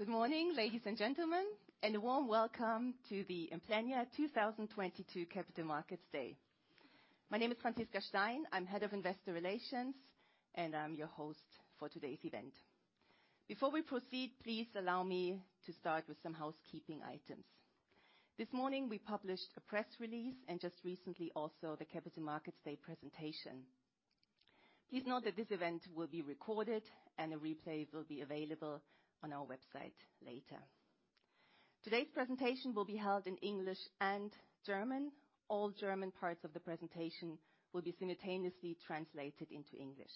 Good morning, ladies and gentlemen, and a warm welcome to the Implenia 2022 Capital Markets Day. My name is Franziska Stein. I'm Head of Investor Relations, and I'm your host for today's event. Before we proceed, please allow me to start with some housekeeping items. This morning, we published a press release and just recently also the Capital Markets Day presentation. Please note that this event will be recorded and a replay will be available on our website later. Today's presentation will be held in English and German. All German parts of the presentation will be simultaneously translated into English.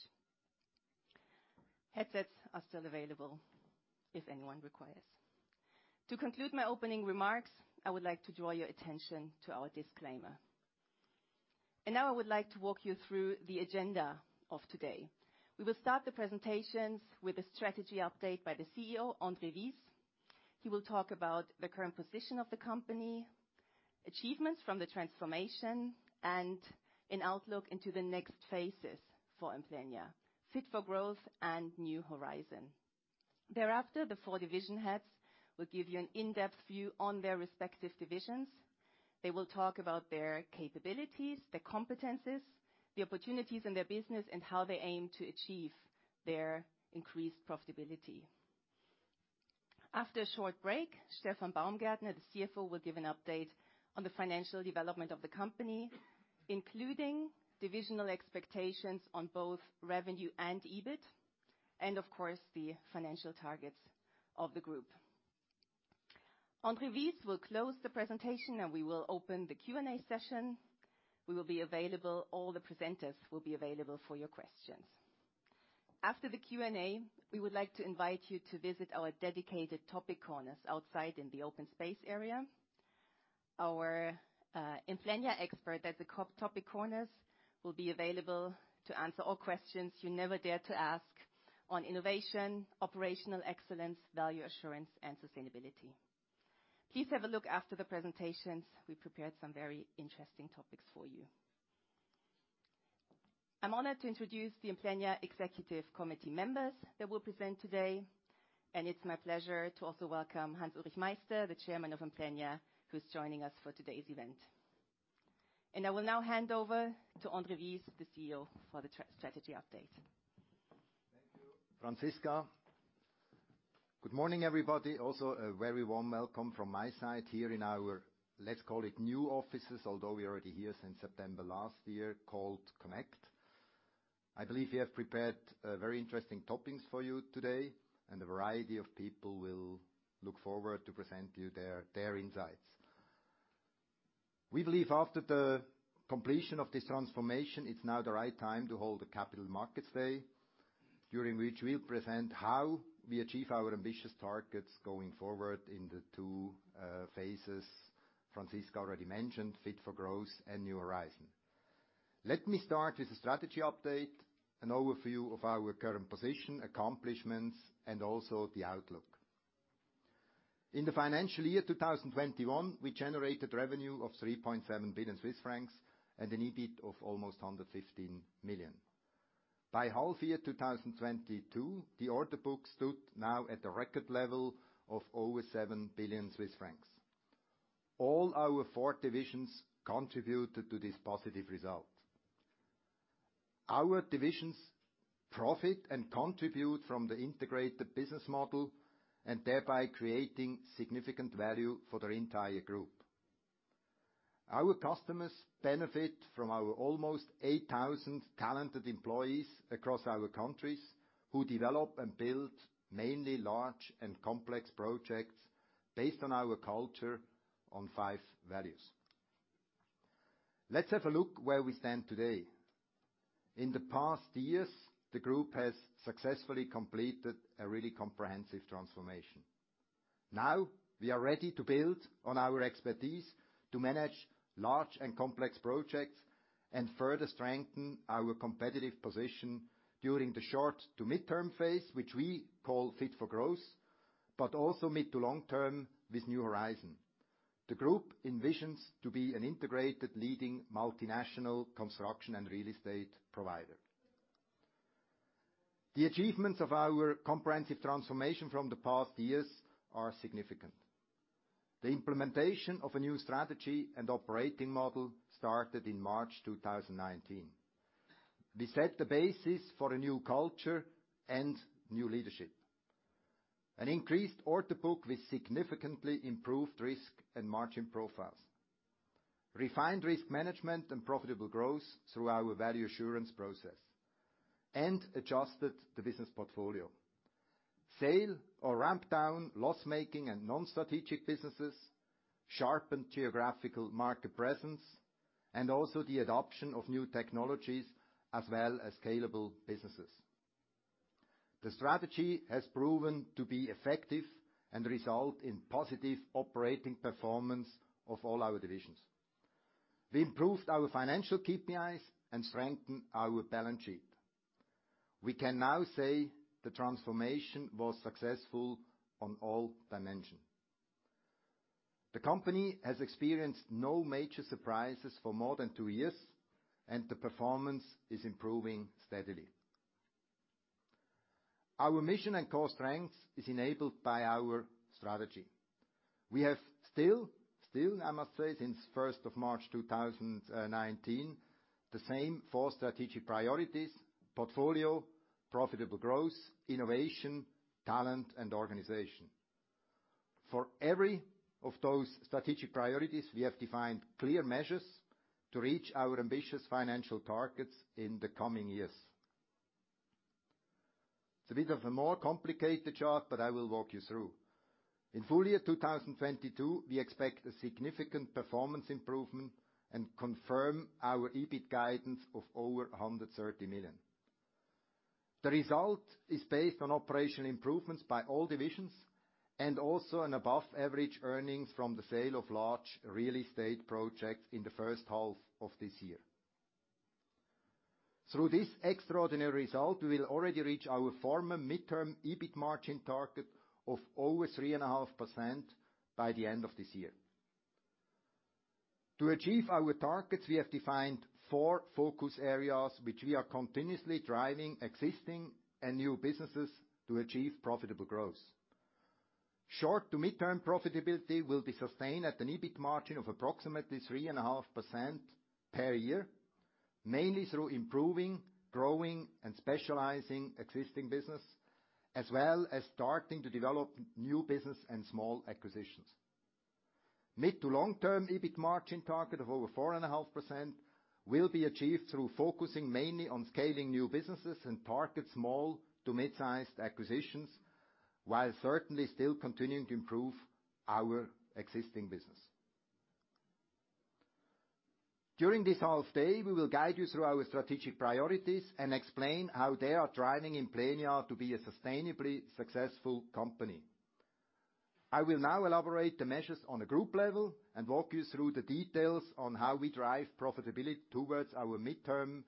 Headsets are still available if anyone requires. To conclude my opening remarks, I would like to draw your attention to our disclaimer. Now I would like to walk you through the agenda of today. We will start the presentations with a strategy update by the CEO, André Wyss. He will talk about the current position of the company, achievements from the transformation, and an outlook into the next phases for Implenia, Fit for Growth and New Horizon. Thereafter, the four division heads will give you an in-depth view on their respective divisions. They will talk about their capabilities, their competencies, the opportunities in their business, and how they aim to achieve their increased profitability. After a short break, Stefan Baumgärtner, the CFO, will give an update on the financial development of the company, including divisional expectations on both revenue and EBIT and, of course, the financial targets of the group. André Wyss will close the presentation, and we will open the Q&A session. We will be available. All the presenters will be available for your questions. After the Q&A, we would like to invite you to visit our dedicated topic corners outside in the open space area. Our Implenia expert at the topic corners will be available to answer all questions you never dared to ask on innovation, operational excellence, value assurance, and sustainability. Please have a look after the presentations. We prepared some very interesting topics for you. I'm honored to introduce the Implenia executive committee members that will present today, and it's my pleasure to also welcome Hans-Ulrich Meister, the chairman of Implenia, who's joining us for today's event. I will now hand over to André Wyss, the CEO, for the strategy update. Thank you, Franziska. Good morning, everybody. Also, a very warm welcome from my side here in our, let's call it new offices, although we're already here since September last year, called Connect. I believe we have prepared very interesting topics for you today, and a variety of people will look forward to present you their insights. We believe after the completion of this transformation, it's now the right time to hold a Capital Markets Day, during which we'll present how we achieve our ambitious targets going forward in the two phases Franziska already mentioned, Fit for Growth and New Horizon. Let me start with a strategy update, an overview of our current position, accomplishments, and also the outlook. In the financial year 2021, we generated revenue of 3.7 billion Swiss francs and an EBIT of almost 115 million. By H1 2022, the order book stood now at the record level of over 7 billion Swiss francs. All our four divisions contributed to this positive result. Our divisions profit and contribute from the integrated business model and thereby creating significant value for the entire group. Our customers benefit from our almost 8,000 talented employees across our countries who develop and build mainly large and complex projects based on our culture on five values. Let's have a look where we stand today. In the past years, the group has successfully completed a really comprehensive transformation. Now we are ready to build on our expertise to manage large and complex projects and further strengthen our competitive position during the short- to mid-term phase, which we call Fit for Growth, but also mid- to long-term with New Horizon. The group envisions to be an integrated leading multinational construction and real estate provider. The achievements of our comprehensive transformation from the past years are significant. The implementation of a new strategy and operating model started in March 2019. We set the basis for a new culture and new leadership. An increased order book with significantly improved risk and margin profiles. Refined risk management and profitable growth through our Value Assurance process, and adjusted the business portfolio. Sale or ramp down loss-making and non-strategic businesses, sharpened geographical market presence, and also the adoption of new technologies as well as scalable businesses. The strategy has proven to be effective and result in positive operating performance of all our divisions. We improved our financial KPIs and strengthened our balance sheet. We can now say the transformation was successful on all dimensions. The company has experienced no major surprises for more than two years, and the performance is improving steadily. Our mission and core strengths is enabled by our strategy. We have still, I must say, since first of March 2019, the same four strategic priorities: portfolio, profitable growth, innovation, talent, and organization. For every of those strategic priorities, we have defined clear measures to reach our ambitious financial targets in the coming years. It's a bit of a more complicated chart, but I will walk you through. In full year 2022, we expect a significant performance improvement and confirm our EBIT guidance of over 130 million. The result is based on operational improvements by all divisions and also an above-average earnings from the sale of large real estate projects in the first half of this year. Through this extraordinary result, we will already reach our former midterm EBIT margin target of over 3.5% by the end of this year. To achieve our targets, we have defined four focus areas which we are continuously driving existing and new businesses to achieve profitable growth. Short to midterm profitability will be sustained at an EBIT margin of approximately 3.5% per year, mainly through improving, growing, and specializing existing business, as well as starting to develop new business and small acquisitions. Mid- to long-term EBIT margin target of over 4.5% will be achieved through focusing mainly on scaling new businesses and target small- to mid-sized acquisitions, while certainly still continuing to improve our existing business. During this half day, we will guide you through our strategic priorities and explain how they are driving Implenia to be a sustainably successful company. I will now elaborate the measures on a group level and walk you through the details on how we drive profitability towards our mid- to long-term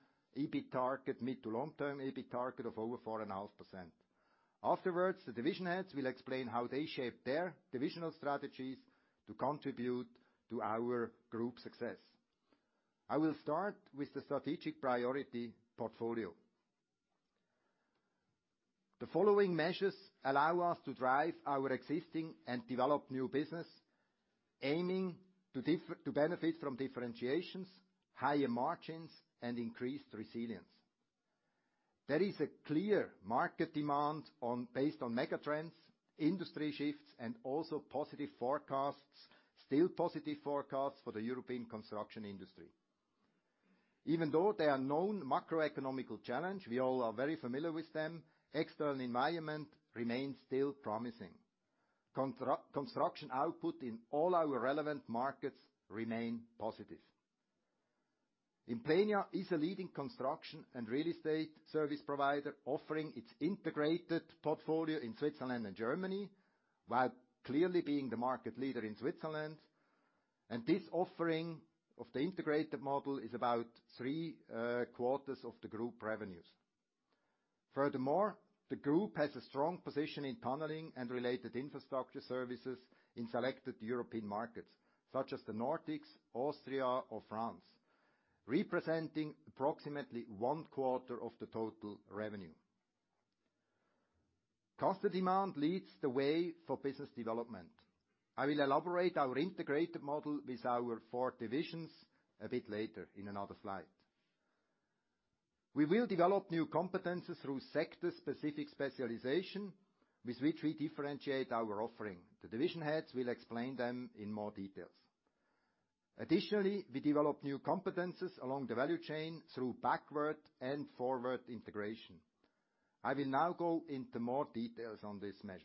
EBIT target of over 4.5%. Afterwards, the division heads will explain how they shape their divisional strategies to contribute to our group success. I will start with the strategic priority portfolio. The following measures allow us to drive our existing and develop new business, aiming to benefit from differentiations, higher margins, and increased resilience. There is a clear market demand, based on megatrends, industry shifts, and also positive forecasts, still positive forecasts for the European construction industry. Even though there are known macroeconomic challenges, we all are very familiar with them, the external environment remains still promising. Construction output in all our relevant markets remain positive. Implenia is a leading construction and real estate service provider offering its integrated portfolio in Switzerland and Germany, while clearly being the market leader in Switzerland. This offering of the integrated model is about three quarters of the group revenues. Furthermore, the group has a strong position in tunneling and related infrastructure services in selected European markets, such as the Nordics, Austria or France, representing approximately 1/4 of the total revenue. Customer demand leads the way for business development. I will elaborate our integrated model with our four divisions a bit later in another slide. We will develop new competencies through sector-specific specialization, with which we differentiate our offering. The division heads will explain them in more details. Additionally, we develop new competencies along the value chain through backward and forward integration. I will now go into more details on these measures.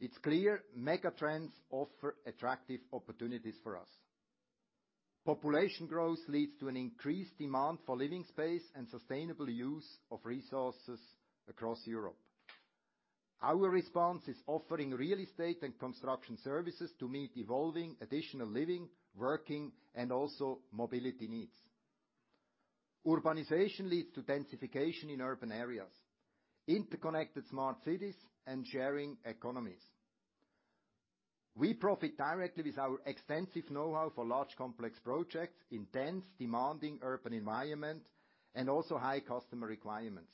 It's clear megatrends offer attractive opportunities for us. Population growth leads to an increased demand for living space and sustainable use of resources across Europe. Our response is offering real estate and construction services to meet evolving additional living, working, and also mobility needs. Urbanization leads to densification in urban areas, interconnected smart cities, and sharing economies. We profit directly with our extensive know-how for large complex projects in dense, demanding urban environment and also high customer requirements.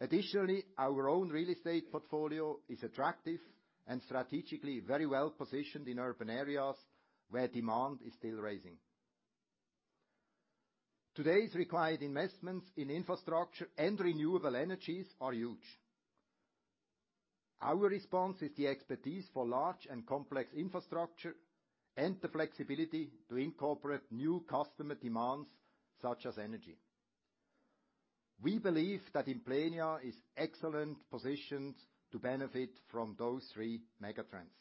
Additionally, our own real estate portfolio is attractive and strategically very well-positioned in urban areas where demand is still rising. Today's required investments in infrastructure and renewable energies are huge. Our response is the expertise for large and complex infrastructure and the flexibility to incorporate new customer demands, such as energy. We believe that Implenia is excellent positioned to benefit from those three megatrends.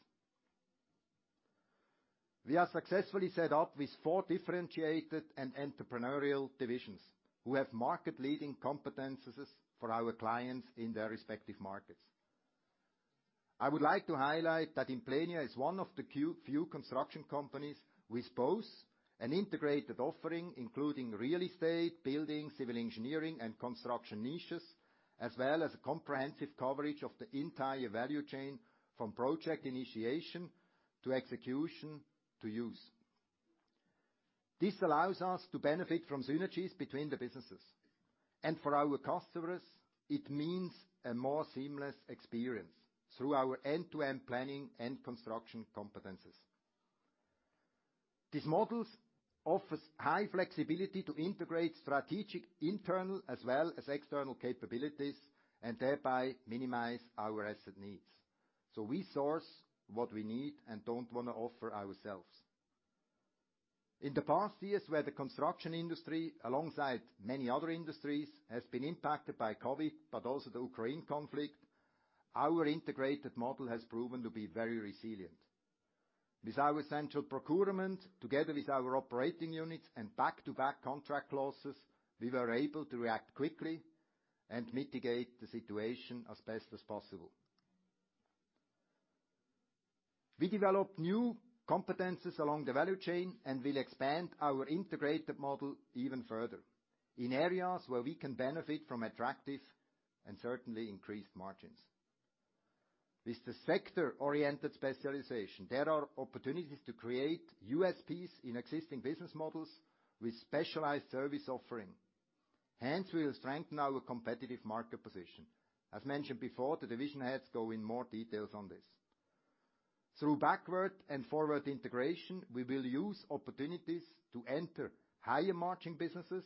We are successfully set up with four differentiated and entrepreneurial divisions, who have market-leading competences for our clients in their respective markets. I would like to highlight that Implenia is one of the few construction companies with both an integrated offering, including Real Estate, Buildings, Civil Engineering, and Specialties. As well as a comprehensive coverage of the entire value chain from project initiation to execution to use. This allows us to benefit from synergies between the businesses, and for our customers, it means a more seamless experience through our end-to-end planning and construction competencies. These models offers high flexibility to integrate strategic internal as well as external capabilities, and thereby minimize our asset needs. We source what we need and don't wanna offer ourselves. In the past years, where the construction industry, alongside many other industries, has been impacted by COVID, but also the Ukraine conflict, our integrated model has proven to be very resilient. With our central procurement, together with our operating units and back-to-back contract clauses, we were able to react quickly and mitigate the situation as best as possible. We developed new competencies along the value chain and will expand our integrated model even further in areas where we can benefit from attractive and certainly increased margins. With the sector-oriented specialization, there are opportunities to create USPs in existing business models with specialized service offering. Hence, we will strengthen our competitive market position. As mentioned before, the division heads go in more details on this. Through backward and forward integration, we will use opportunities to enter higher-margin businesses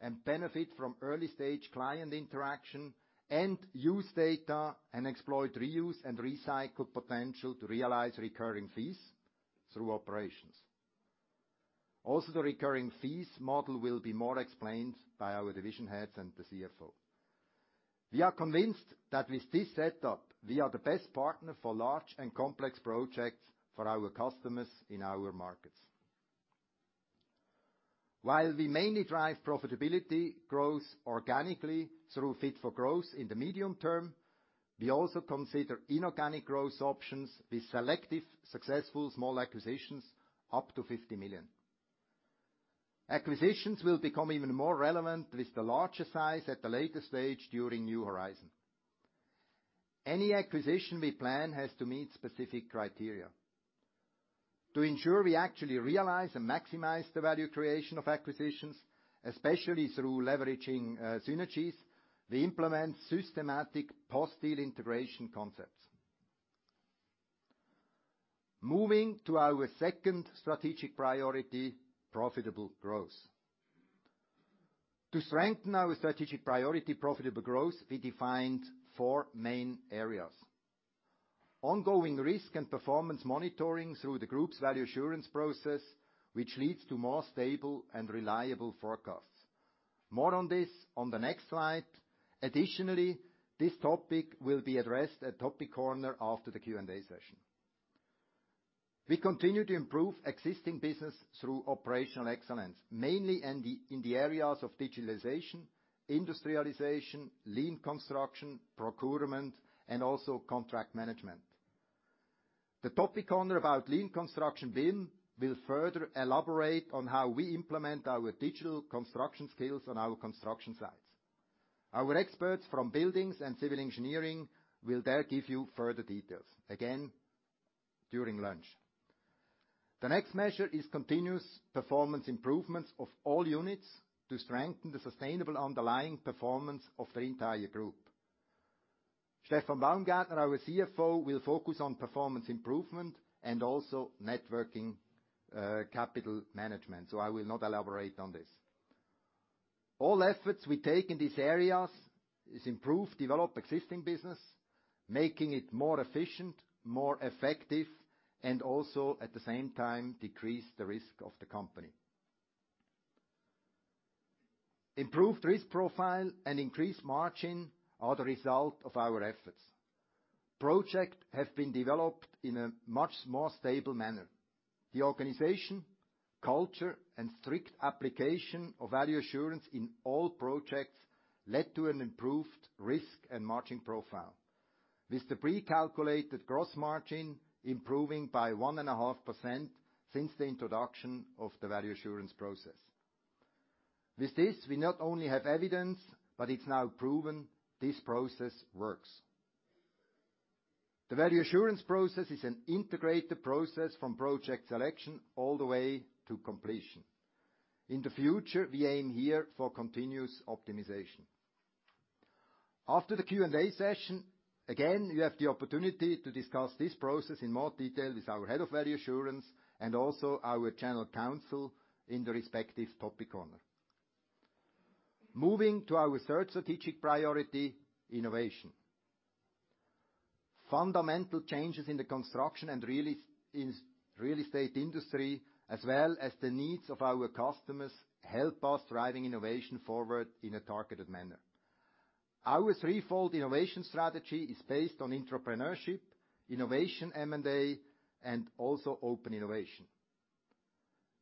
and benefit from early-stage client interaction, and use data, and exploit reuse and recycle potential to realize recurring fees through operations. Also, the recurring fees model will be more explained by our division heads and the CFO. We are convinced that with this setup, we are the best partner for large and complex projects for our customers in our markets. While we mainly drive profitability growth organically through Fit for Growth in the medium term, we also consider inorganic growth options with selective successful small acquisitions up to 50 million. Acquisitions will become even more relevant with the larger size at the later stage during New Horizon. Any acquisition we plan has to meet specific criteria. To ensure we actually realize and maximize the value creation of acquisitions, especially through leveraging synergies, we implement systematic post-deal integration concepts. Moving to our second strategic priority, profitable growth. To strengthen our strategic priority, profitable growth, we defined four main areas. Ongoing risk and performance monitoring through the group's Value Assurance process, which leads to more stable and reliable forecasts. More on this on the next slide. Additionally, this topic will be addressed at Topic Corner after the Q&A session. We continue to improve existing business through operational excellence, mainly in the areas of digitalization, industrialization, Lean Construction, procurement, and also contract management. The Topic Corner about Lean Construction BIM will further elaborate on how we implement our digital construction skills on our construction sites. Our experts from Buildings and Civil Engineering will there give you further details, again, during lunch. The next measure is continuous performance improvements of all units to strengthen the sustainable underlying performance of the entire group. Stefan Baumgärtner, our CFO, will focus on performance improvement and also networking, capital management, so I will not elaborate on this. All efforts we take in these areas is improve, develop existing business, making it more efficient, more effective, and also, at the same time, decrease the risk of the company. Improved risk profile and increased margin are the result of our efforts. Projects have been developed in a much more stable manner. The organization, culture, and strict application of Value Assurance in all projects led to an improved risk and margin profile. With the pre-calculated gross margin improving by 1.5% since the introduction of the Value Assurance process. With this, we not only have evidence, but it's now proven this process works. The Value Assurance process is an integrated process from project selection all the way to completion. In the future, we aim here for continuous optimization. After the Q&A session, again, you have the opportunity to discuss this process in more detail with our head of Value Assurance and also our general counsel in the respective Topic Corner. Moving to our third strategic priority, innovation. Fundamental changes in the construction and real estate industry, as well as the needs of our customers, help us driving innovation forward in a targeted manner. Our threefold innovation strategy is based on intrapreneurship, innovation M&A, and also open innovation.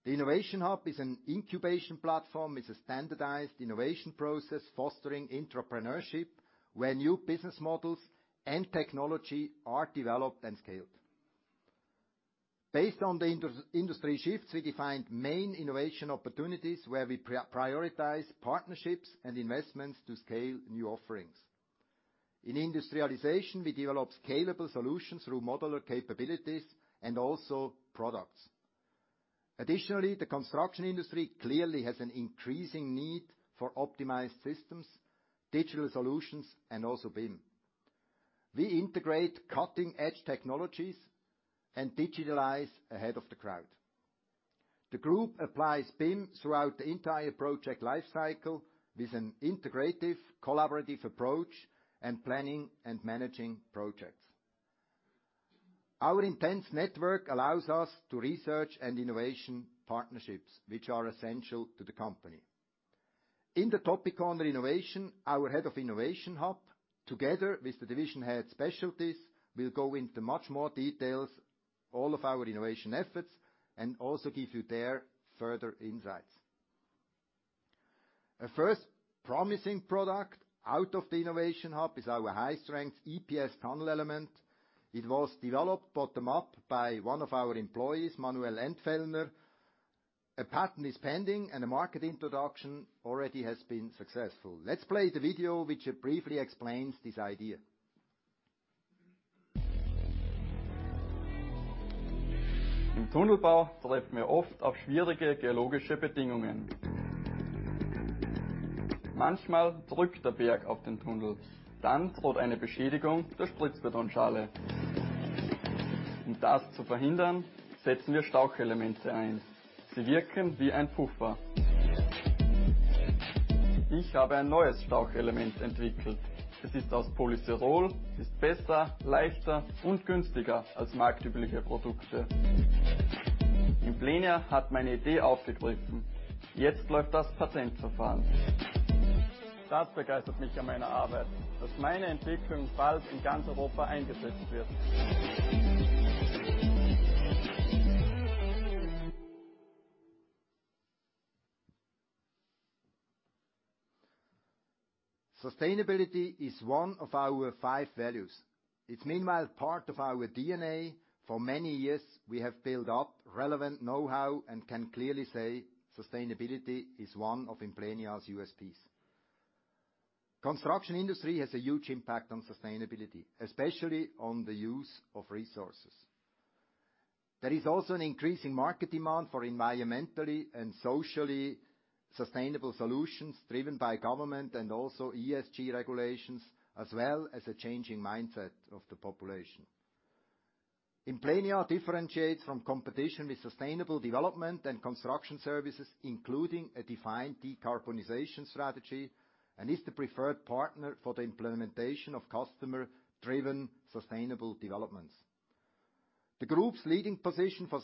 The Innovation Hub is an incubation platform with a standardized innovation process fostering intrapreneurship, where new business models and technology are developed and scaled. Based on the industry shifts, we defined main innovation opportunities where we prioritize partnerships and investments to scale new offerings. In industrialization, we develop scalable solutions through modular capabilities and also products. Additionally, the construction industry clearly has an increasing need for optimized systems, digital solutions, and also BIM. We integrate cutting-edge technologies and digitalize ahead of the crowd. The group applies BIM throughout the entire project life cycle with an integrative collaborative approach and planning and managing projects. Our extensive network allows us to research and innovation partnerships, which are essential to the company. In the topic of innovation, our head of Innovation Hub, together with the division head Specialties, will go into much more details all of our innovation efforts and also give you there further insights. A first promising product out of the Innovation Hub is our high-strength EPS tunnel element. It was developed bottom up by one of our employees, Manuel Entfellner. A patent is pending, and a market introduction already has been successful. Let's play the video, which briefly explains this idea. Sustainability is one of our five values. It's meanwhile part of our DNA. For many years, we have built up relevant know-how and can clearly say sustainability is one of Implenia's USPs. Construction industry has a huge impact on sustainability, especially on the use of resources. There is also an increasing market demand for environmentally and socially sustainable solutions driven by government and also ESG regulations, as well as a changing mindset of the population. Implenia differentiates from competition with sustainable development and construction services, including a defined decarbonization strategy, and is the preferred partner for the implementation of customer-driven sustainable developments. The group's leading position for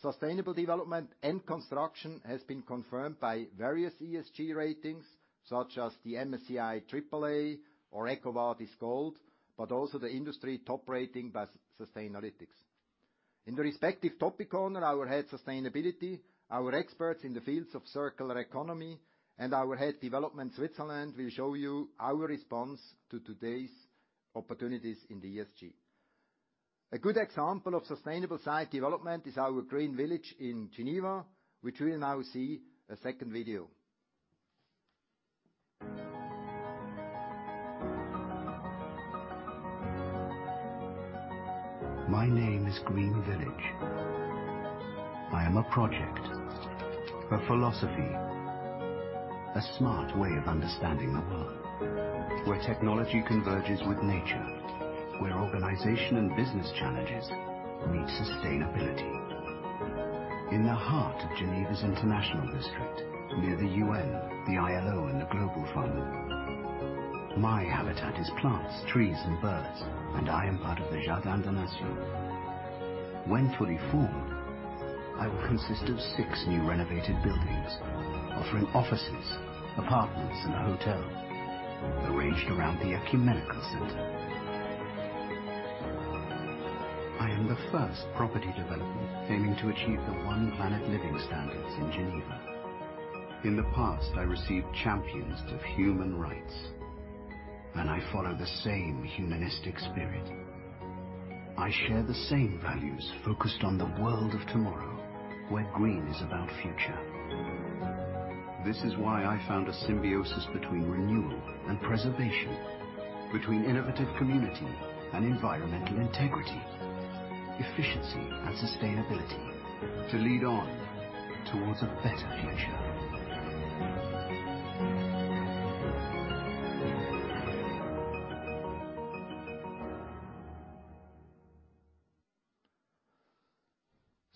sustainable development and construction has been confirmed by various ESG ratings, such as the MSCI AAA or EcoVadis Gold, but also the industry top rating by Sustainalytics. In the respective topic corner, our head of sustainability, our experts in the fields of circular economy, and our head of development Switzerland will show you our response to today's opportunities in the ESG. A good example of sustainable site development is our Green Village in Geneva, which we will now see a second video.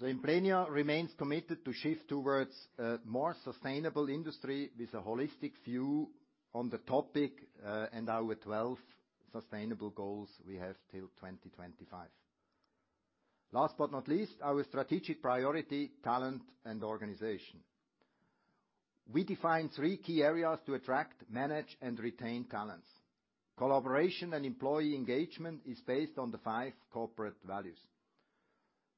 Implenia remains committed to shift towards a more sustainable industry with a holistic view on the topic, and our 12 sustainable goals we have till 2025. Last but not least, our strategic priority, talent, and organization. We define three key areas to attract, manage, and retain talents. Collaboration and employee engagement is based on the five corporate values.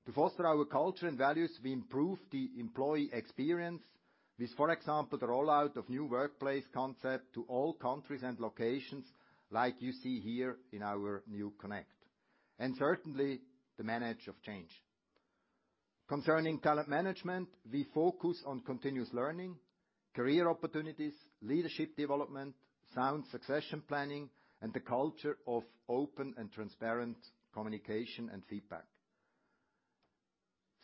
To foster our culture and values, we improve the employee experience. With, for example, the rollout of new workplace concept to all countries and locations like you see here in our new Connect, and certainly the management of change. Concerning talent management, we focus on continuous learning, career opportunities, leadership development, sound succession planning, and the culture of open and transparent communication and feedback.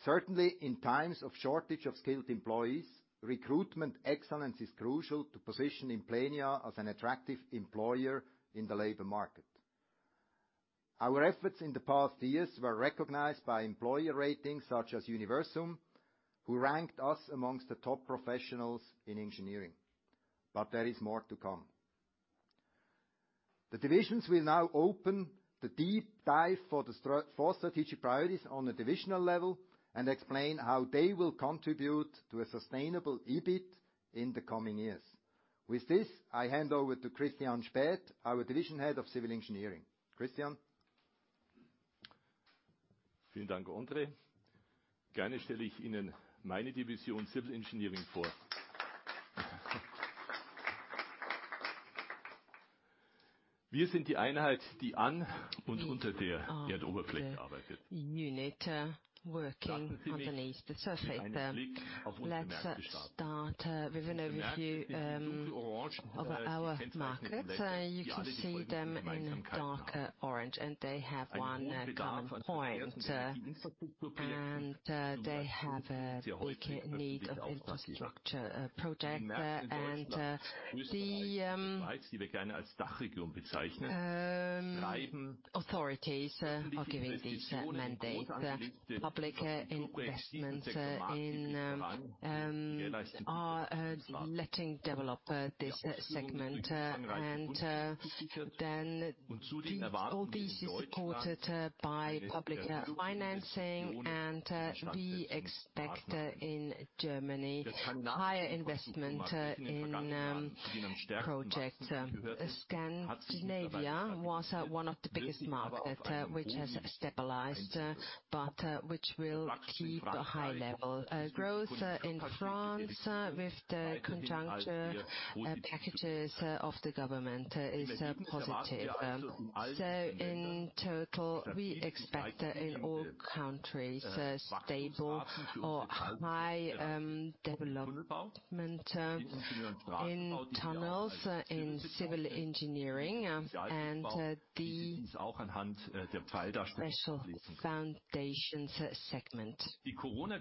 Certainly, in times of shortage of skilled employees, recruitment excellence is crucial to position Implenia as an attractive employer in the labor market. Our efforts in the past years were recognized by employer ratings such as Universum, who ranked us among the top professionals in engineering. There is more to come. The divisions will now open the deep dive for the four strategic priorities on a divisional level and explain how they will contribute to a sustainable EBIT in the coming years. With this, I hand over to Christian Späth, our Division Head of Civil Engineering. Christian. We are the unit working underneath the surface. Let's start with an overview of our markets. You can see them in dark orange, and they have one common point, and they have a big need of infrastructure projects. The authorities are giving this mandate. Public investments are letting develop this segment. All these is supported by public financing, and we expect in Germany higher investment in projects. Scandinavia was one of the biggest markets, which has stabilized, but which will keep a high level. Growth in France with the conjuncture packages of the government is positive. In total, we expect in all countries a stable or high development in tunnels, in Civil Engineering, and the Special Foundations segment. The Corona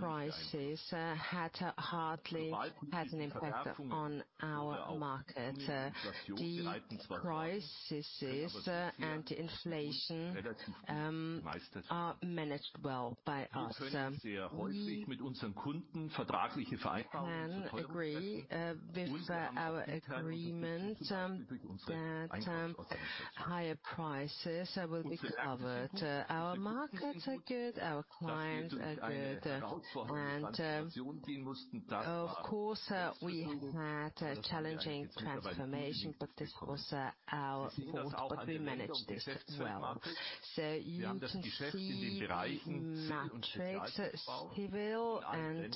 crisis had hardly an impact on our market. The crises and inflation are managed well by us. We can agree with our agreement that higher prices will be covered. Our markets are good, our clients are good, and of course we had a challenging transformation, but this was our fault, we managed it well. You can see metrics Civil and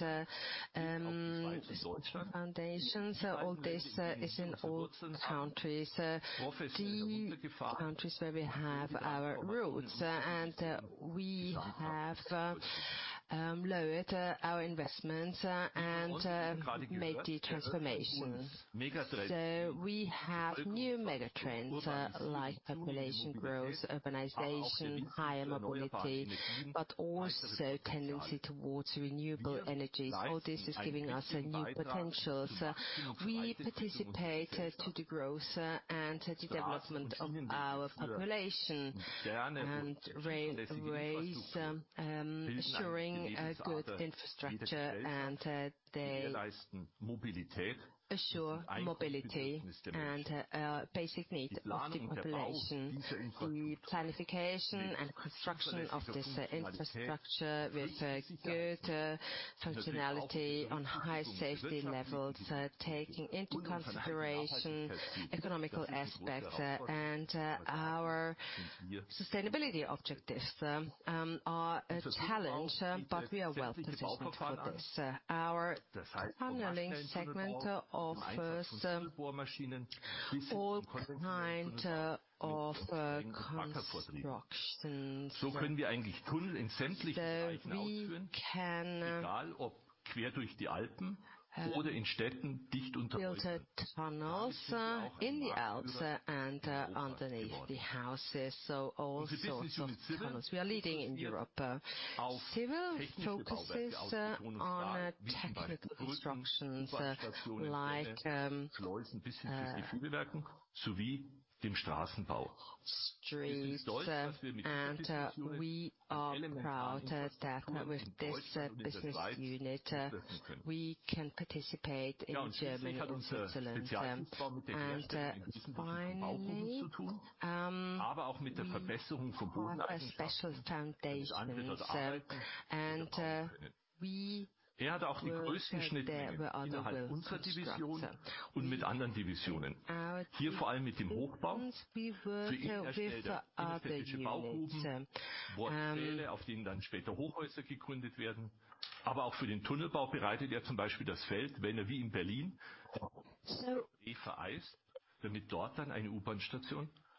Special Foundations. All this is in all countries. The countries where we have our roots, and we have lowered our investments and made the transformations. We have new mega trends like population growth, urbanization, higher mobility, but also tendency towards renewable energies. All this is giving us a new potentials. We participate to the growth and to the development of our population, ensuring a good infrastructure, and they assure mobility and basic need of the population. The planification and construction of this infrastructure with good functionality on high safety levels, taking into consideration economical aspects and our sustainability objectives are a challenge, but we are well positioned for this. Our tunneling segment offers all kind of constructions. We can build tunnels in the Alps and underneath the houses. All sorts of tunnels. We are leading in Europe. Civil focuses on technical constructions like streets, and we are proud that with this business unit we can participate in Germany and Switzerland. Finally, we have a special foundations, and we work there on the world structure. We are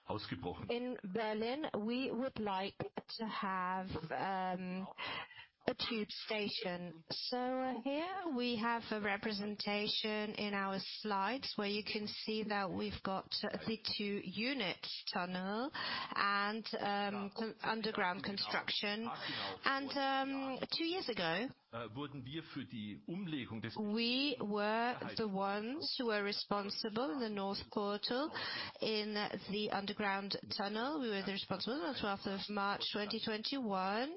In Berlin, we would like to have a tube station. Here we have a representation in our slides where you can see that we've got the two-unit tunnel and some underground construction. Two years ago, we were the ones who were responsible in the North Portal in the underground tunnel on 12th of March 2021.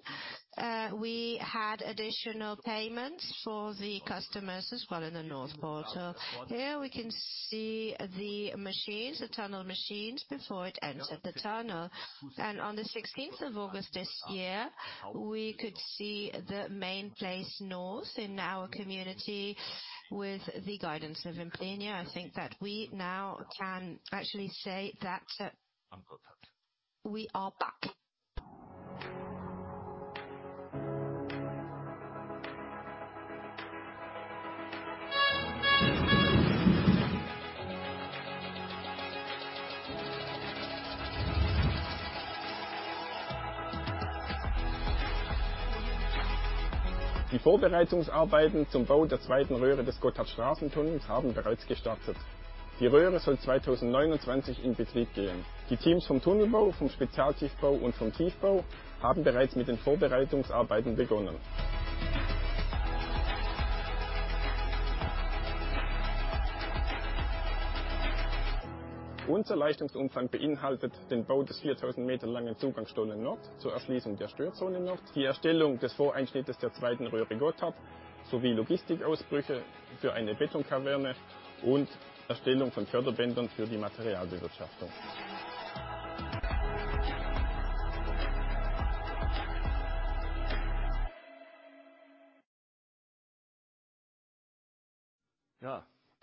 We had additional payments for the customers as well in the North Portal. Here we can see the machines, the tunnel machines before it entered the tunnel. On the 16th of August this year, we could see the main place north in our company with the guidance of Implenia. I think that we now can actually say that we are back.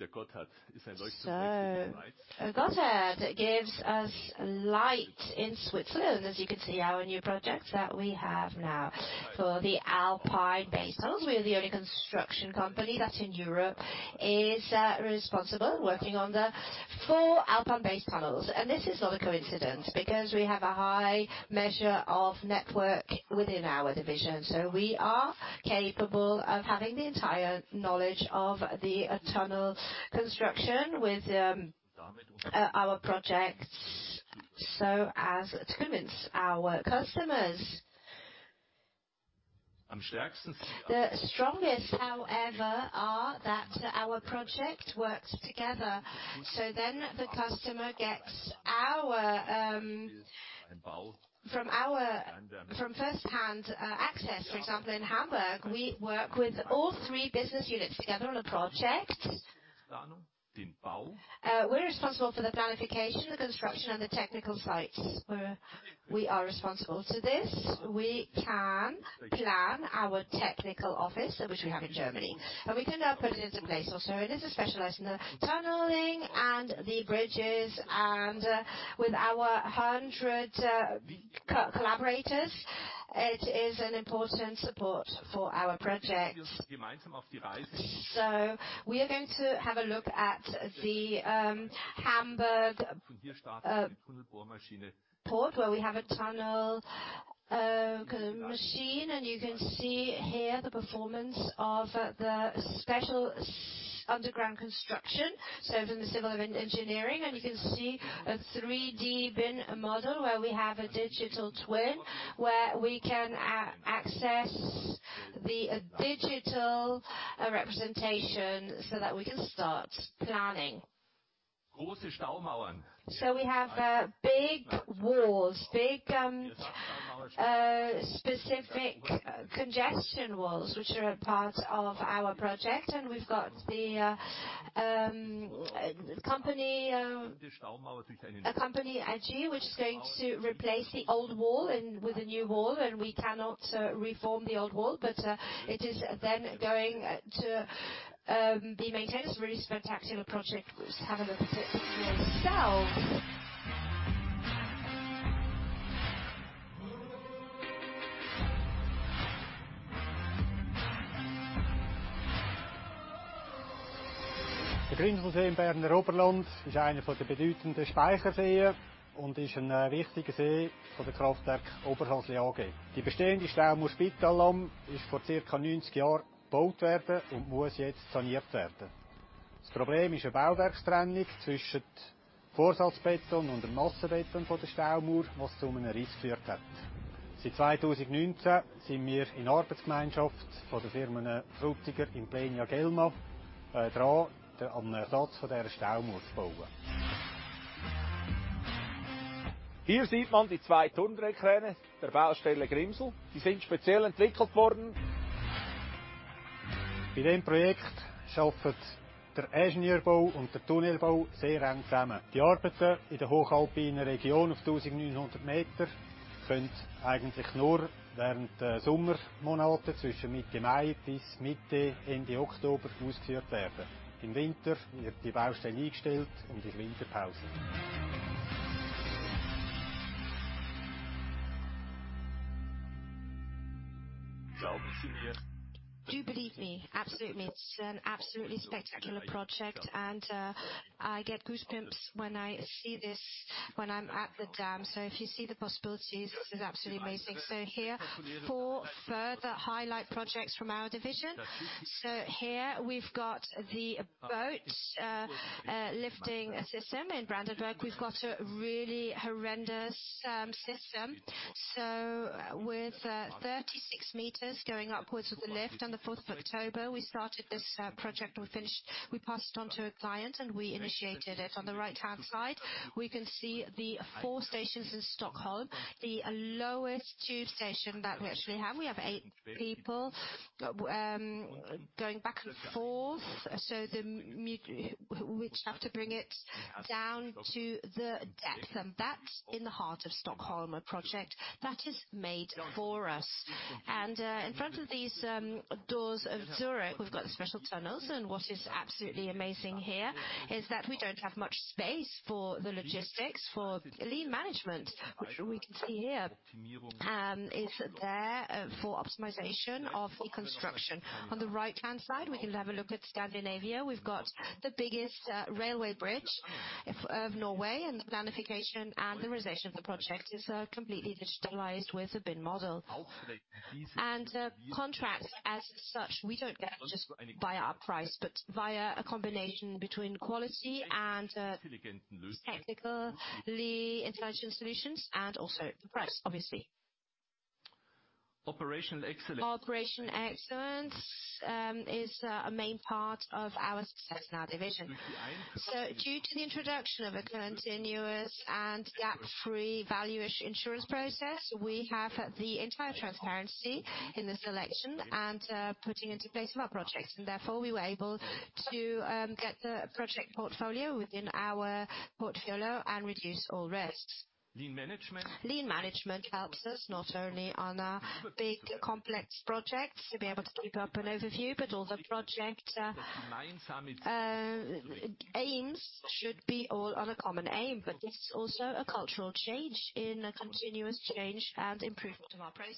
Gotthard gives us light in Switzerland. As you can see, our new project that we have now for the Alpine Base Tunnels. We are the only construction company that in Europe is responsible working on the four Alpine Base Tunnels. This is not a coincidence because we have a high measure of network within our division, so we are capable of having the entire knowledge of the tunnel construction with our projects so as to convince our customers. The strongest, however, are that our project works together. The customer gets our from first hand access. For example, in Hamburg, we work with all three business units together on a project. We are responsible for the planning, the construction and the technical services. We are responsible to this. We can plan our technical office, which we have in Germany, and we can now put it into place also. This is specialized in the tunneling and the bridges, and with our 100 collaborators, it is an important support for our projects. We are going to have a look at the Hamburg port, where we have a tunnel kind of machine, and you can see here the performance of the special underground construction. From the Civil Engineering. You can see a 3D BIM model where we have a digital twin, where we can access the digital representation so that we can start planning. We have big walls, specific diaphragm walls, which are a part of our project. We've got the company AG, which is going to replace the old wall with a new wall. We cannot remove the old wall, but it is then going to be maintained. It's a really spectacular project. Let's have a look at it yourselves. Do believe me, absolutely. It's an absolutely spectacular project. I get goosebumps when I see this when I'm at the dam. If you see the possibilities, this is absolutely amazing. Here, four further highlight projects from our division. Here we've got the boat lifting system. In Brandenburg we've got a really tremendous system. With 36 m going upwards with the lift. On the fourth of October, we started this project. We passed it on to a client, and we initiated it. On the right-hand side, we can see the four stations in Stockholm. The lowest tube station that we actually have. We have eight people going back and forth. We have to bring it down to the depth, and that's in the heart of Stockholm project. That is made for us. In front of these doors of Zurich, we've got special tunnels. What is absolutely amazing here is that we don't have much space for the logistics, for lean management, which we can see here it's there for optimization of the construction. On the right-hand side, we can have a look at Scandinavia. We've got the biggest railway bridge of Norway, and the planning and the realization of the project is completely digitalized with the BIM model. Contracts as such, we don't get just via our price, but via a combination between quality and technically intelligent solutions and also the price, obviously. Operational excellence. Operational excellence is a main part of our success in our division. Due to the introduction of a continuous and gap-free Value Assurance process, we have the entire transparency in the selection and putting into place of our projects. Therefore, we were able to get the project portfolio within our portfolio and reduce all risks. Lean management. Lean management helps us not only on our big complex projects to be able to keep up an overview, but all the project aims should be all on a common aim. It's also a cultural change in a continuous change and improvement of our processes.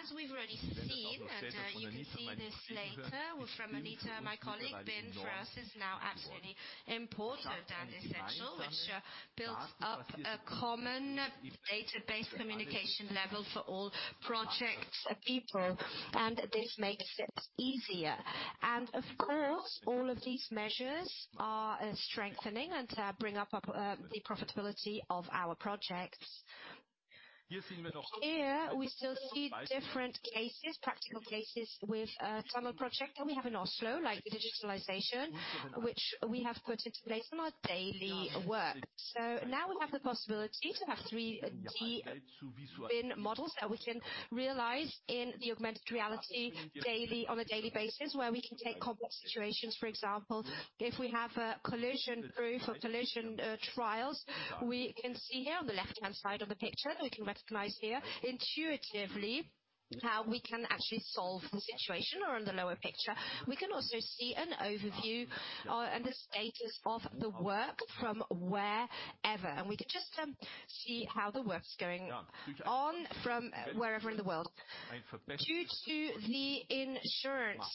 As we've already seen, you can see this later from Anita, my colleague. BIM for us is now absolutely important and essential, which builds up a common database communication level for all projects people, and this makes it easier. Of course, all of these measures are strengthening and bring up the profitability of our projects. Here we still see different cases, practical cases with a tunnel project that we have in Oslo, like the digitalization, which we have put into place in our daily work. Now we have the possibility to have 3D BIM models that we can realize in the augmented reality on a daily basis, where we can take complex situations. For example, if we have a collision proof or collision trials, we can see here on the left-hand side of the picture, we can recognize here intuitively how we can actually solve the situation or on the lower picture. We can also see an overview and the status of the work from wherever. We can just see how the work's going on from wherever in the world. Due to the acquisition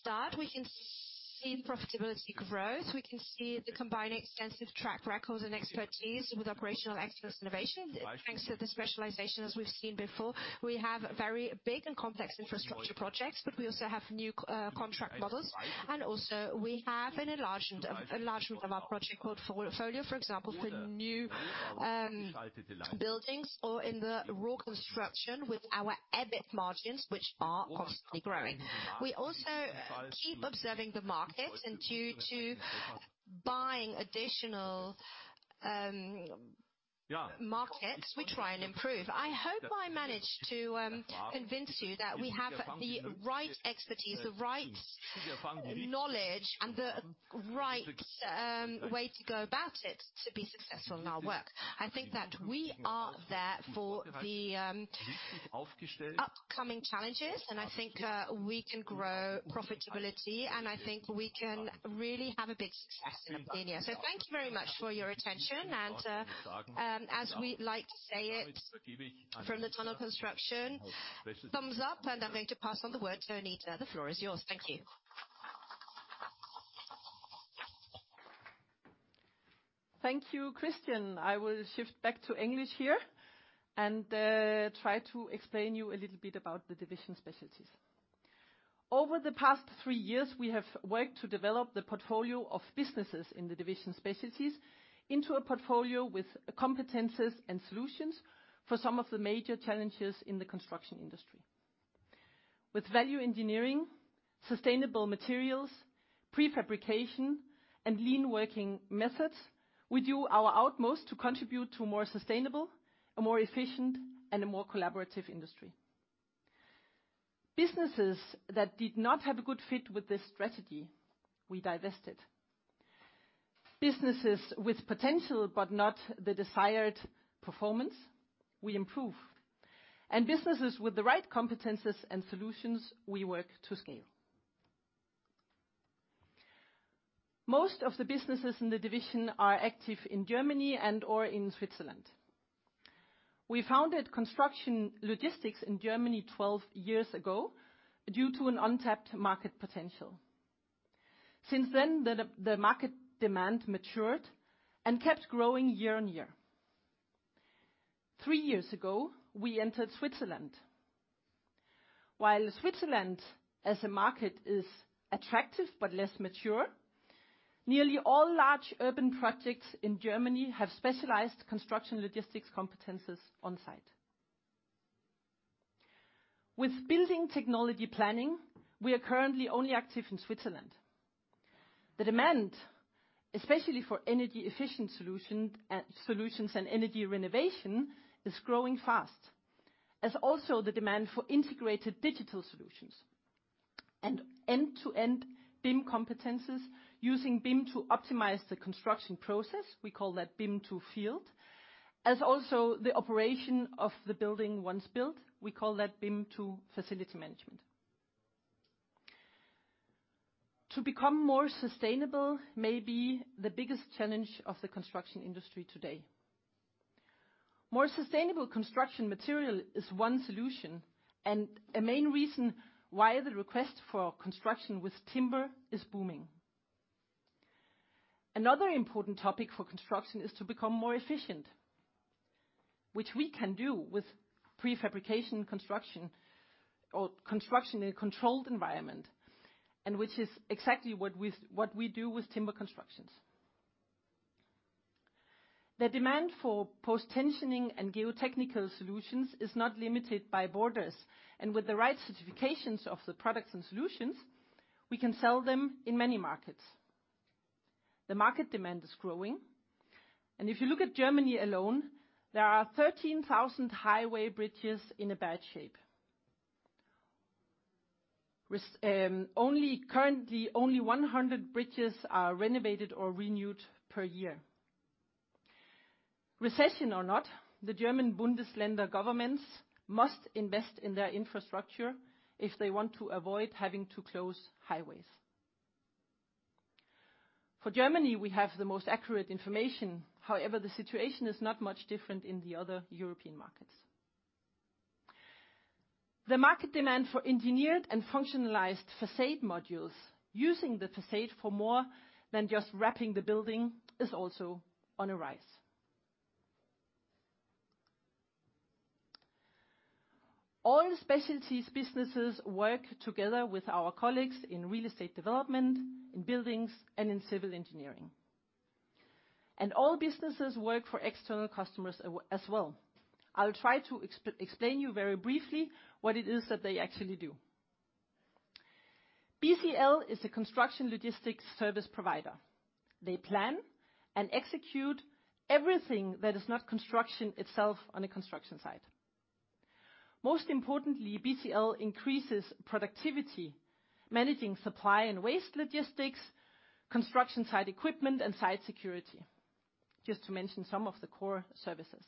start, we can see profitability growth. We can see the combining extensive track records and expertise with operational excellence innovation, thanks to the specializations we've seen before. We have very big and complex infrastructure projects, but we also have new contract models. Also we have an enlargement of our project portfolio. For example, the new buildings or in the rail construction with our EBIT margins, which are constantly growing. We also keep observing the market, and due to buying additional markets, we try and improve. I hope I managed to convince you that we have the right expertise, the right knowledge, and the right way to go about it to be successful in our work. I think that we are there for the upcoming challenges, and I think we can grow profitability, and I think we can really have a big success in the year. Thank you very much for your attention. As we like to say it from the tunnel construction, thumbs up. I'm going to pass on the word to Anita. The floor is yours. Thank you. Thank you, Christian. I will shift back to English here and try to explain to you a little bit about the Division Specialties. Over the past three years, we have worked to develop the portfolio of businesses in the Division Specialties into a portfolio with competences and solutions for some of the major challenges in the construction industry. With value engineering, sustainable materials, prefabrication, and lean working methods, we do our utmost to contribute to more sustainable, a more efficient, and a more collaborative industry. Businesses that did not have a good fit with this strategy, we divested. Businesses with potential but not the desired performance, we improve. Businesses with the right competences and solutions, we work to scale. Most of the businesses in the division are active in Germany and/or in Switzerland. We founded Construction Logistics in Germany 12 years ago due to an untapped market potential. Since then, the market demand matured and kept growing year on year. Three years ago, we entered Switzerland. While Switzerland as a market is attractive but less mature, nearly all large urban projects in Germany have specialized construction logistics competencies on site. With building technology planning, we are currently only active in Switzerland. The demand, especially for energy-efficient solutions and energy renovation is growing fast, as is also the demand for integrated digital solutions and end-to-end BIM competencies using BIM to optimize the construction process, we call that BIM to Field, as is also the operation of the building once built, we call that BIM to Facility Management. To become more sustainable may be the biggest challenge of the construction industry today. More sustainable construction material is one solution and a main reason why the request for construction with timber is booming. Another important topic for construction is to become more efficient, which we can do with prefabrication construction or construction in a controlled environment, and which is exactly what we do with timber constructions. The demand for post-tensioning and geotechnical solutions is not limited by borders, and with the right certifications of the products and solutions, we can sell them in many markets. The market demand is growing. If you look at Germany alone, there are 13,000 highway bridges in bad shape. Currently, only 100 bridges are renovated or renewed per year. Recession or not, the German Bundesländer governments must invest in their infrastructure if they want to avoid having to close highways. For Germany, we have the most accurate information. However, the situation is not much different in the other European markets. The market demand for engineered and functionalized façade modules using the façade for more than just wrapping the building is also on a rise. All Specialties businesses work together with our colleagues in real estate development, in Buildings, and in Civil Engineering. All businesses work for external customers as well. I'll try to explain you very briefly what it is that they actually do. BCL is a construction logistics service provider. They plan and execute everything that is not construction itself on a construction site. Most importantly, BCL increases productivity, managing supply and waste logistics, construction site equipment, and site security, just to mention some of the core services.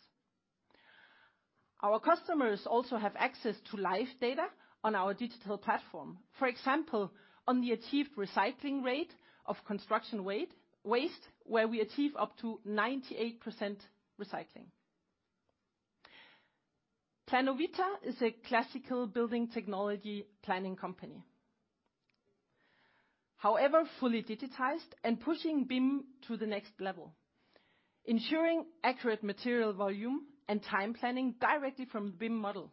Our customers also have access to live data on our digital platform. For example, on the achieved recycling rate of construction waste, where we achieve up to 98% recycling. Planovita is a classical building technology planning company. However, fully digitized and pushing BIM to the next level, ensuring accurate material volume and time planning directly from the BIM model.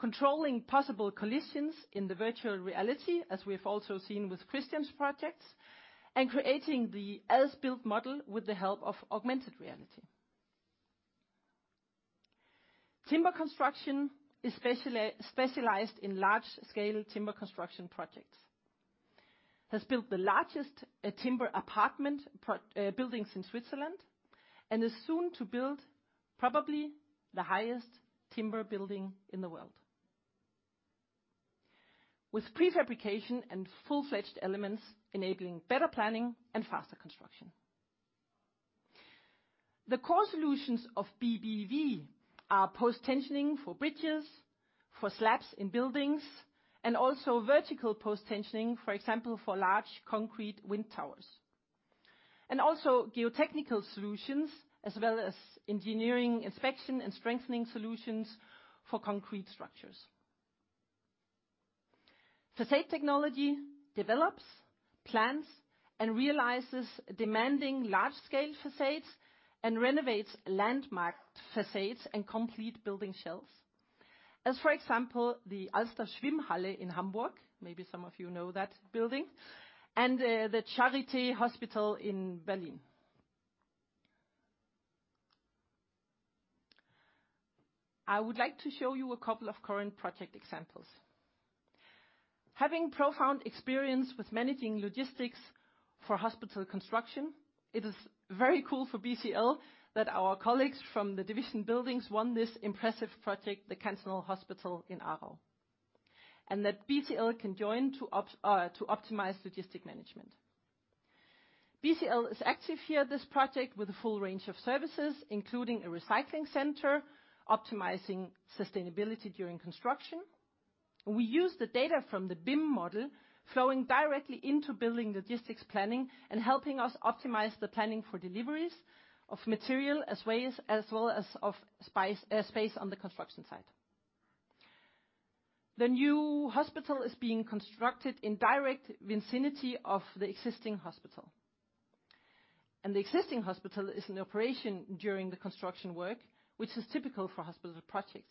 Controlling possible collisions in the virtual reality, as we have also seen with Christian's projects, and creating the as-built model with the help of augmented reality. Timber construction is specialized in large scale timber construction projects. Has built the largest timber apartment buildings in Switzerland, and is soon to build probably the highest timber building in the world. With prefabrication and full-fledged elements enabling better planning and faster construction. The core solutions of BBV are post-tensioning for bridges, for slabs in buildings, and also vertical post-tensioning, for example, for large concrete wind towers. Geotechnical solutions as well as engineering inspection and strengthening solutions for concrete structures. Facade Technology develops, plans, and realizes demanding large-scale facades and renovates landmark facades and complete building shells. For example, the Alsterschwimmhalle in Hamburg, maybe some of you know that building, and the Charité Hospital in Berlin. I would like to show you a couple of current project examples. Having profound experience with managing logistics for hospital construction, it is very cool for BCL that our colleagues from the Division Buildings won this impressive project, the Cantonal Hospital in Aarau. That BCL can join to optimize logistics management. BCL is active in this project with a full range of services, including a recycling center, optimizing sustainability during construction. We use the data from the BIM model flowing directly into building logistics planning and helping us optimize the planning for deliveries of material, as well as of space on the construction site. The new hospital is being constructed in direct vicinity of the existing hospital, and the existing hospital is in operation during the construction work, which is typical for hospital projects.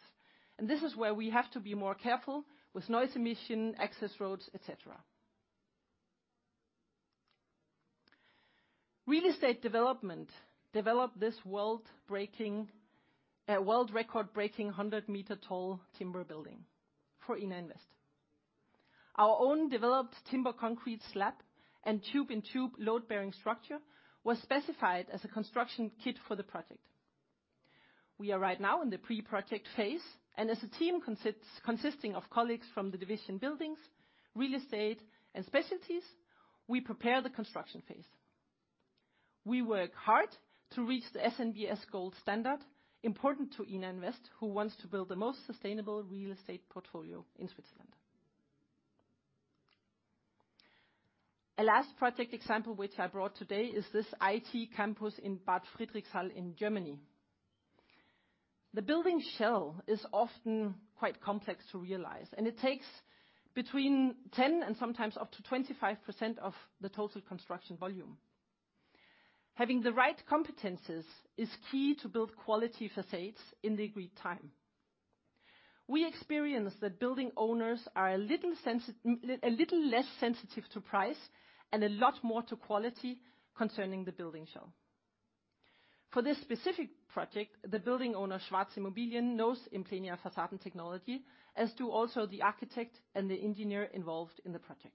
This is where we have to be more careful with noise emission, access roads, et cetera. Real Estate development developed this world-record-breaking 100-meter-tall timber building for Ina Invest. Our own developed timber concrete slab and tube-in-tube load-bearing structure was specified as a construction kit for the project. We are right now in the pre-project phase, and as a team consisting of colleagues from the Division Buildings, Real Estate, and Specialties, we prepare the construction phase. We work hard to reach the SNBS Gold standard, important to Ina Invest, who wants to build the most sustainable real estate portfolio in Switzerland. A last project example which I brought today is this IT campus in Bad Friedrichshall in Germany. The building shell is often quite complex to realize, and it takes between 10% and sometimes up to 25% of the total construction volume. Having the right competencies is key to build quality facades in the agreed time. We experience that building owners are a little less sensitive to price and a lot more to quality concerning the building shell. For this specific project, the building owner, Schwarz Immobilien, knows Implenia Facade Technology, as do also the architect and the engineer involved in the project.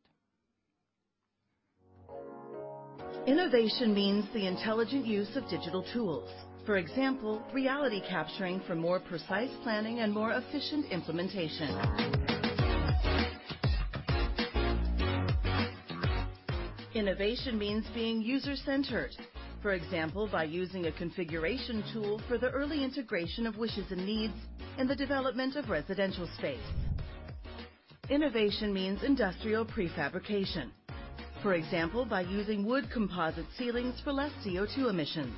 Innovation means the intelligent use of digital tools. For example, reality capturing for more precise planning and more efficient implementation. Innovation means being user-centered, for example, by using a configuration tool for the early integration of wishes and needs in the development of residential space. Innovation means industrial prefabrication, for example, by using wood composite ceilings for less CO2 emissions,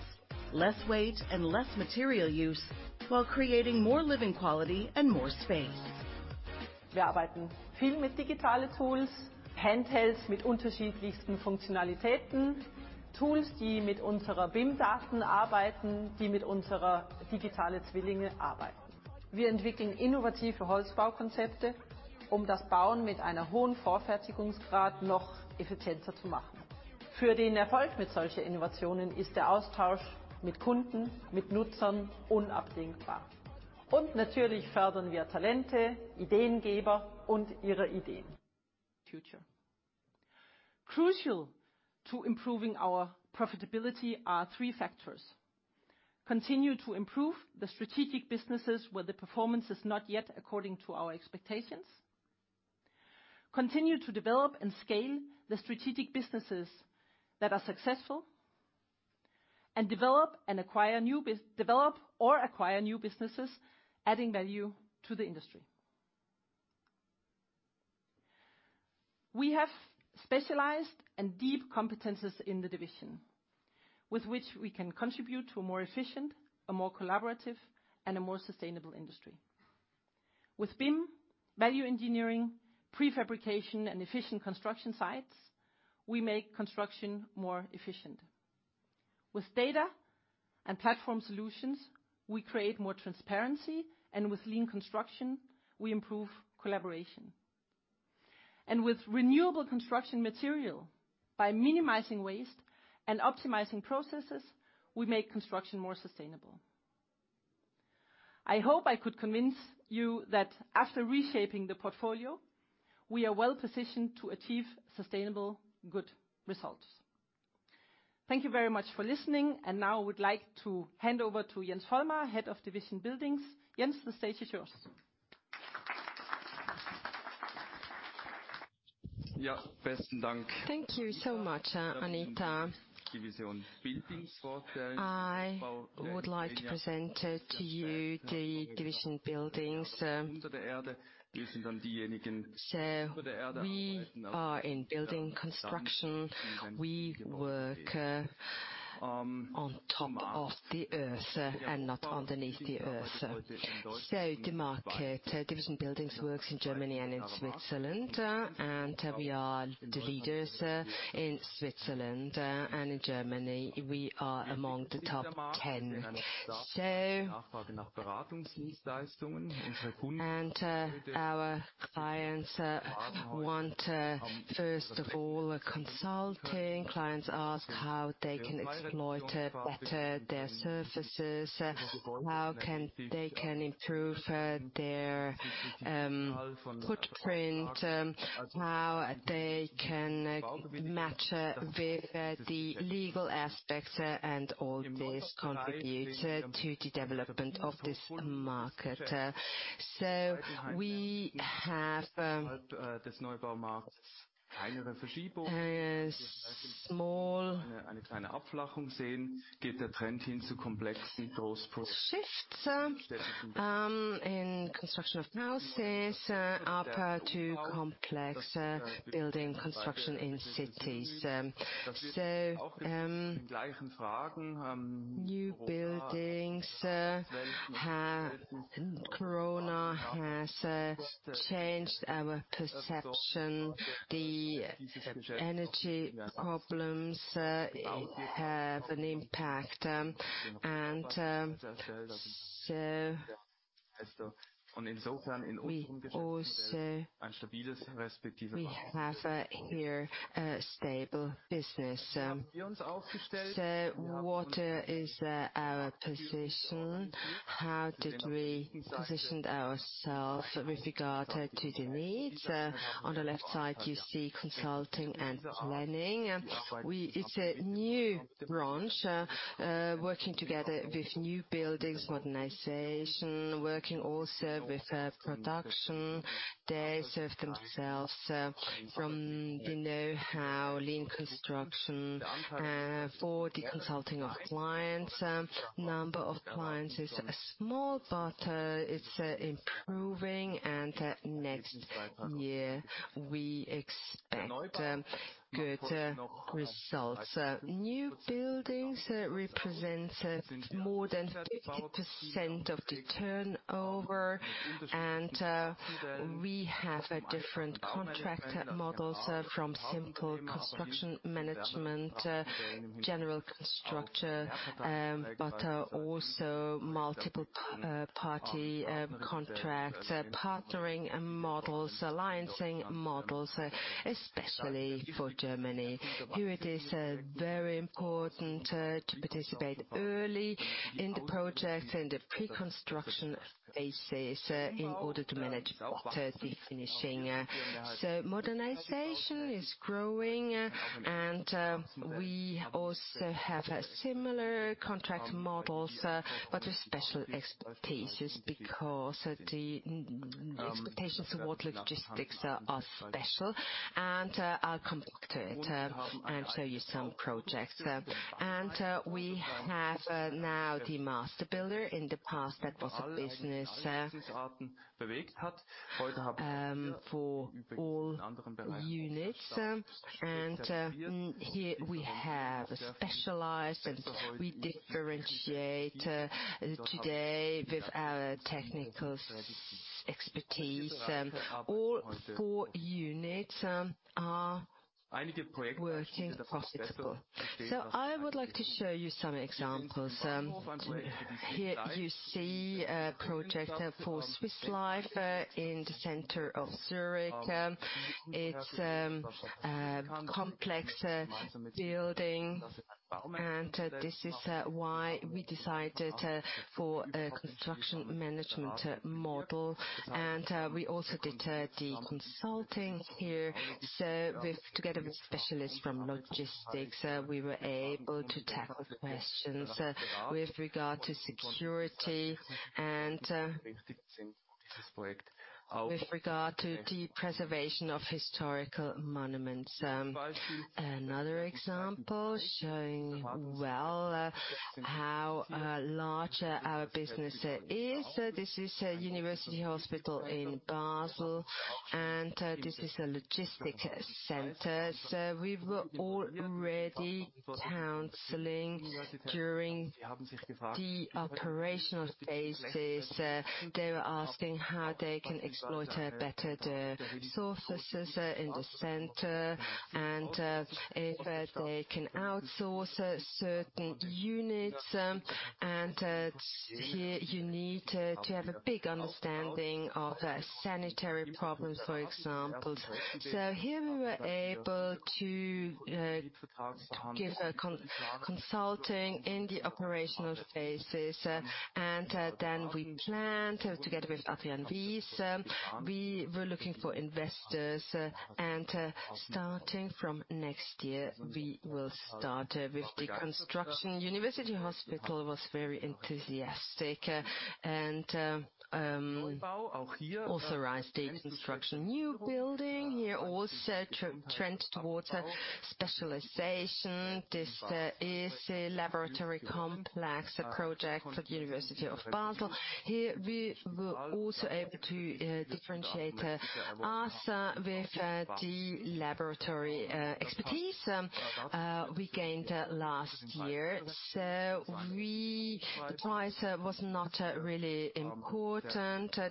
less weight, and less material use, while creating more living quality and more space. Crucial to improving our profitability are three factors. Continue to improve the strategic businesses where the performance is not yet according to our expectations, continue to develop and scale the strategic businesses that are successful, and develop or acquire new businesses, adding value to the industry. We have specialized and deep competencies in the division, with which we can contribute to a more efficient, a more collaborative, and a more sustainable industry. With BIM, value engineering, prefabrication, and efficient construction sites, we make construction more efficient. With data and platform solutions, we create more transparency, and with lean construction, we improve collaboration. With renewable construction material, by minimizing waste and optimizing processes, we make construction more sustainable. I hope I could convince you that after reshaping the portfolio, we are well-positioned to achieve sustainable good results. Thank you very much for listening. Now I would like to hand over to Jens Vollmar, Head of Division Buildings. Jens, the stage is yours. Thank you so much, Anita. I would like to present to you the Division Buildings. We are in building construction. We work on top of the earth and not underneath the earth. The market, Division Buildings works in Germany and in Switzerland, and we are the leaders in Switzerland, and in Germany, we are among the top ten. Our clients want, first of all, a consulting. Clients ask how they can exploit better their services, how they can improve their footprint, how they can match the legal aspects, and all this contribute to the development of this market. We have a small shift in construction of houses up to complex building construction in cities. New buildings, Corona has changed our perception. The energy problems have an impact. We also have here a stable business. What is our position? How did we position ourselves with regard to the needs? On the left side, you see consulting and planning. It's a new branch, working together with new buildings, modernization, working also with production. They serve themselves from the know-how Lean Construction for the consulting of clients. Number of clients is small, but it's improving, and next year we expect good results. New buildings represents more than 50% of the turnover, and we have a different contract models from simple construction management, general constructor, but also multiple party contracts, partnering models, alliancing models, especially for Germany. Here it is very important to participate early in the project, in the pre-construction phases in order to manage better the finishing. Modernization is growing, and we also have similar contract models but with special expertises because the expectations toward logistics are special. I'll come back to it and show you some projects. We have now the master builder. In the past, that was a business for all units. Here we have specialized and we differentiate today with our technical expertise. All four units are working profitable. I would like to show you some examples. Here you see a project for Swiss Life in the center of Zurich. It's a complex building, and this is why we decided for a construction management model. We also did the consulting here, so together with specialists from logistics, we were able to tackle questions with regard to security and with regard to the preservation of historical monuments. Another example showing well how large our business is. This is a University Hospital Basel, and this is a logistics center. We were already counseling during the operational phases. They were asking how they can exploit better the sources in the center, and if they can outsource certain units. Here you need to have a big understanding of sanitary problems, for example. Here we were able to give a consulting in the operational phases, and then we planned together with Adrian Wyss. We were looking for investors, and starting from next year, we will start with the construction. University Hospital Basel was very enthusiastic, and authorized the construction. New building here also trend towards specialization. This is a laboratory complex, a project for the University of Basel. Here we were also able to differentiate us with the laboratory expertise we gained last year. The price was not really important.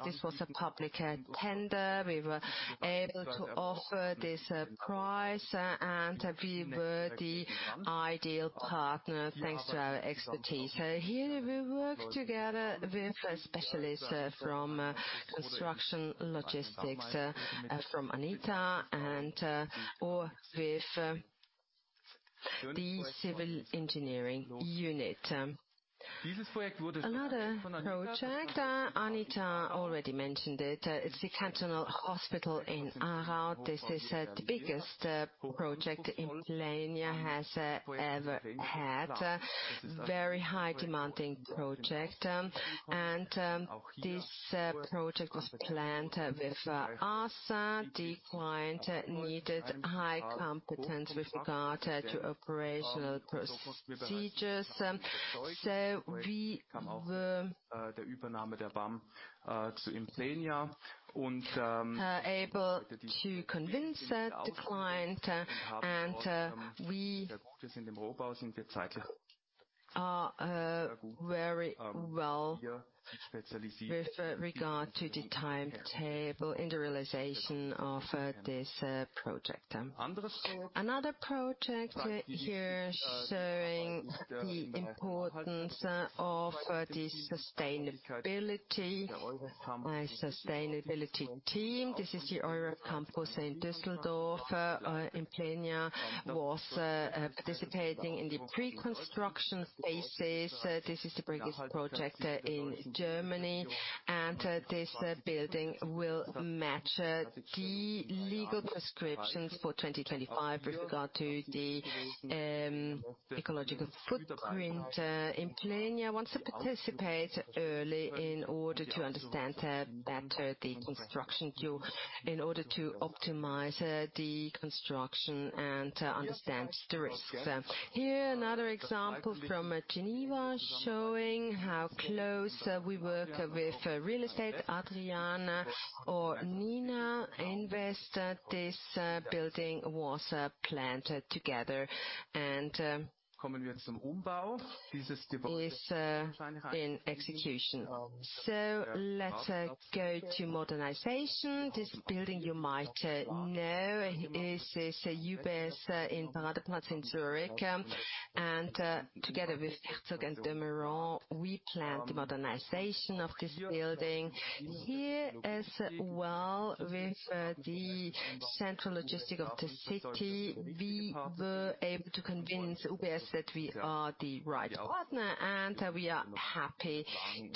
This was a public tender. We were able to offer this price, and we were the ideal partner thanks to our expertise. Here we work together with specialists from construction logistics, from Anita and or with the civil engineering unit. Another project, Anita already mentioned it. It's the Cantonal Hospital in Aarau. This is the biggest project Implenia has ever had. Very high demanding project, and this project was planned with us. The client needed high competence with regard to operational procedures, so we were able to convince the client, and we are very well with regard to the timetable in the realization of this project. Another project here showing the importance of the sustainability team. This is the EUREF-Campus in Düsseldorf. Implenia was participating in the pre-construction phases. This is the biggest project in Germany, and this building will match the legal prescriptions for 2025 with regard to the ecological footprint. Implenia wants to participate early in order to understand better the construction view, in order to optimize the construction and understand the risks. Here, another example from Geneva showing how close we work with real estate. Ina invest. This building was planned together, and is in execution. Let's go to modernization. This building you might know. It is UBS in Paradeplatz in Zurich, and together with Herzog & de Meuron, we planned the modernization of this building. Here as well, with the central logistics of the city, we were able to convince UBS that we are the right partner, and we are happy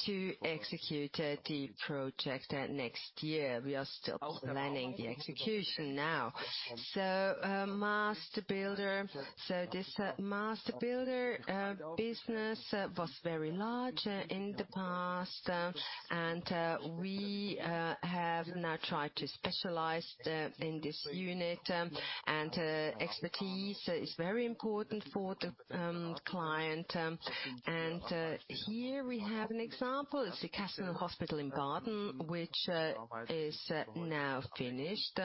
to execute the project next year. We are still planning the execution now. Master builder. This master builder business was very large in the past, and we have now tried to specialize in this unit. Expertise is very important for the client. Here we have an example. It's the Cantonal Hospital in Baden, which is now finished.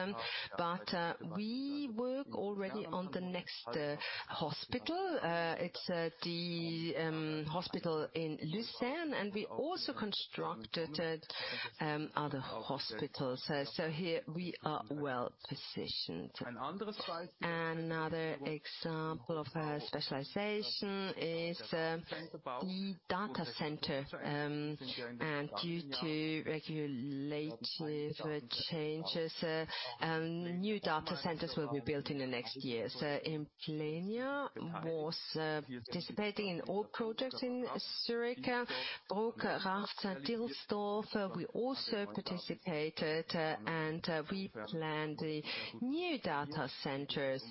We work already on the next hospital. It's the hospital in Lucerne, and we also constructed other hospitals. Here we are well-positioned. Another example of specialization is data center. Due to regulatory changes, new data centers will be built in the next years. Implenia was participating in all projects in Zurich, Brugg, Rastatt, Dielsdorf. We also participated, and we plan the new data centers.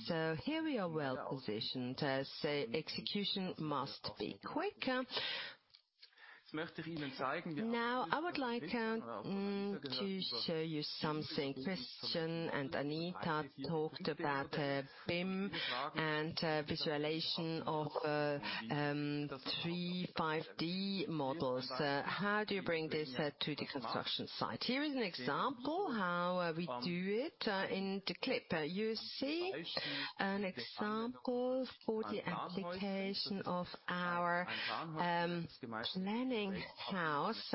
Here we are well-positioned, as execution must be quick. Now, I would like to show you something. Christian and Anita talked about BIM and visualization of 3-5D models. How do you bring this to the construction site? Here is an example how we do it in the clip. You see an example for the application of our planning house,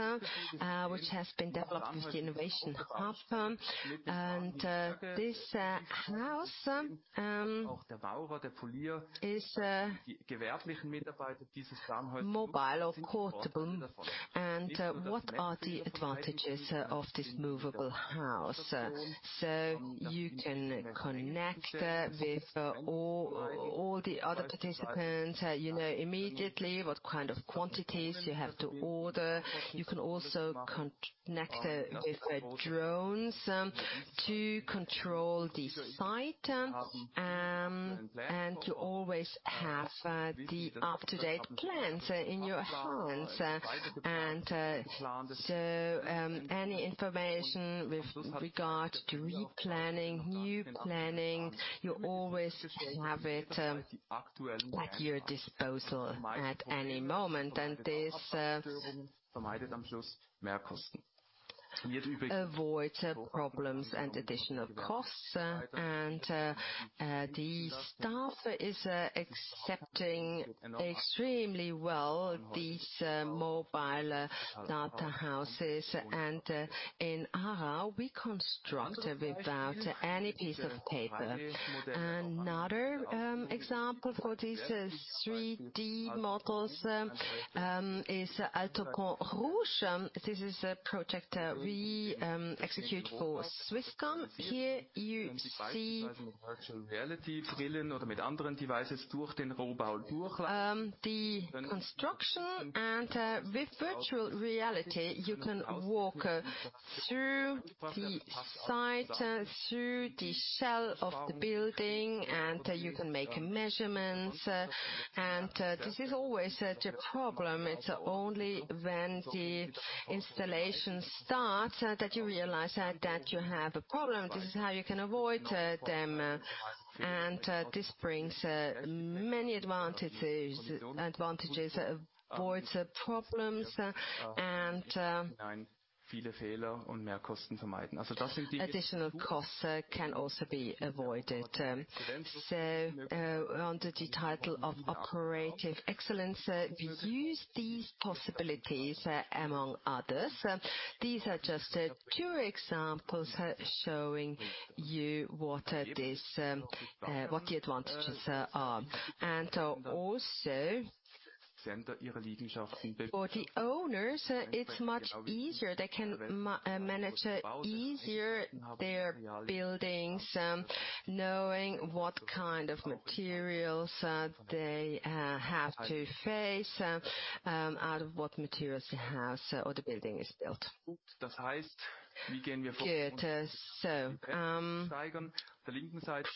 which has been developed with the Innovation Hub. This house is mobile or portable. What are the advantages of this movable house? You can connect with all the other participants. You know immediately what kind of quantities you have to order. You can also connect with drones to control the site and to always have the up-to-date plans in your hands. Any information with regard to replanning, new planning, you always have it at your disposal at any moment. This avoids problems and additional costs. The staff is accepting extremely well these mobile data houses. In Aarau, we construct without any piece of paper. Another example for these 3D models is Alto Pont-Rouge. This is a project we execute for Swisscom. Here you see the construction, and with virtual reality, you can walk through the site through the shell of the building, and you can make measurements. This is always such a problem. It's only when the installation starts that you realize that you have a problem. This is how you can avoid them. This brings many advantages, avoids problems and additional costs can also be avoided. Under the title of operative excellence, we use these possibilities, among others. These are just two examples showing you what this, what the advantages are. Also for the owners, it's much easier. They can manage easier their buildings, knowing what kind of materials they have to face, out of what materials the house or the building is built. Good.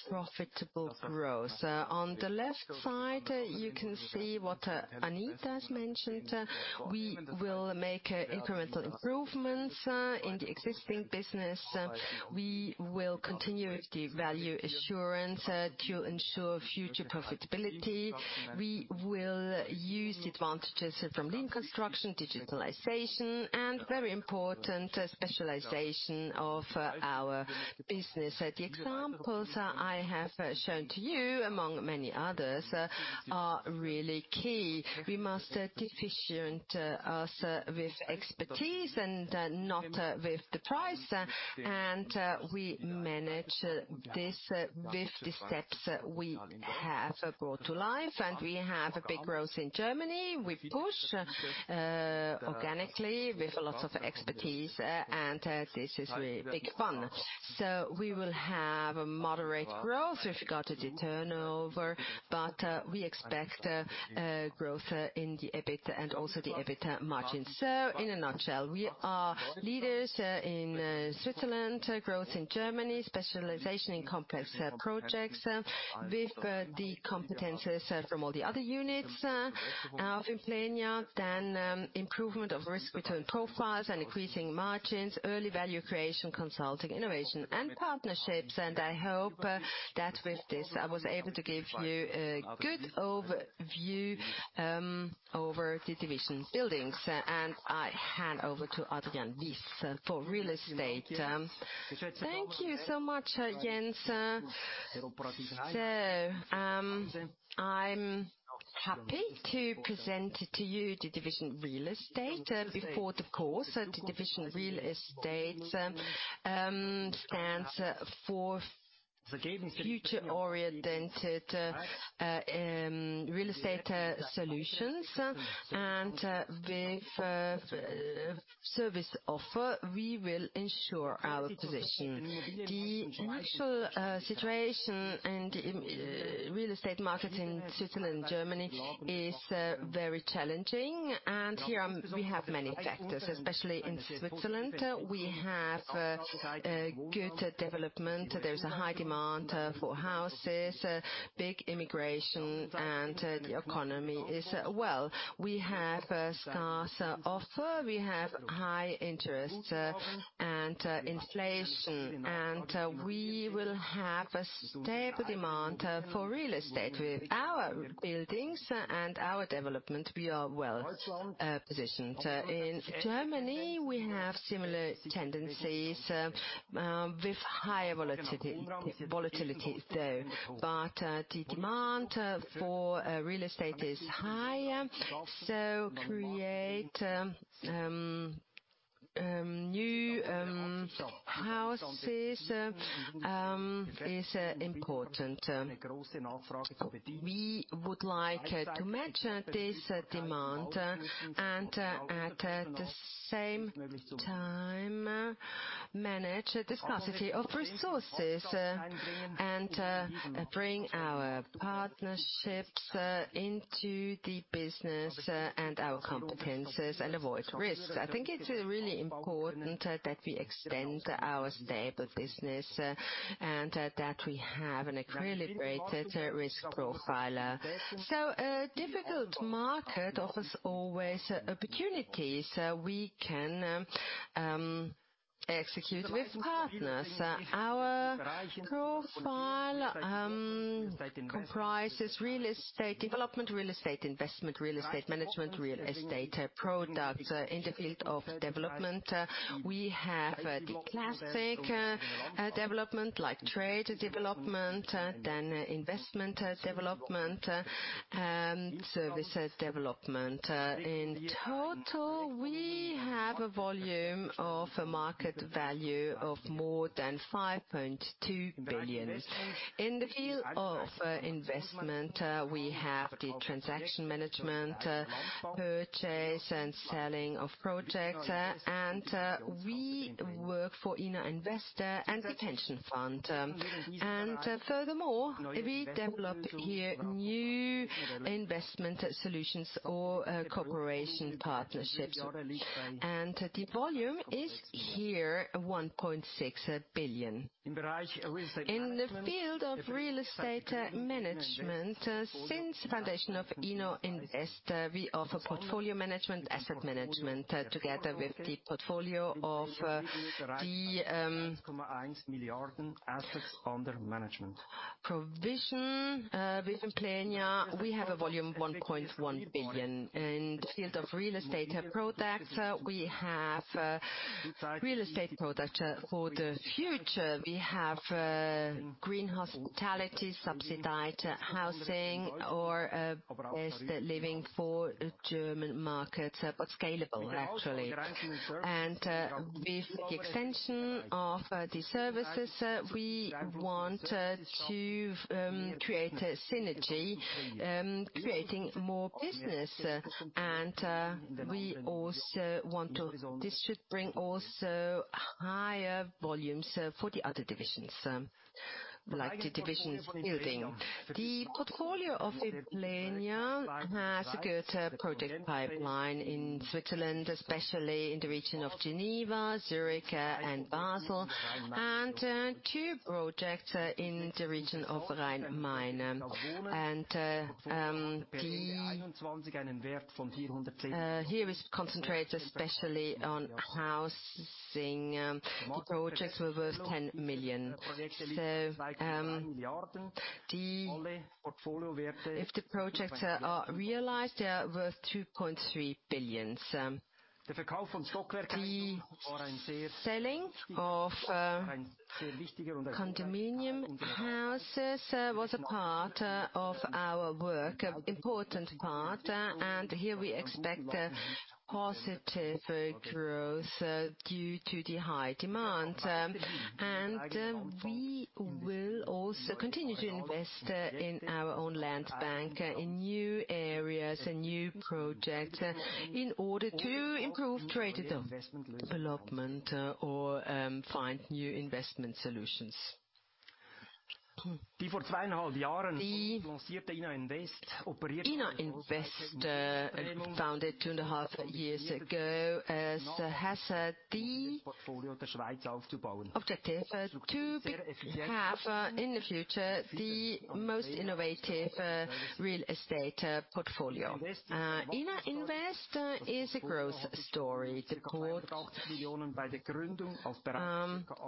Profitable growth. On the left side, you can see what Anita has mentioned. We will make incremental improvements in the existing business. We will continue with the Value Assurance to ensure future profitability. We will use the advantages from Lean Construction, digitalization, and very important, specialization of our business. The examples I have shown to you, among many others, are really key. We must differentiate us with expertise and not with the price. We manage this with the steps that we have brought to life. We have a big growth in Germany. We push organically with lots of expertise and this is really big fun. We will have a moderate growth with regard to the turnover, but we expect growth in the EBIT and also the EBITDA margin. In a nutshell, we are leaders in Switzerland, growth in Germany, specialization in complex projects, with the competencies from all the other units, of Implenia. Improvement of risk-return profiles and increasing margins, early value creation, consulting, innovation, and partnerships. I hope that with this, I was able to give you a good overview over the Division Buildings. I hand over to Adrian Wyss for Real Estate. Thank you so much, Jens. I'm happy to present to you the Real Estate. Before, of course, the Real Estate stands for future-oriented real estate solutions and with service offer, we will ensure our position. The actual situation in real estate market in Switzerland, Germany is very challenging. Here, we have many factors, especially in Switzerland. We have a good development. There's a high demand for houses, big immigration, and the economy is well. We have a scarce offer, we have high interest, and inflation. We will have a stable demand for real estate. With our buildings and our development, we are well positioned. In Germany, we have similar tendencies with higher volatility, though. The demand for real estate is high, so creating new houses is important. We would like to match this demand and at the same time manage the scarcity of resources and bring our partnerships into the business and our competencies and avoid risks. I think it is really important that we extend our stable business and that we have an equilibrium risk profile. A difficult market offers always opportunities, we can execute with partners. Our profile comprises real estate development, real estate investment, real estate management, real estate products. In the field of development, we have the classic development like trade development, then investment development, service development. In total have a volume of a market value of more than 5.2 billion. In the field of investment, we have the transaction management, purchase and selling of projects, and we work for Ina Invest and pension fund. And furthermore, we developed here new investment solutions or cooperation partnerships. The volume is here 1.6 billion. In the field of real estate management, since the foundation of Ina Invest, we offer portfolio management, asset management, together with the portfolio of the Assets under management. Provision with Implenia, we have a volume of 1.1 billion. In the field of real estate products, we have real estate products for the future. We have Green Hospitality, subsidized housing or assisted living for German markets, but scalable actually. With the extension of the services, we want to create a synergy creating more business. This should bring also higher volumes for the other divisions like the Division Buildings. The portfolio of Implenia has a good project pipeline in Switzerland, especially in the region of Geneva, Zurich, and Basel, and two projects in the region of Rhein-Main. Therefore, here is concentrated especially on housing. The projects were worth 10 million. The If the projects are realized, they are worth 2.3 billion. The selling of condominium houses was a part of our work, an important part. Here we expect a positive growth due to the high demand. We will also continue to invest in our own Landbank in new areas and new projects in order to improve trade development or find new investment solutions. Ina Invest, founded two and a half years ago, has the objective to have in the future the most innovative real estate portfolio. Ina Invest is a growth story. The growth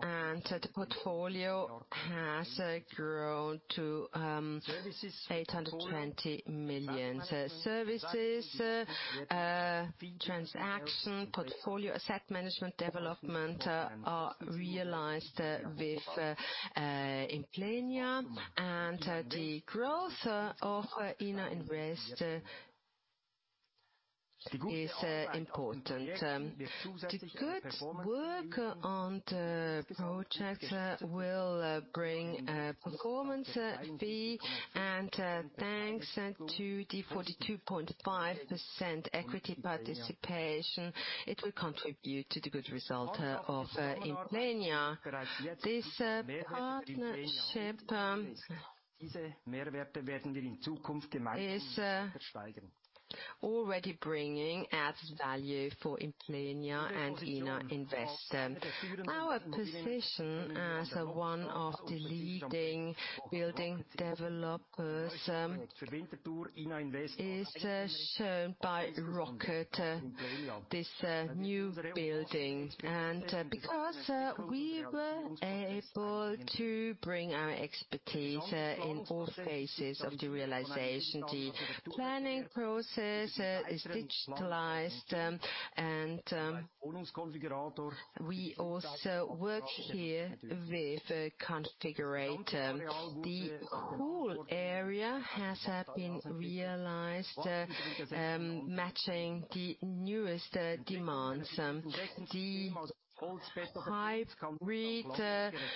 and the portfolio has grown to 820 million. Services, transaction, portfolio, asset management development are realized with Implenia. The growth of Ina Invest is important. The good work on the projects will bring a performance fee. Thanks to the 42.5% equity participation, it will contribute to the good result of Implenia. This partnership is already bringing added value for Implenia and Ina Invest. Our position as one of the leading building developers is shown by Rocket, this new building. Because we were able to bring our expertise in all phases of the realization. The planning process is digitalized, and we also work here with a configurator. The whole area has been realized matching the newest demands. The hybrid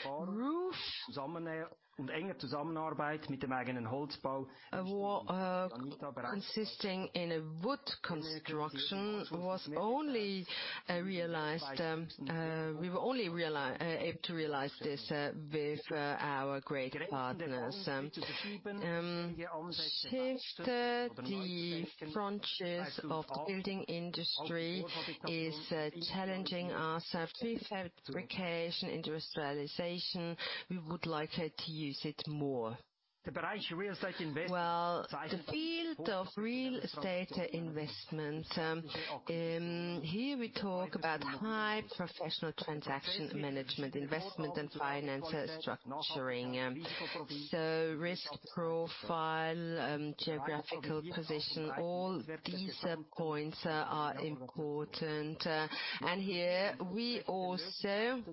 roof consisting in a wood construction was only realized. We were only able to realize this with our great partners. Since the branches of the building industry is challenging us. With fabrication, industrialization, we would like to use it more. Well, the field of real estate investment, here we talk about high professional transaction management, investment, and finance structuring. Risk profile, geographical position, all these points are important. Here we also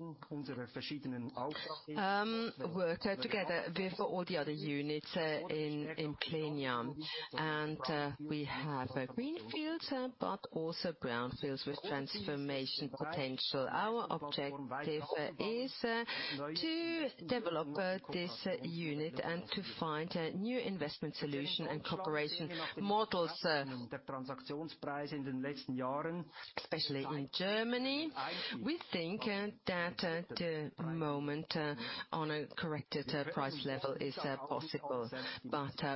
work together with all the other units in Implenia. We have greenfields, but also brownfields with transformation potential. Our objective is to develop this unit and to find a new investment solution and cooperation models, especially in Germany. We think that at the moment, on a corrected price level is possible.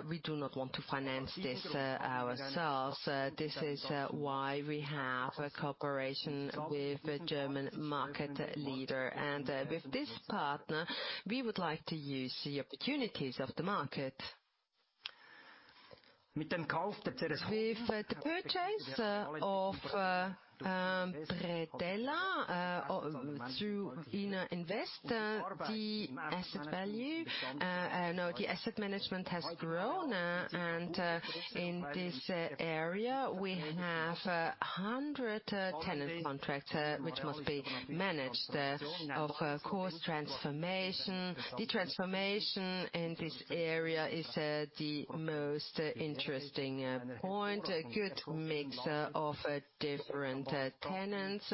We do not want to finance this ourselves. This is why we have a cooperation with the German market leader. With this partner, we would like to use the opportunities of the market. With the purchase of Bredella to invest the asset value. No, the asset management has grown, and in this area, we have 100 tenant contracts, which must be managed of course transformation. The transformation in this area is the most interesting point. A good mix of different tenants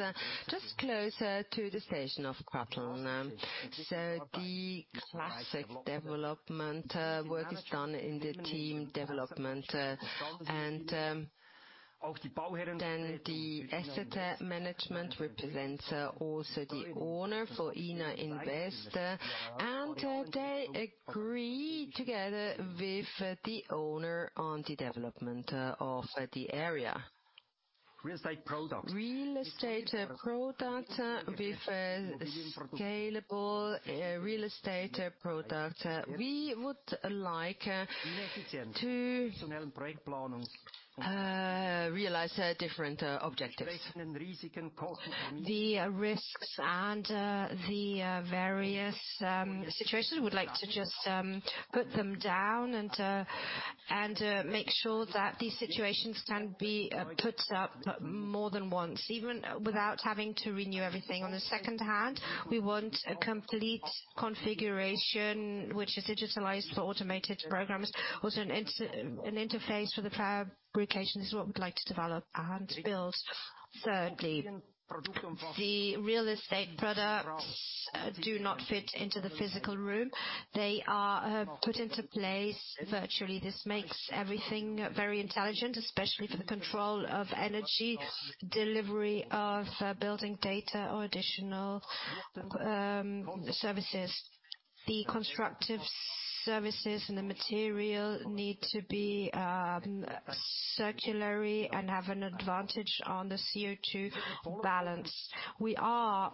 just closer to the station of Pratteln. The classic development work is done in the team development, and then the asset management represents also the owner for Ina Invest, and they agree together with the owner on the development of the area. Real estate product. With a scalable real estate product, we would like to realize different objectives. The risks and the various situations, we would like to just put them down and make sure that these situations can be put up more than once, even without having to renew everything. On the second hand, we want a complete configuration which is digitalized for automated programs. Also an interface for the fabrications is what we'd like to develop and build. Thirdly, the real estate products do not fit into the physical room. They are put into place virtually. This makes everything very intelligent, especially for the control of energy, delivery of building data or additional services. The constructive services and the material need to be circular and have an advantage on the CO2 balance. We are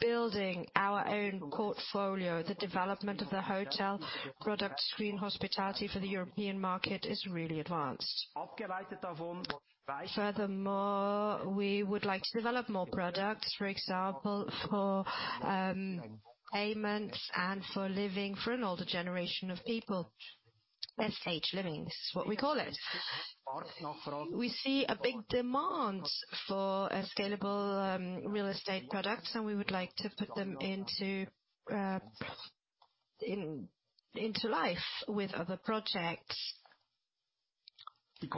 building our own portfolio. The development of the hotel product Green Hospitality for the European market is really advanced. Furthermore, we would like to develop more products, for example, for payments and for living for an older generation of people. SENIO-LIVING is what we call it. We see a big demand for a scalable real estate product, and we would like to put them into life with other projects. The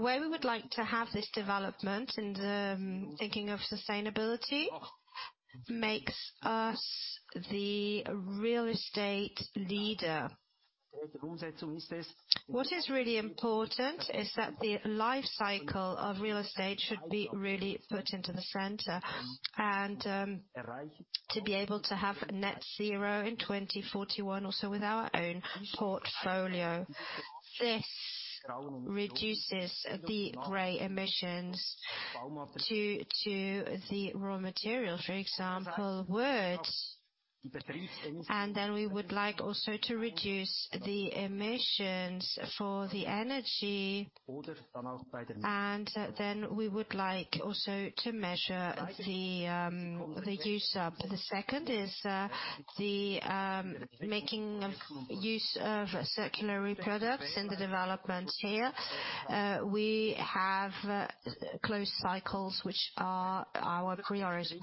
way we would like to have this development and thinking of sustainability makes us the real estate leader. What is really important is that the life cycle of real estate should be really put into the center and to be able to have net zero in 2041 or so with our own portfolio. This reduces the gray emissions to the raw material, for example, wood. We would like also to reduce the emissions for the energy. We would like also to measure the use phase. The second is the making use of circular products and the development here. We have closed cycles, which are our priority.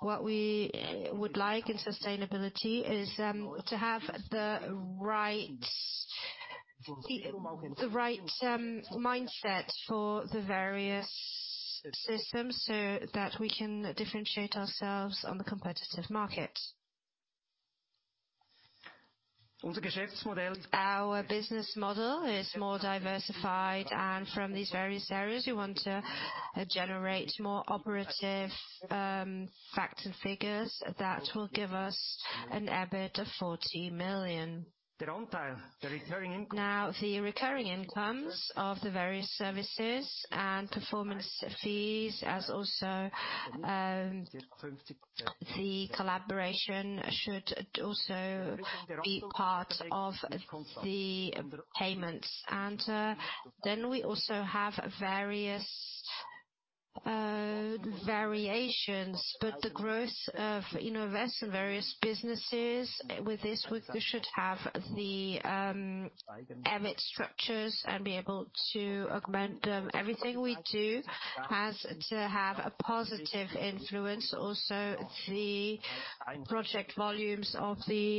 What we would like in sustainability is to have the right mindset for the various systems so that we can differentiate ourselves on the competitive market. Our business model is more diversified, and from these various areas, we want to generate more operative facts and figures that will give us an EBIT of 40 million. Now, the recurring incomes of the various services and performance fees, as also the collaboration should also be part of the payments. Then we also have various variations. The growth of invest in various businesses, with this we should have the EBIT structures and be able to augment them. Everything we do has to have a positive influence. Also, the project volumes of the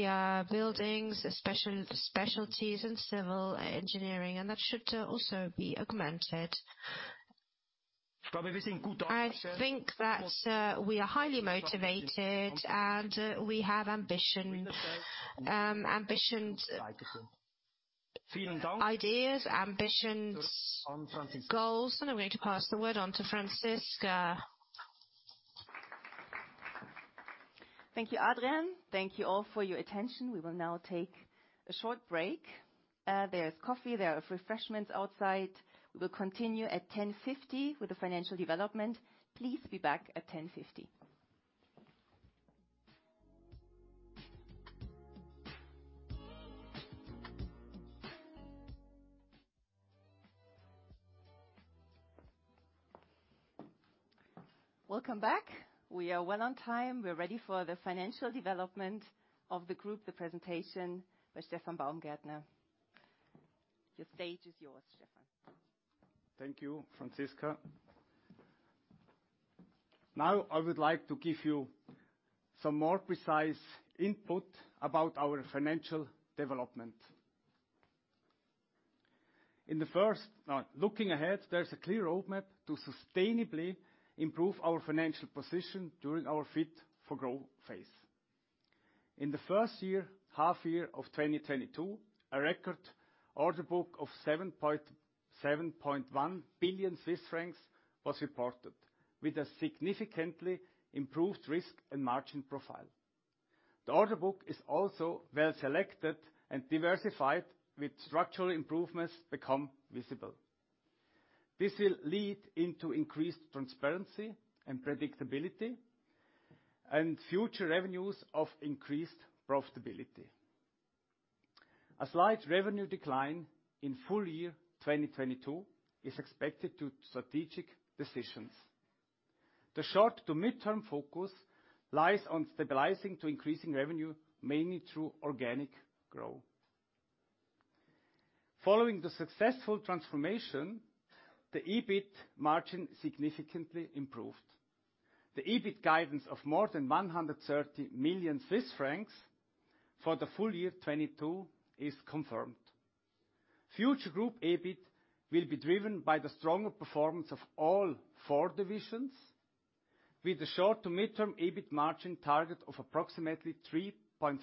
Buildings, especially the Specialties and Civil Engineering, and that should also be augmented. I think that we are highly motivated, and we have ambition. Ambitions, ideas, goals. I'm going to pass the word on to Franziska. Thank you, Adrian. Thank you all for your attention. We will now take a short break. There's coffee, there is refreshments outside. We will continue at 10:50 A.M. with the financial development. Please be back at 10:50 A.M. Welcome back. We are well on time. We're ready for the financial development of the group, the presentation by Stefan Baumgärtner. The stage is yours, Stefan. Thank you, Franziska. Now I would like to give you some more precise input about our financial development. Looking ahead, there's a clear roadmap to sustainably improve our financial position during our Fit for Growth phase. In the first half year of 2022, a record order book of 7.1 billion Swiss francs was reported, with a significantly improved risk and margin profile. The order book is also well selected and diversified, with structural improvements become visible. This will lead into increased transparency and predictability, and future revenues of increased profitability. A slight revenue decline in full year 2022 is expected due to strategic decisions. The short- to mid-term focus lies on stabilizing to increasing revenue, mainly through organic growth. Following the successful transformation, the EBIT margin significantly improved. The EBIT guidance of more than 130 million Swiss francs for the full year 2022 is confirmed. Future group EBIT will be driven by the stronger performance of all four divisions, with the short to mid-term EBIT margin target of approximately 3.5%.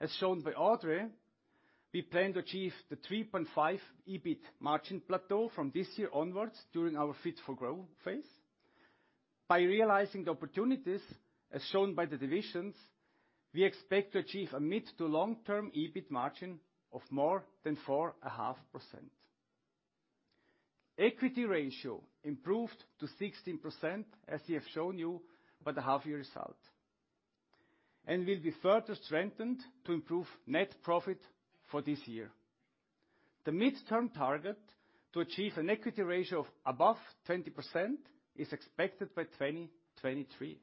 As shown by André, we plan to achieve the 3.5% EBIT margin plateau from this year onwards during our Fit for Growth phase. By realizing the opportunities, as shown by the divisions, we expect to achieve a mid to long-term EBIT margin of more than 4.5%. Equity ratio improved to 16%, as we have shown you by the half year result, and will be further strengthened to improve net profit for this year. The mid-term target to achieve an equity ratio of above 20% is expected by 2023.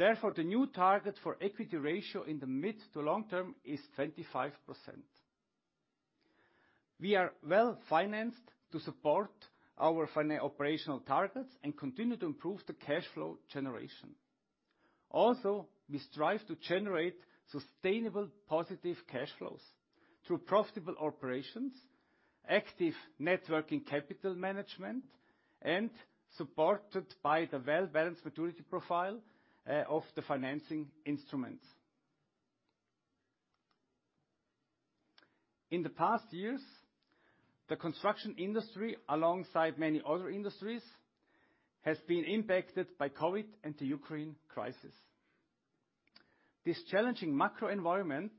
Therefore, the new target for equity ratio in the mid to long term is 25%. We are well-financed to support our operational targets and continue to improve the cash flow generation. Also, we strive to generate sustainable positive cash flows through profitable operations, active working capital management, and supported by the well-balanced maturity profile of the financing instruments. In the past years, the construction industry, alongside many other industries, has been impacted by COVID and the Ukraine crisis. This challenging macro environment,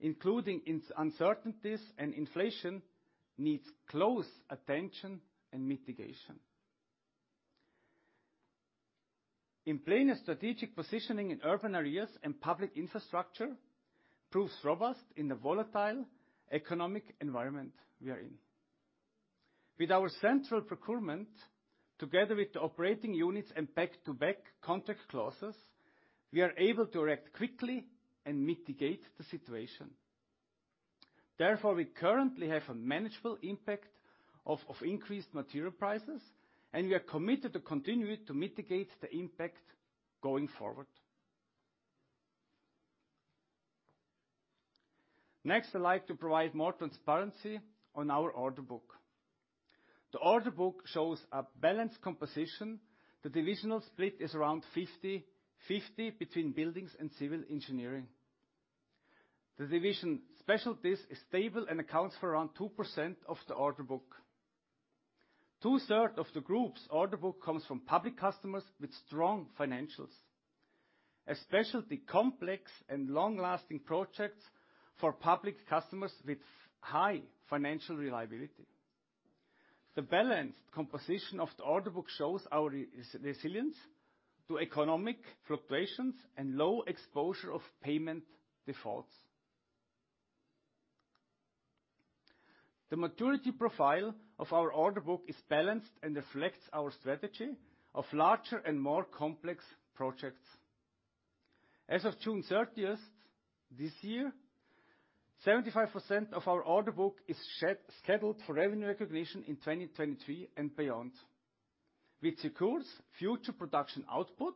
including its uncertainties and inflation, needs close attention and mitigation. Implenia's strategic positioning in urban areas and public infrastructure proves robust in the volatile economic environment we are in. With our central procurement, together with the operating units and back-to-back contract clauses, we are able to react quickly and mitigate the situation. Therefore, we currently have a manageable impact of increased material prices, and we are committed to continue to mitigate the impact going forward. Next, I'd like to provide more transparency on our order book. The order book shows a balanced composition. The divisional split is around 50/50 between Buildings and Civil Engineering. The Specialties division is stable and accounts for around 2% of the order book. Two-thirds of the group's order book comes from public customers with strong financials, especially complex and long-lasting projects for public customers with high financial reliability. The balanced composition of the order book shows our resilience to economic fluctuations and low exposure to payment defaults. The maturity profile of our order book is balanced and reflects our strategy of larger and more complex projects. As of June 30th this year, 75% of our order book is scheduled for revenue recognition in 2023 and beyond. This secures future production output,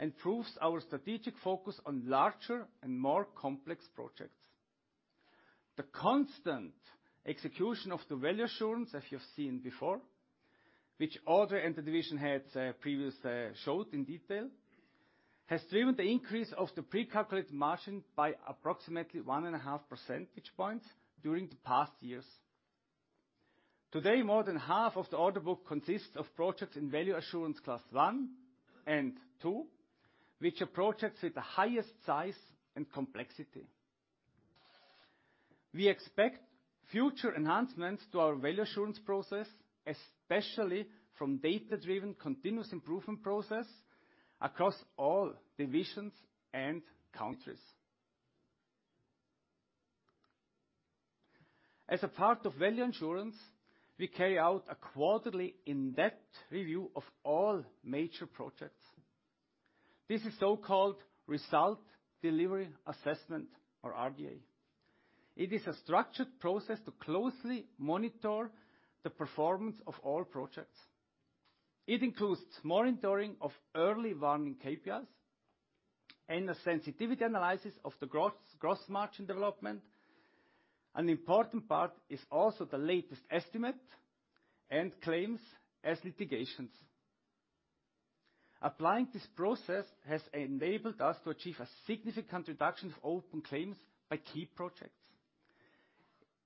and proves our strategic focus on larger and more complex projects. The constant execution of the Value Assurance, as you've seen before, which our division heads previously showed in detail, has driven the increase of the pre-calculated margin by approximately 1.5 percentage points during the past years. Today, more than half of the order book consists of projects in Value Assurance class I and II, which are projects with the highest size and complexity. We expect future enhancements to our Value Assurance process, especially from data-driven continuous improvement process across all divisions and countries. As a part of Value Assurance, we carry out a quarterly in-depth review of all major projects. This is so-called result delivery assessment or RDA. It is a structured process to closely monitor the performance of all projects. It includes monitoring of early warning KPIs and a sensitivity analysis of the gross margin development. An important part is also the latest estimate and claims and litigations. Applying this process has enabled us to achieve a significant reduction of open claims by key projects.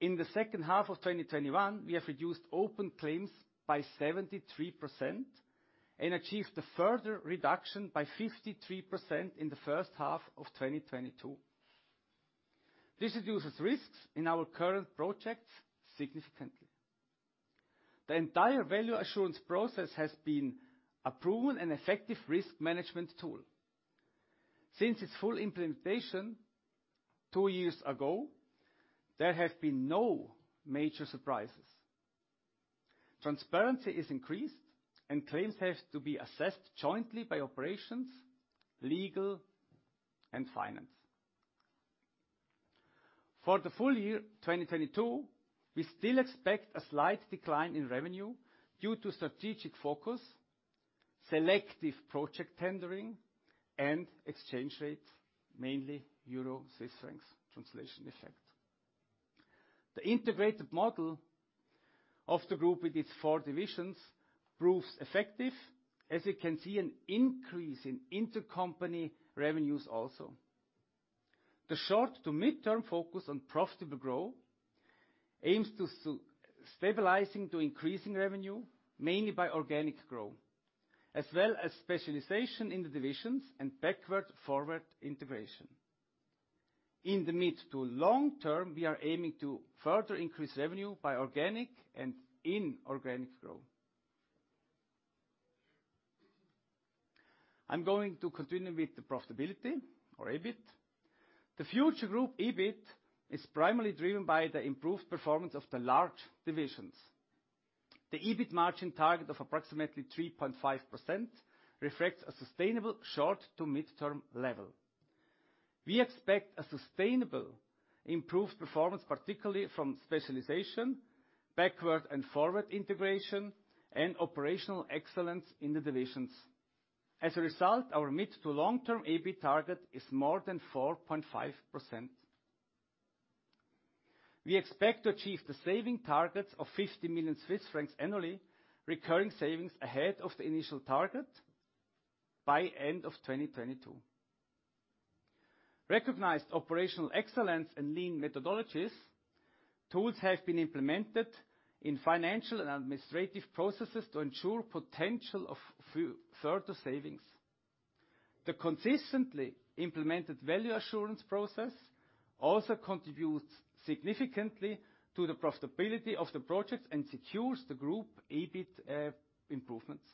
In the second half of 2021, we have reduced open claims by 73% and achieved a further reduction by 53% in the first half of 2022. This reduces risks in our current projects significantly. The entire Value Assurance process has been a proven and effective risk management tool. Since its full implementation two years ago, there have been no major surprises. Transparency is increased, and claims have to be assessed jointly by operations, legal, and finance. For the full year 2022, we still expect a slight decline in revenue due to strategic focus, selective project tendering, and exchange rate, mainly euro Swiss francs translation effect. The integrated model of the group with its four divisions proves effective as you can see an increase in intercompany revenues also. The short to midterm focus on profitable growth aims to stabilizing to increasing revenue, mainly by organic growth, as well as specialization in the divisions and backward-forward integration. In the mid to long term, we are aiming to further increase revenue by organic and inorganic growth. I'm going to continue with the profitability or EBIT. The future group EBIT is primarily driven by the improved performance of the large divisions. The EBIT margin target of approximately 3.5% reflects a sustainable short to midterm level. We expect a sustainable improved performance, particularly from specialization, backward and forward integration, and operational excellence in the divisions. As a result, our mid- to long-term EBIT target is more than 4.5%. We expect to achieve the saving targets of 50 million Swiss francs annually, recurring savings ahead of the initial target by end of 2022. Recognized operational excellence and lean methodologies, tools have been implemented in financial and administrative processes to ensure potential of further savings. The consistently implemented Value Assurance process also contributes significantly to the profitability of the projects and secures the group EBIT improvements.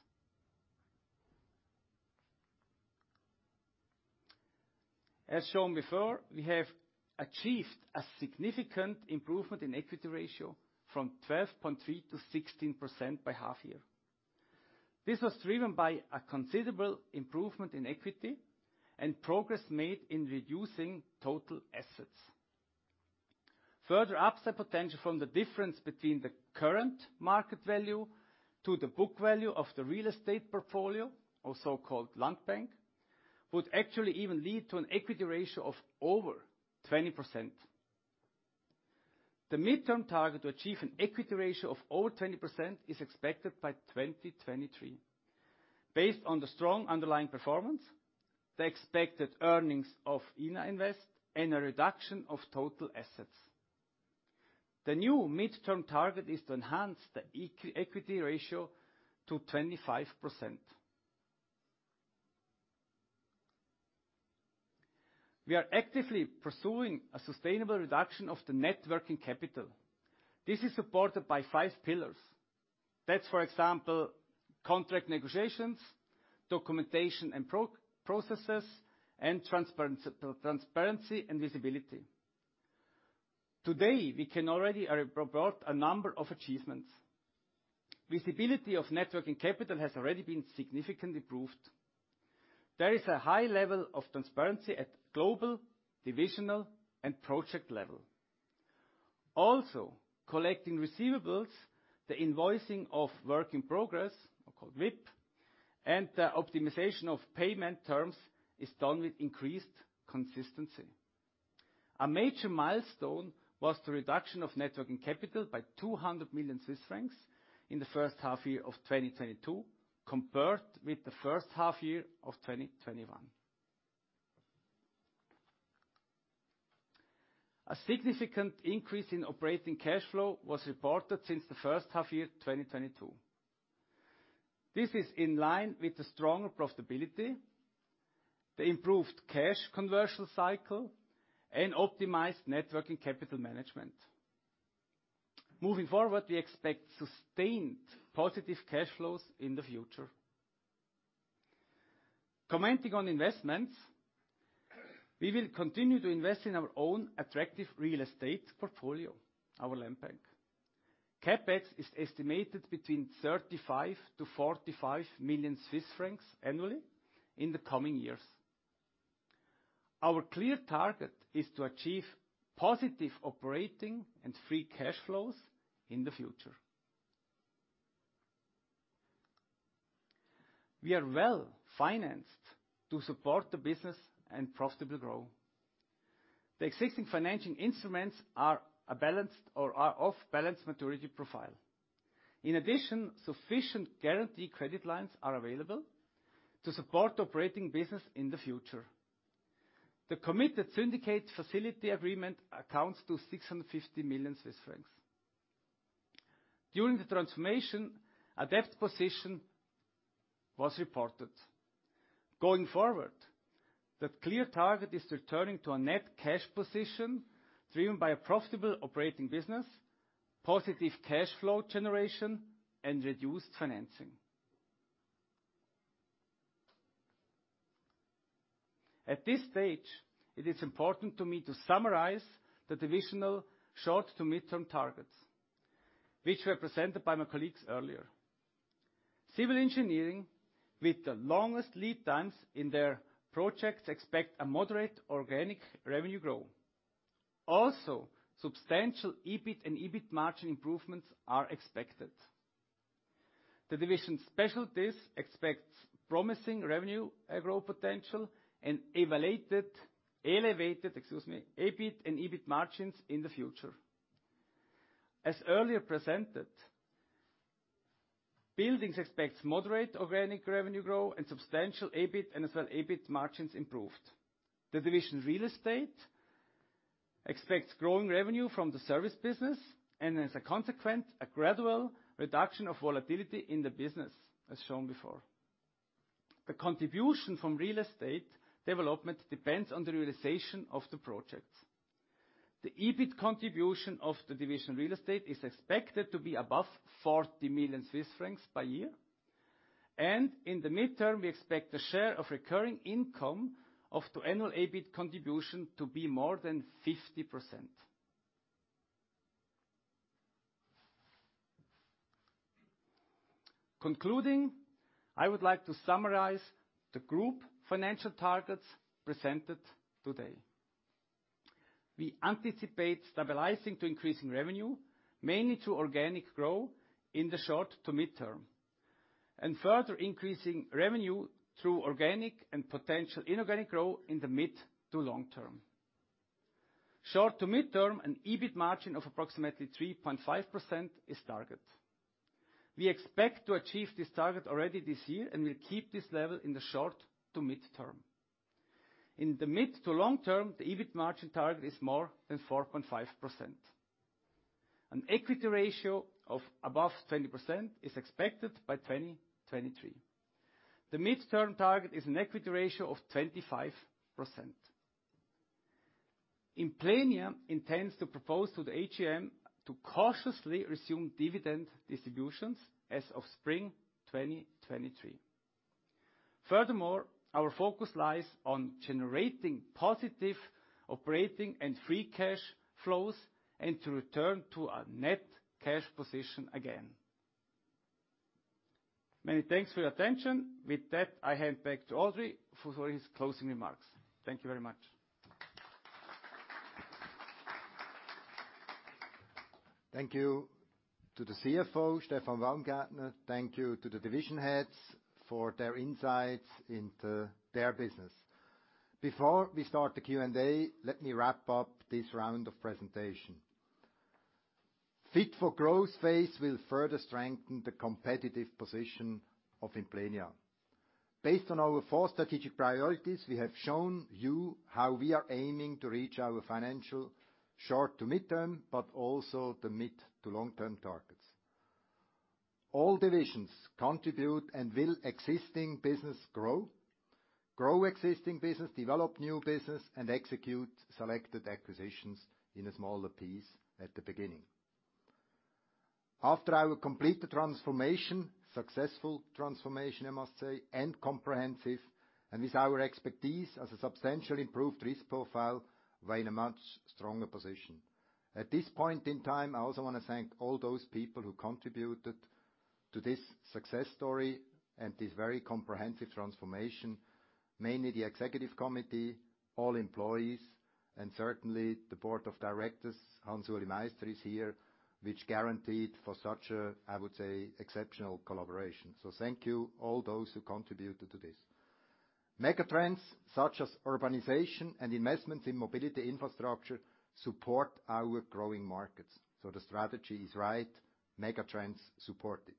As shown before, we have achieved a significant improvement in equity ratio from 12.3% to 16% by half year. This was driven by a considerable improvement in equity and progress made in reducing total assets. Further upside potential from the difference between the current market value to the book value of the real estate portfolio, or so-called Landbank, would actually even lead to an equity ratio of over 20%. The mid-term target to achieve an equity ratio of over 20% is expected by 2023. Based on the strong underlying performance, the expected earnings of Ina Invest, and a reduction of total assets. The new mid-term target is to enhance the equity ratio to 25%. We are actively pursuing a sustainable reduction of the net working capital. This is supported by five pillars. That's for example, contract negotiations, documentation and processes, and transparency and visibility. Today, we can already report a number of achievements. Visibility of net working capital has already been significantly improved. There is a high level of transparency at global, divisional, and project level. Collecting receivables, the invoicing of work in progress, also called WIP, and the optimization of payment terms is done with increased consistency. A major milestone was the reduction of net working capital by 200 million Swiss francs in the first half year of 2022, compared with the first half year of 2021. A significant increase in operating cash flow was reported since the first half year, 2022. This is in line with the stronger profitability, the improved cash conversion cycle, and optimized net working capital management. Moving forward, we expect sustained positive cash flows in the future. Commenting on investments, we will continue to invest in our own attractive real estate portfolio, our Landbank. CapEx is estimated between 35 million-45 million Swiss francs annually in the coming years. Our clear target is to achieve positive operating and free cash flows in the future. We are well-financed to support the business and profitable growth. The existing financing instruments are a balanced or off-balance-sheet maturity profile. In addition, sufficient guarantee credit lines are available to support operating business in the future. The committed syndicate facility agreement amounts to 650 million Swiss francs. During the transformation, a debt position was reported. Going forward, the clear target is returning to a net cash position driven by a profitable operating business, positive cash flow generation, and reduced financing. At this stage, it is important to me to summarize the divisional short- to mid-term targets, which were presented by my colleagues earlier. Civil Engineering, with the longest lead times in their projects, expect a moderate organic revenue growth. Also, substantial EBIT and EBIT margin improvements are expected. The Division Specialties expects promising revenue growth potential and elevated EBIT and EBIT margins in the future. As earlier presented, Buildings expects moderate organic revenue growth and substantial EBIT and as well EBIT margins improved. The Division Real Estate expects growing revenue from the service business, and as a consequence, a gradual reduction of volatility in the business, as shown before. The contribution from real estate development depends on the realization of the projects. The EBIT contribution of the Division Real Estate is expected to be above 40 million Swiss francs per year, and in the midterm, we expect the share of recurring income of the annual EBIT contribution to be more than 50%. Concluding, I would like to summarize the group financial targets presented today. We anticipate stabilizing to increasing revenue, mainly through organic growth, in the short to midterm, and further increasing revenue through organic and potential inorganic growth in the mid to long term. Short to midterm, an EBIT margin of approximately 3.5% is target. We expect to achieve this target already this year, and we'll keep this level in the short to midterm. In the mid to long term, the EBIT margin target is more than 4.5%. An equity ratio of above 20% is expected by 2023. The midterm target is an equity ratio of 25%. Implenia intends to propose to the AGM to cautiously resume dividend distributions as of spring 2023. Furthermore, our focus lies on generating positive operating and free cash flows and to return to a net cash position again. Many thanks for your attention. With that, I hand back to André Wyss for his closing remarks. Thank you very much. Thank you to the CFO, Stefan Baumgärtner. Thank you to the division heads for their insights into their business. Before we start the Q&A, let me wrap up this round of presentation. Fit for Growth phase will further strengthen the competitive position of Implenia. Based on our four strategic priorities, we have shown you how we are aiming to reach our financial short- to mid-term, but also the mid- to long-term targets. All divisions contribute and will grow existing business, develop new business, and execute selected acquisitions in a smaller piece at the beginning. After I will complete the transformation, successful transformation I must say, and comprehensive, and with our expertise as a substantially improved risk profile, we're in a much stronger position. At this point in time, I also wanna thank all those people who contributed to this success story and this very comprehensive transformation, mainly the executive committee, all employees, and certainly the board of directors, Hans-Ulrich Meister is here, which guaranteed for such a, I would say, exceptional collaboration. Thank you all those who contributed to this. Megatrends such as urbanization and investments in mobility infrastructure support our growing markets. The strategy is right, megatrends support it.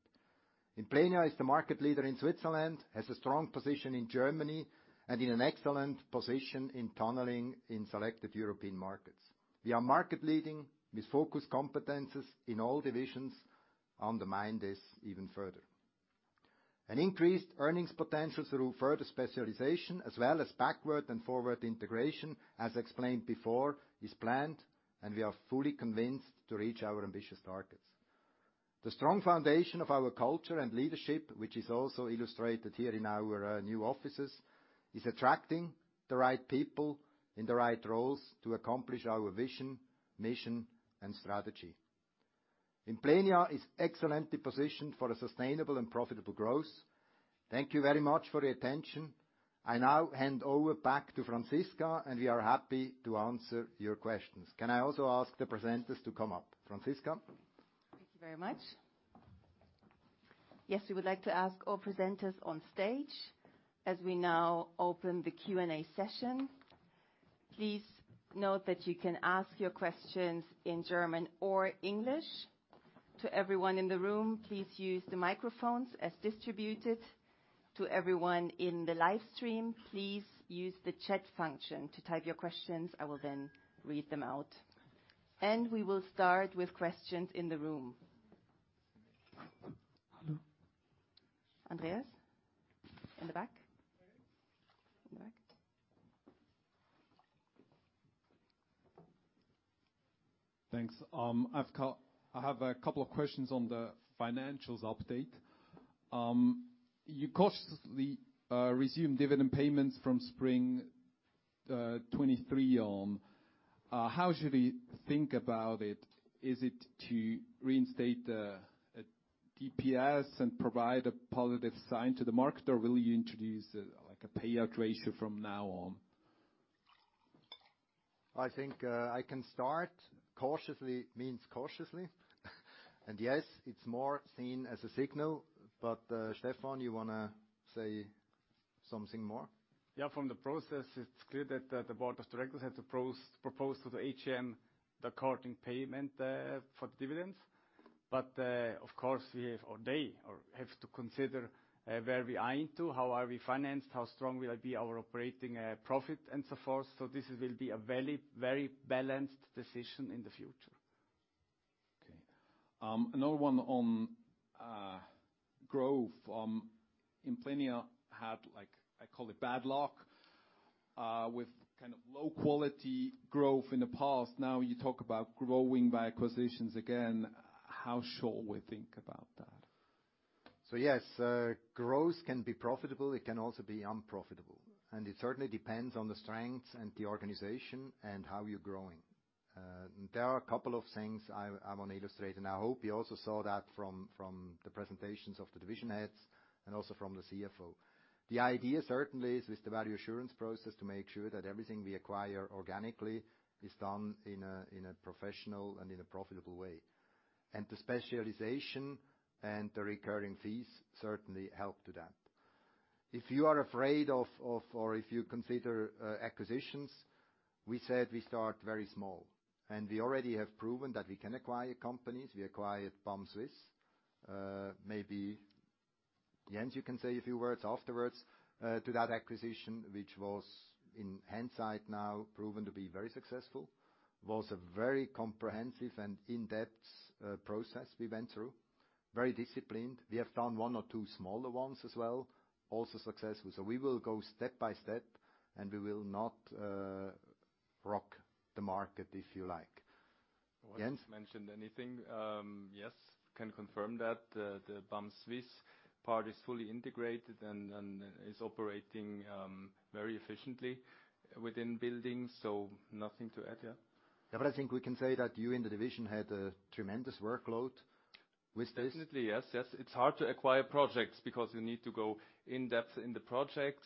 Implenia is the market leader in Switzerland, has a strong position in Germany, and in an excellent position in tunneling in selected European markets. We are market leading with focused competencies in all divisions, underpin this even further. An increased earnings potential through further specialization as well as backward and forward integration, as explained before, is planned, and we are fully convinced to reach our ambitious targets. The strong foundation of our culture and leadership, which is also illustrated here in our new offices, is attracting the right people in the right roles to accomplish our vision, mission, and strategy. Implenia is excellently positioned for a sustainable and profitable growth. Thank you very much for your attention. I now hand over back to Franziska, and we are happy to answer your questions. Can I also ask the presenters to come up? Franziska? Thank you very much. Yes, we would like to ask all presenters on stage as we now open the Q&A session. Please note that you can ask your questions in German or English. To everyone in the room, please use the microphones as distributed. To everyone in the live stream, please use the chat function to type your questions. I will then read them out. We will start with questions in the room. Hello. Andreas, in the back. In the back. Thanks. I have a couple of questions on the financials update. You cautiously resume dividend payments from spring 2023 on. How should we think about it? Is it to reinstate a DPS and provide a positive sign to the market, or will you introduce, like, a payout ratio from now on? I think, I can start cautiously means cautiously. Yes, it's more seen as a signal. Stefan, you wanna say something more? Yeah, from the process, it's clear that the board of directors had to propose to the AGM the according payment for the dividends. Of course, we have or they have to consider where we are into, how we are financed, how strong will it be our operating profit, and so forth. This will be a very, very balanced decision in the future. Okay. Another one on growth. Implenia had, like, I call it bad luck with kind of low quality growth in the past. Now you talk about growing by acquisitions again. How should we think about that? Yes, growth can be profitable, it can also be unprofitable, and it certainly depends on the strengths and the organization and how you're growing. There are a couple of things I wanna illustrate, and I hope you also saw that from the presentations of the division heads and also from the CFO. The idea certainly is with the Value Assurance process to make sure that everything we acquire organically is done in a professional and in a profitable way. The specialization and the recurring fees certainly help to that. If you are afraid of or if you consider acquisitions, we said we start very small. We already have proven that we can acquire companies. We acquired BAM Swiss. Maybe Jens, you can say a few words afterwards to that acquisition, which was in hindsight now proven to be very successful. Was a very comprehensive and in-depth process we went through, very disciplined. We have done one or two smaller ones as well, also successful. We will go step by step, and we will not rock the market, if you like. Jens? I won't mention anything. Yes, can confirm that the BAM Swiss part is fully integrated and is operating very efficiently within Buildings, so nothing to add, yeah. I think we can say that you in the division had a tremendous workload with this. Definitely, yes. It's hard to acquire projects because you need to go in-depth in the projects.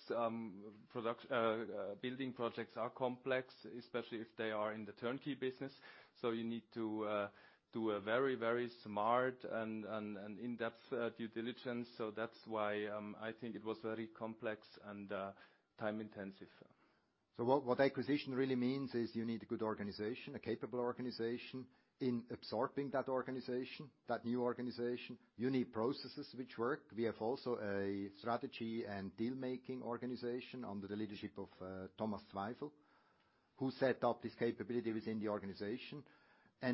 Building projects are complex, especially if they are in the turnkey business. You need to do a very smart and in-depth due diligence. That's why I think it was very complex and time intensive. What acquisition really means is you need a good organization, a capable organization. In absorbing that organization, that new organization, you need processes which work. We have also a strategy and deal-making organization under the leadership of Thomas Zweifel, who set up this capability within the organization.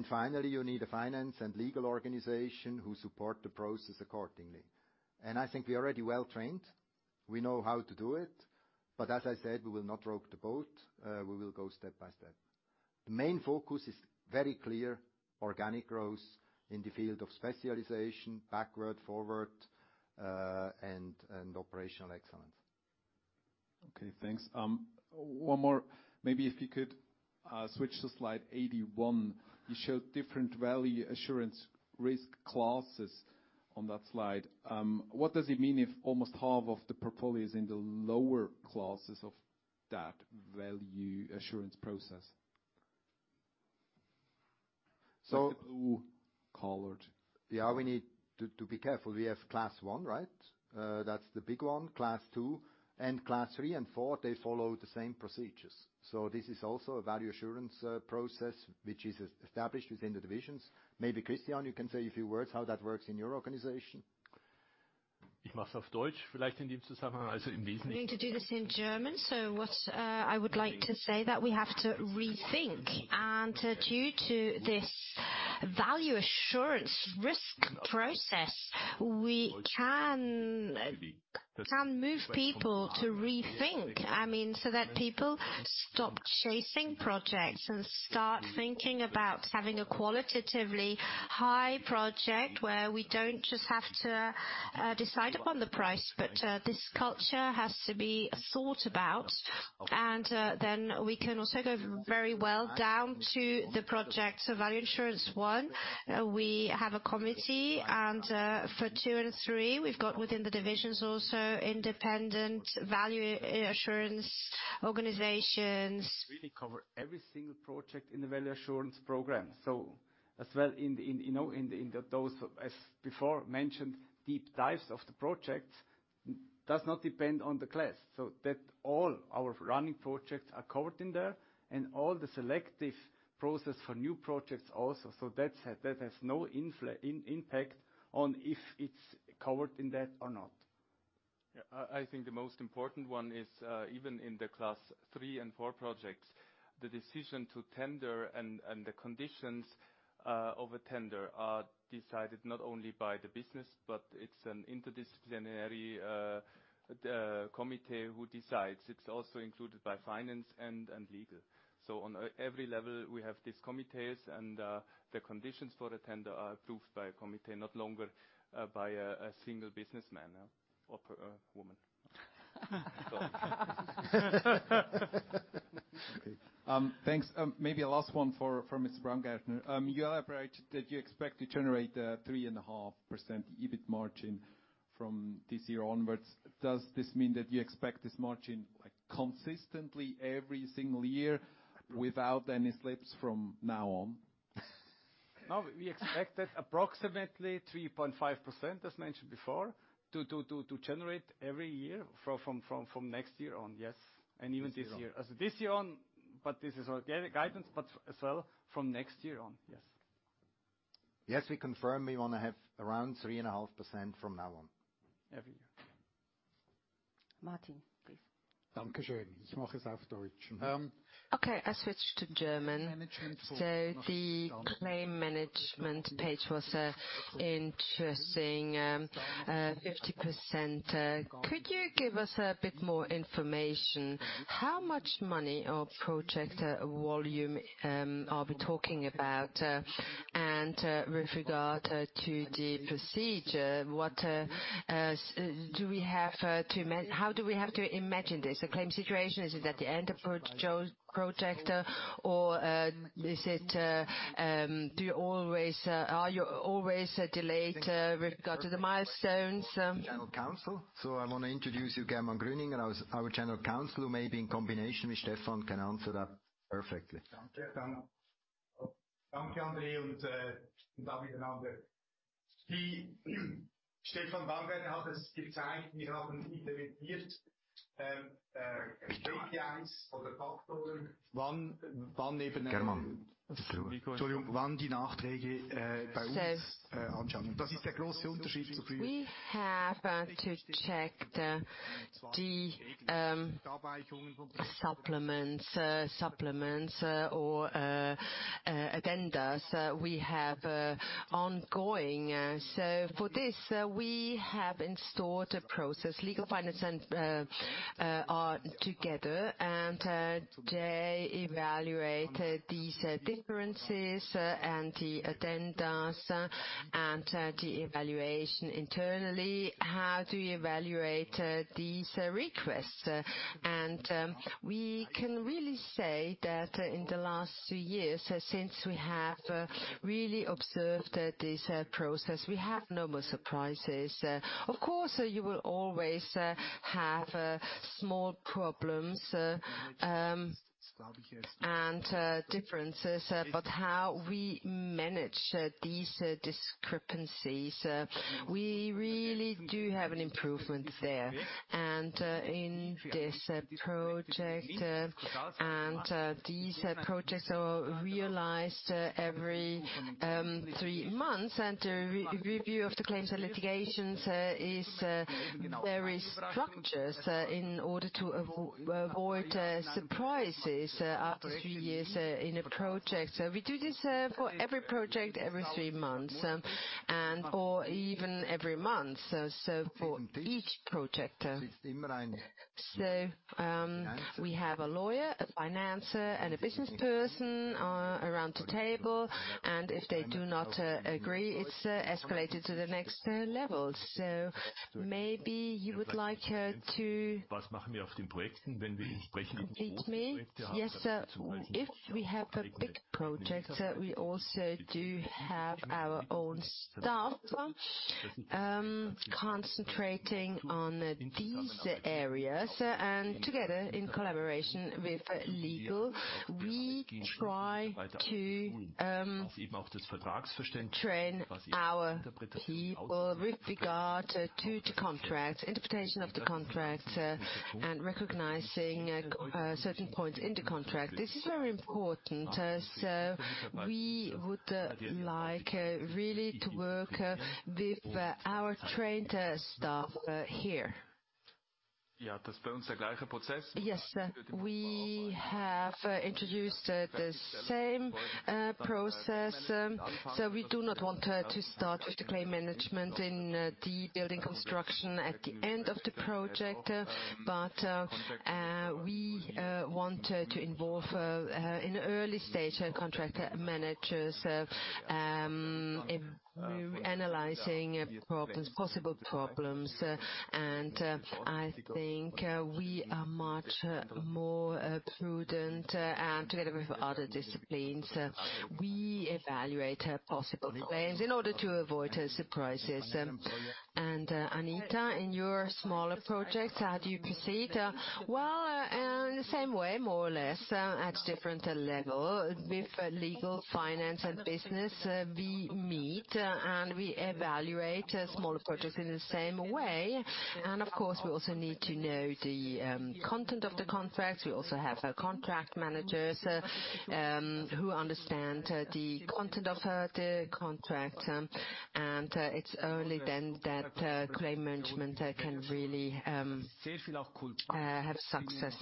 Finally, you need a finance and legal organization who support the process accordingly. I think we are already well trained. We know how to do it. As I said, we will not rock the boat. We will go step by step. The main focus is very clear, organic growth in the field of specialization, backward, forward, and operational excellence. Okay, thanks. One more. Maybe if you could switch to slide 81. You showed different Value Assurance risk classes on that slide. What does it mean if almost half of the portfolio is in the lower classes of that Value Assurance process? So- The blue colored. Yeah, we need to be careful. We have class I, right? That's the big one. Class II and class III and IV, they follow the same procedures. This is also a Value Assurance process which is established within the divisions. Maybe Christian, you can say a few words how that works in your organization. Going to do this in German. What I would like to say that we have to rethink. Due to this Value Assurance risk process, we can move people to rethink. I mean, so that people stop chasing projects and start thinking about having a qualitatively high project where we don't just have to decide upon the price, but this culture has to be thought about. Then we can also go very well down to the project Value Assurance one. We have a committee. For II and III, we've got within the divisions also independent Value Assurance organizations. Really cover every single project in the Value Assurance program. As well as in, you know, in those, as before mentioned, deep dives of the projects does not depend on the class. That all our running projects are covered in there and all the selection process for new projects also. That has no impact on if it's covered in that or not. Yeah. I think the most important one is even in the class III and IV projects, the decision to tender and the conditions of a tender are decided not only by the business, but it's an interdisciplinary committee who decides. It's also included by finance and legal. Every level we have these committees and the conditions for a tender are approved by a committee, no longer by a single businessman or woman. Thanks. Maybe a last one for, from Mr. Baumgärtner. You elaborated that you expect to generate 3.5% EBIT margin from this year onwards. Does this mean that you expect this margin, like, consistently every single year without any slips from now on? No, we expect that approximately 3.5%, as mentioned before, to generate every year from next year on. Yes. Even this year, but this is our guidance, but as well from next year on. Yes. Yes. We confirm we wanna have around 3.5% from now on. Every year. Martin, please. Okay, I switch to German. The claim management page was interesting. 50%. Could you give us a bit more information? How much money or project volume are we talking about? With regard to the procedure, what do we have to how do we have to imagine this? The claim situation, is it at the end of project or are you always delayed with regard to the milestones? General Counsel. I wanna introduce you to German Grüniger, our general counsel, who maybe in combination with Stefan can answer that perfectly. We have to check the supplements or addenda we have ongoing. For this, we have installed a process. Legal, finance, and risk are together and they evaluate these differences and the addenda and the evaluation internally, how to evaluate these requests. We can really say that in the last two years since we have really observed this process, we have no more surprises. Of course, you will always have small problems and differences. How we manage these discrepancies, we really do have an improvement there. In this project and these projects are realized every three months. A review of the claims and litigations is very structured in order to avoid surprises after three years in a project. We do this for every project every three months, and or even every month. For each project. We have a lawyer, a financier, and a business person around the table, and if they do not agree, it's escalated to the next level. Maybe you would like to. It's me? Yes, sir. If we have a big project, sir, we also do have our own staff concentrating on these areas. Together, in collaboration with legal, we try to train our people with regard to the contract, interpretation of the contract, and recognizing certain points in the contract. This is very important. We would like really to work with our trained staff here. Yes, sir. We have introduced the same process. We do not want to start with the claim management in the building construction at the end of the project. We want to involve in the early stage our contract managers in analyzing problems, possible problems. I think we are much more prudent and together with other disciplines, we evaluate possible claims in order to avoid surprises. Anita, in your smaller projects, how do you proceed? Well, in the same way, more or less, at different level. With legal, finance, and business, we meet, and we evaluate smaller projects in the same way. Of course, we also need to know the content of the contract. We also have our contract managers, who understand the content of the contract. It's only then that claim management can really have success.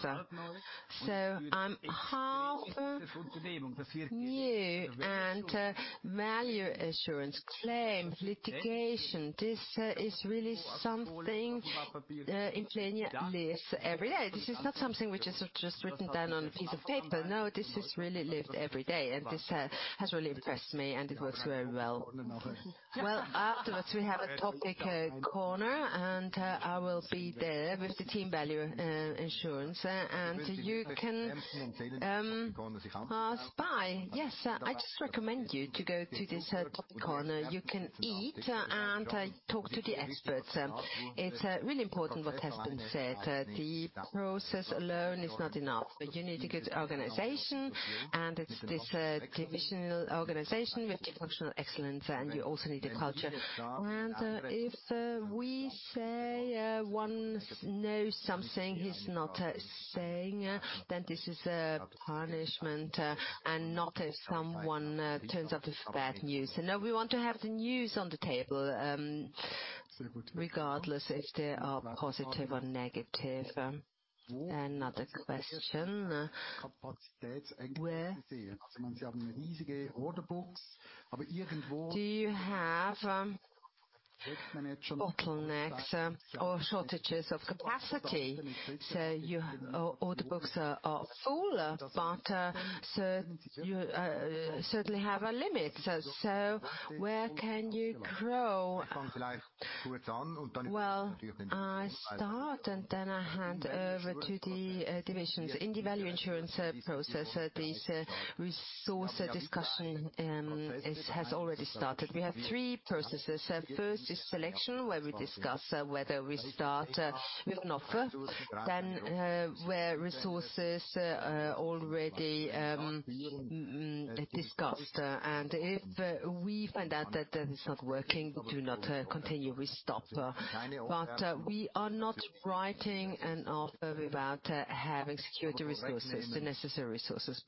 Value Assurance, claim, litigation. This is really something Implenia lives every day. This is not something which is just written down on a piece of paper. No, this is really lived every day, and this has really impressed me, and it works very well. Well, afterwards, we have a topic corner, and I will be there with the team Value Assurance. You can ask us. Yes, I just recommend you to go to this topic corner. You can eat and talk to the experts. It's really important what has been said. The process alone is not enough. You need a good organization, and it's this divisional organization with functional excellence, and you also need a culture. If we say one knows something he's not saying, then this is a punishment, and not if someone turns up this bad news. No, we want to have the news on the table, regardless if they are positive or negative. Another question. Where do you have bottlenecks, or shortages of capacity? Your order books are full, but you certainly have a limit. Where can you grow? Well, I start, and then I hand over to the divisions. In the Value Assurance process, this resource discussion has already started. We have three processes. First is selection, where we discuss whether we start with an offer, then where resources are already discussed. If we find out that is not working, we do not continue. We stop. We are not writing an offer without having secured the resources, the necessary resources.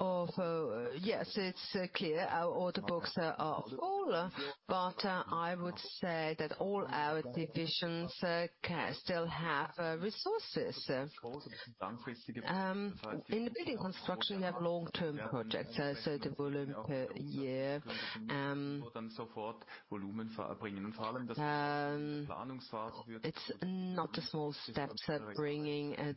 Although yes, it's clear our order books are full. I would say that all our divisions can still have resources. In the building construction, we have long-term projects. The volume per year, it's not small steps that bring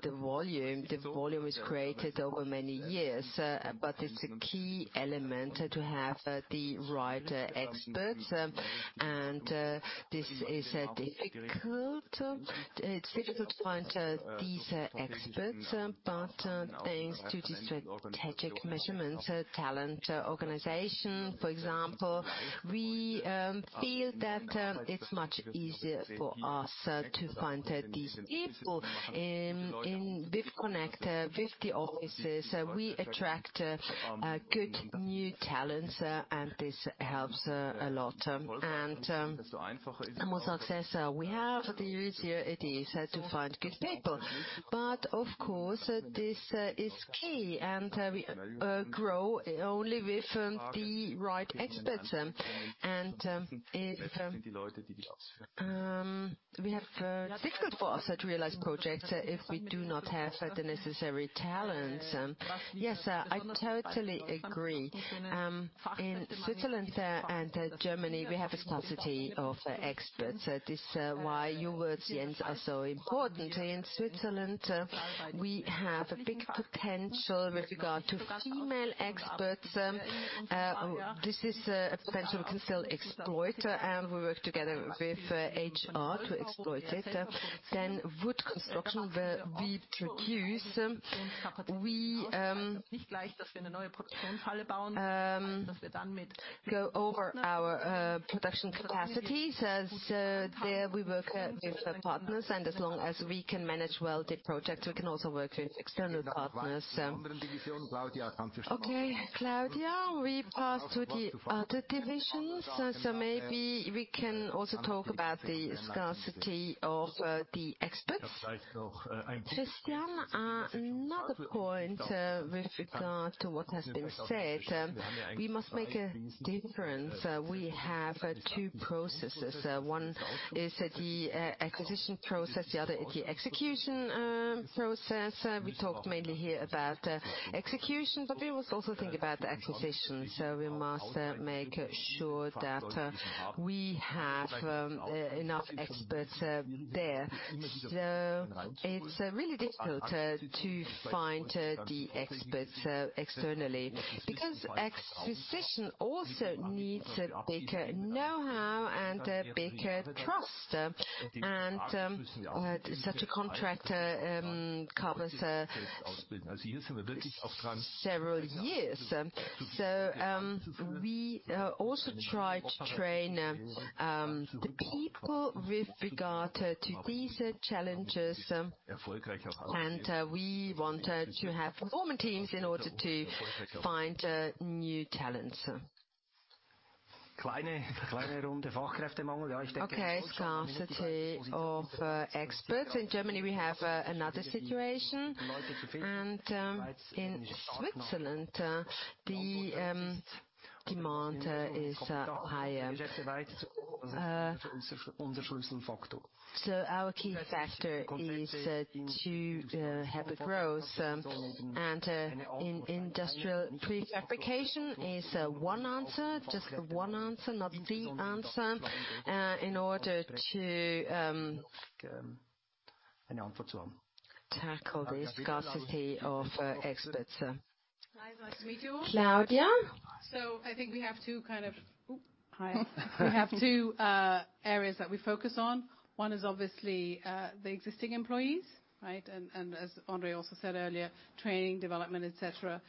the volume. The volume is created over many years. It's a key element to have the right experts. This is difficult. It's difficult to find these experts. Thanks to the strategic management talent organization, for example, we feel that it's much easier for us to find these people. And with connections with the offices, we attract good new talents and this helps a lot. It's a success. The easier it is to find good people. Of course, this is key, and we grow only with the right experts. It is difficult for us to realize projects if we do not have the necessary talent. Yes, I totally agree. In Switzerland and Germany, we have a scarcity of experts. This is why your words, Jens, are so important. In Switzerland, we have a big potential with regard to female experts. This is a potential we can still exploit, and we work together with HR to exploit it. Wood construction will be produced. We go over our production capacities. As there we work with our partners, and as long as we can manage well the project, we can also work with external partners. Okay, Claudia, we pass to the other divisions. Maybe we can also talk about the scarcity of the experts. Christian, no. Another point, with regard to what has been said, we must make a difference. We have two processes. One is the acquisition process, the other is the execution process. We talked mainly here about execution, but we must also think about acquisition. We must make sure that we have enough experts there. It's really difficult to find the experts externally, because acquisition also needs a better know-how and a better trust. Such a contract covers several years. We also try to train the people with regard to these challenges, and we want to have performing teams in order to find new talents. Okay, scarcity of experts. In Germany, we have another situation, and in Switzerland the demand is higher. Our key factor is to have growth, and industrial pre-fabrication is one answer, just one answer, not the answer, in order to tackle the scarcity of experts. Hi, nice to meet you all. Claudia. I think we have two areas that we focus on. One is obviously the existing employees, right? And as André also said earlier, training, development, et cetera.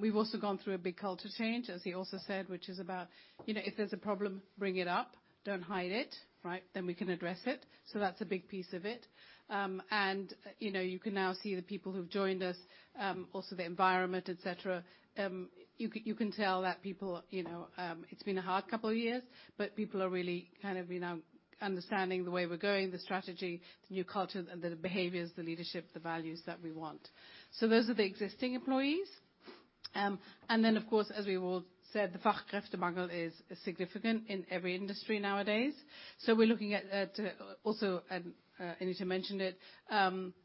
We've also gone through a big culture change, as he also said, which is about, you know, if there's a problem, bring it up, don't hide it, right? We can address it. That's a big piece of it. You know, you can now see the people who've joined us, also the environment, et cetera. You can tell that people, you know, it's been a hard couple of years, but people are really kind of, you know, understanding the way we're going, the strategy, the new culture, the behaviors, the leadership, the values that we want. Those are the existing employees. Of course, as we all said, the Fachkräftemangel is significant in every industry nowadays. We're looking at also and Anita mentioned it,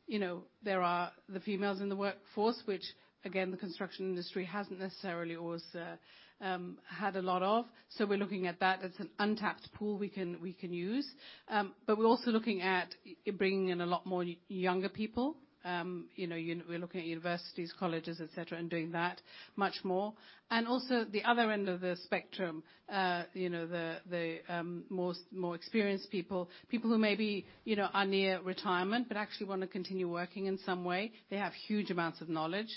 you know, there are the females in the workforce, which again, the construction industry hasn't necessarily always had a lot of. We're looking at that. It's an untapped pool we can use. We're also looking at bringing in a lot more younger people. You know, we're looking at universities, colleges, et cetera, and doing that much more. Also the other end of the spectrum, you know, the more experienced people. People who may be, you know, are near retirement, but actually wanna continue working in some way. They have huge amounts of knowledge.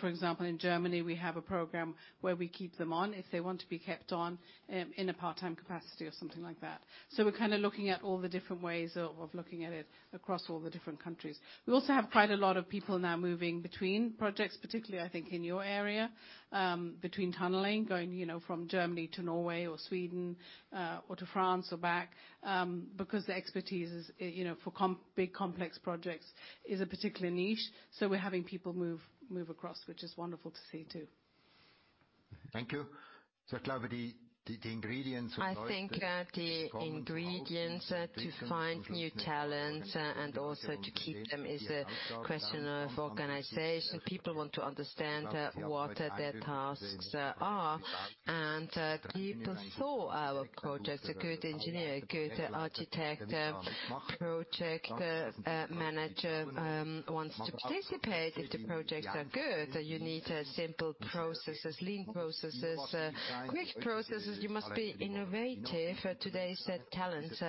For example, in Germany, we have a program where we keep them on if they want to be kept on in a part-time capacity or something like that. We're kinda looking at all the different ways of looking at it across all the different countries. We also have quite a lot of people now moving between projects, particularly I think in your area, between tunneling, going, you know, from Germany to Norway or Sweden or to France or back because the expertise is, you know, for big complex projects is a particular niche. We're having people move across, which is wonderful to see too. Thank you. Claudia, the ingredients to find new talent and also to keep them is a question of organization. People want to understand what their tasks are, and people saw our projects. A good engineer, a good architect, project manager wants to participate if the projects are good. You need simple processes, lean processes, quick processes. You must be innovative. Today's talents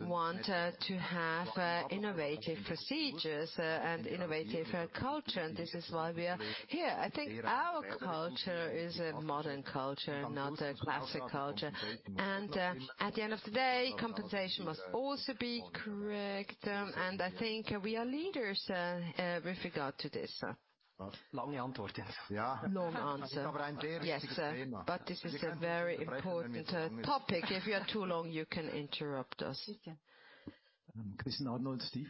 want to have innovative procedures and innovative culture. This is why we are here. I think our culture is a modern culture, not a classic culture. At the end of the day, compensation must also be correct. I think we are leaders with regard to this. Long answer. Yes. This is a very important topic. If you are too long, you can interrupt us. Sure. Christian Arnold, Stifel. Three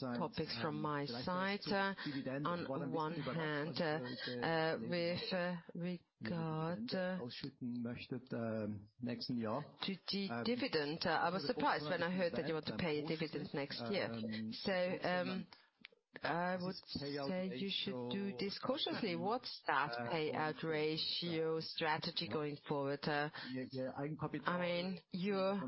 topics from my side. On one hand, with regard to the dividend, I was surprised when I heard that you want to pay a dividend next year. I would say you should do this cautiously. What's that payout ratio strategy going forward? I mean, your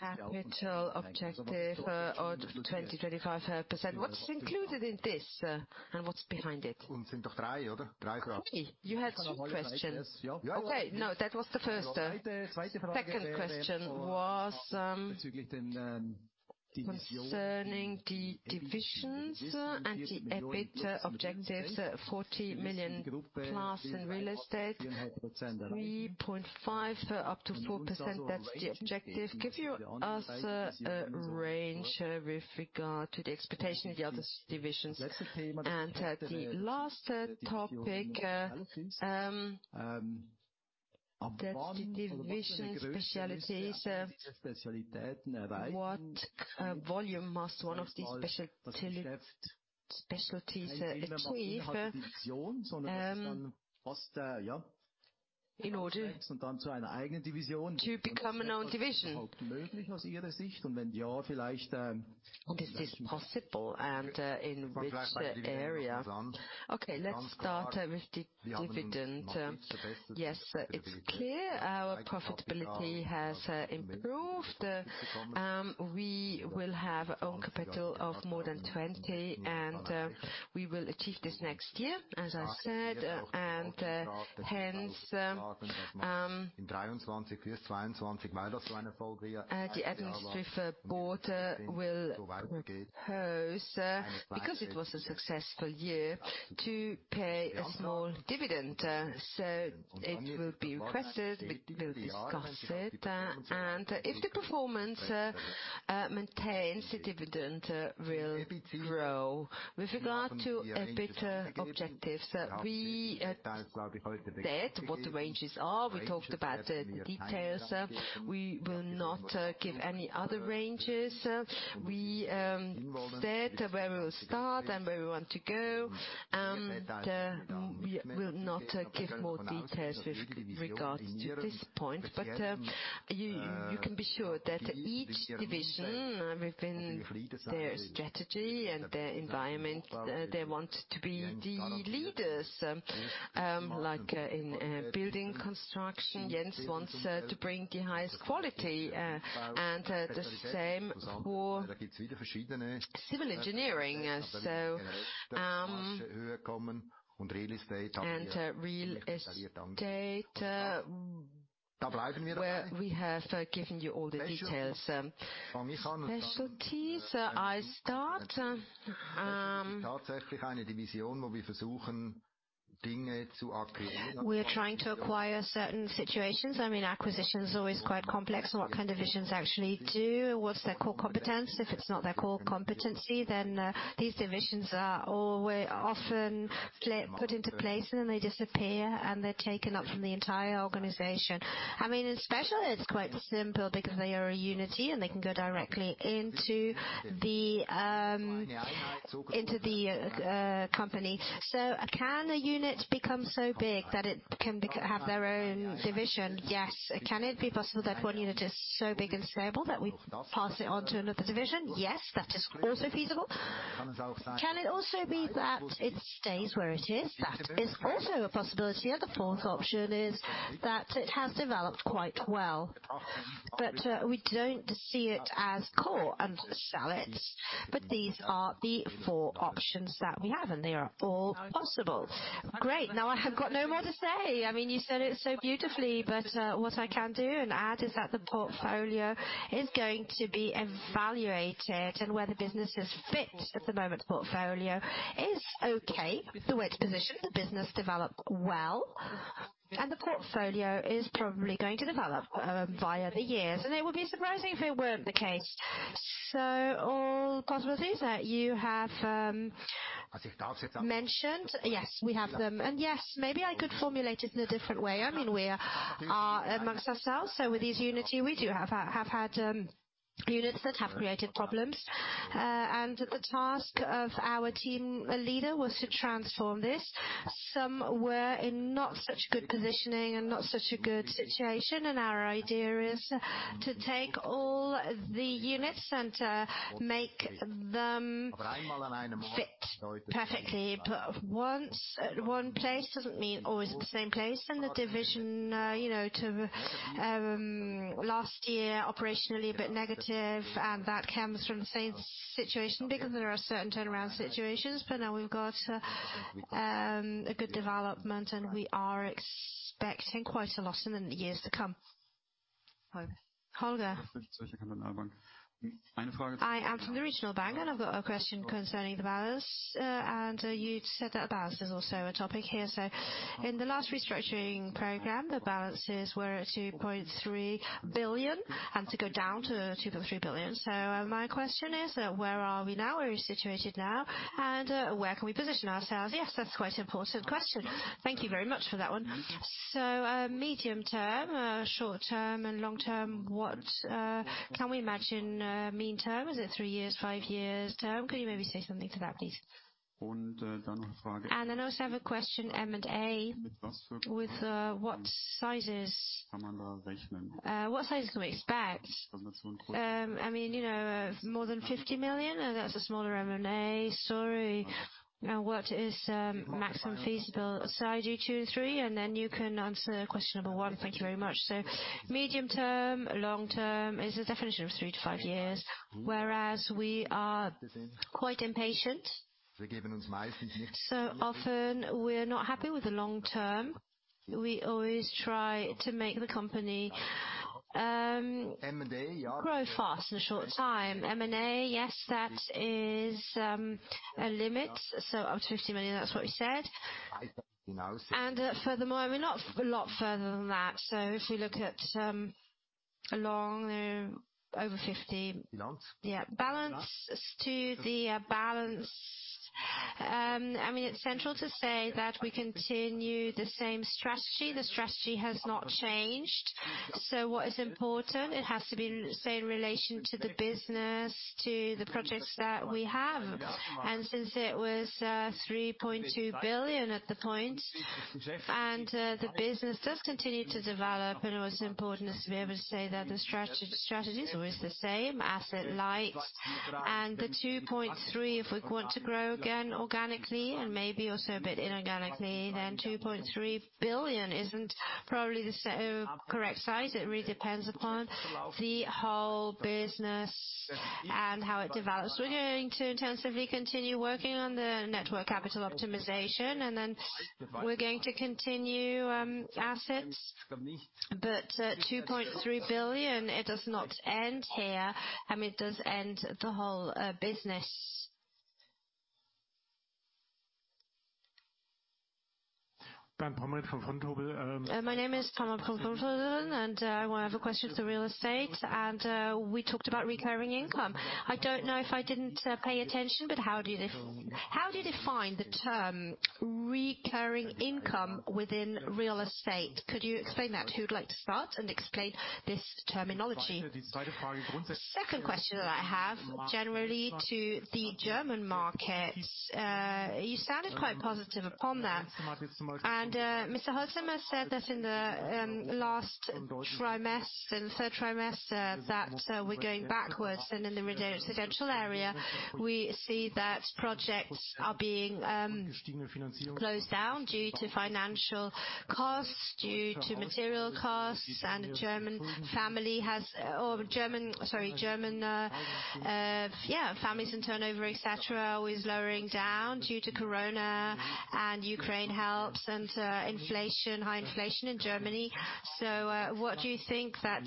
capital objective of 20%-25%. What's included in this? What's behind it? Probably. You had two questions. Okay. No, that was the first. Second question was, concerning the divisions and the EBIT objectives, 40 million plus in real estate, 3.5%-4%. That's the objective. Give us a range with regard to the expectation of the other divisions. The last topic, What the Division Specialties, what, volume must one of these specialties achieve, in order to become a known division? Is this possible, in which area? Okay, let's start with the dividend. Yes, it's clear our profitability has improved. We will have own capital of more than 20 and we will achieve this next year, as I said. Hence, the administrative board will propose, because it was a successful year, to pay a small dividend. It will be requested. We will discuss it. If the performance maintains, the dividend will grow. With regard to EBIT objectives, we said what the ranges are. We talked about the details. We will not give any other ranges. We said where we will start and where we want to go. We will not give more details with regards to this point. You can be sure that each division within their strategy and their environment, they want to be the leaders. Like, in building construction, Jens wants to bring the highest quality. The same for civil engineering. And real estate, where we have given you all the details. Specialties, I start. We are trying to acquire certain situations. I mean, acquisition is always quite complex. What can divisions actually do? What's their core competence? If it's not their core competency, then these divisions are always often put into place, and they disappear, and they're taken up from the entire organization. I mean, in specialty it's quite simple because they are a unit, and they can go directly into the company. Can a unit become so big that it can have their own division? Yes. Can it be possible that one unit is so big and stable that we pass it on to another division? Yes, that is also feasible. Can it also be that it stays where it is? That is also a possibility, and the fourth option is that it has developed quite well. We don't see it as core and sell it. These are the four options that we have, and they are all possible. Great. Now I have got no more to say. I mean, you said it so beautifully. What I can do and add is that the portfolio is going to be evaluated and where the businesses fit. At the moment, the portfolio is okay. The weighted position, the business developed well. The portfolio is probably going to develop over the years, and it would be surprising if it weren't the case. All possibilities that you have mentioned. Yes, we have them. Yes, maybe I could formulate it in a different way. I mean, we are amongst ourselves. With this unity, we have had units that have created problems. The task of our team leader was to transform this. Some were in not such good positioning and not such a good situation, and our idea is to take all the units and make them fit perfectly. Once at one place doesn't mean always at the same place. The division, you know, last year, operationally a bit negative, and that comes from the same situation because there are certain turnaround situations. Now we've got a good development, and we are expecting quite a lot in the years to come. Holger. Holger? I am from the Zürcher Kantonalbank, and I've got a question concerning the balance. You'd said that balance is also a topic here. In the last restructuring program, the balances were at 2.3 billion and to go down to 2.3 billion. My question is, where are we now? Where are we situated now? Where can we position ourselves? Yes, that's quite important question. Thank you very much for that one. Medium term, short term and long term, what can we imagine, medium term? Is it three years, five years term? Could you maybe say something to that, please? Then I also have a question, M&A. With what sizes can we expect? I mean, you know, more than 50 million? That's a smaller M&A story. Now, what is maximum feasible size, two and three? Then you can answer question number one. Thank you very much. Medium term, long term is a definition of 3 to 5 years, whereas we are quite impatient. Often we're not happy with the long term. We always try to make the company grow fast in a short time. M&A, yes, that is a limit, so up to 50 million. That's what we said. Furthermore, we're not a lot further than that. If we look at along over 50 million. Yeah. Balance. As to the balance, I mean, it's central to say that we continue the same strategy. The strategy has not changed. What is important, it has to be in say, in relation to the business, to the projects that we have. Since it was 3.2 billion at the point, the business does continue to develop, and what's important is to be able to say that the strategy is always the same, asset light. The 2.3, if we want to grow again organically and maybe also a bit inorganically, then 2.3 billion isn't probably the correct size. It really depends upon the whole business and how it develops. We're going to intensively continue working on the net working capital optimization, and then we're going to continue assets. But 2.3 billion, it does not end here. I mean, it does end the whole business. My name is Pamela, and I have a question for real estate. We talked about recurring income. I don't know if I didn't pay attention, but how do you define the term recurring income within real estate? Could you explain that? Who'd like to start and explain this terminology? Second question that I have, generally to the German market. You sounded quite positive upon that. Mr. Holzleitner said that in the last quarter, the third quarter, that we're going backwards. In the residential area, we see that projects are being closed down due to financial costs, due to material costs. German families and turnover, et cetera, is lowering down due to Corona and Ukraine help, and inflation, high inflation in Germany. What do you think that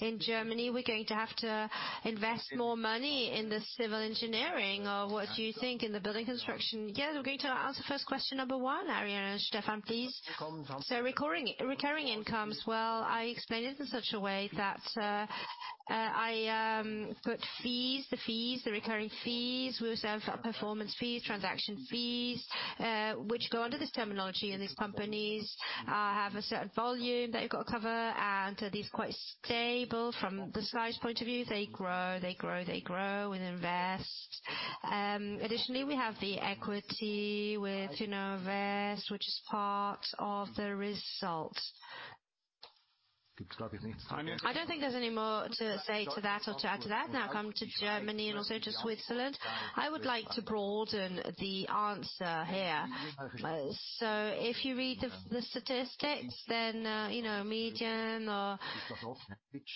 in Germany, we're going to have to invest more money in the civil engineering, or what do you think in the building construction? Yeah, we're going to ask the first question number one. Andreas, Stefan, please. Recurring incomes. Well, I explain it in such a way that I put fees, the recurring fees. We also have performance fees, transaction fees, which go under this terminology. These companies have a certain volume they've got to cover, and these are quite stable from the size point of view. They grow, we invest. Additionally, we have the equity with, you know, Wyss, which is part of the result. I don't think there's any more to say to that or to add to that. Now coming to Germany and also to Switzerland, I would like to broaden the answer here. If you read the statistics, then you know median or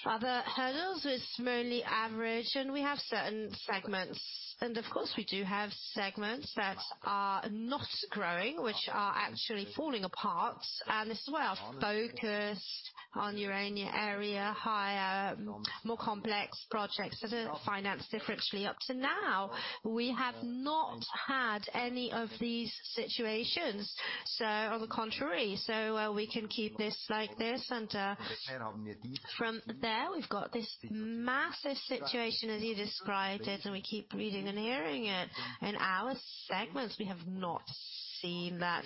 other hurdles with merely average, and we have certain segments. Of course, we do have segments that are not growing, which are actually falling apart. This is why our focus on our niche area, higher, more complex projects that are financed differently. Up to now, we have not had any of these situations. On the contrary. We can keep this like this, and from there, we've not got this massive situation as you described it, and we keep reading and hearing it. In our segments, we have not seen that.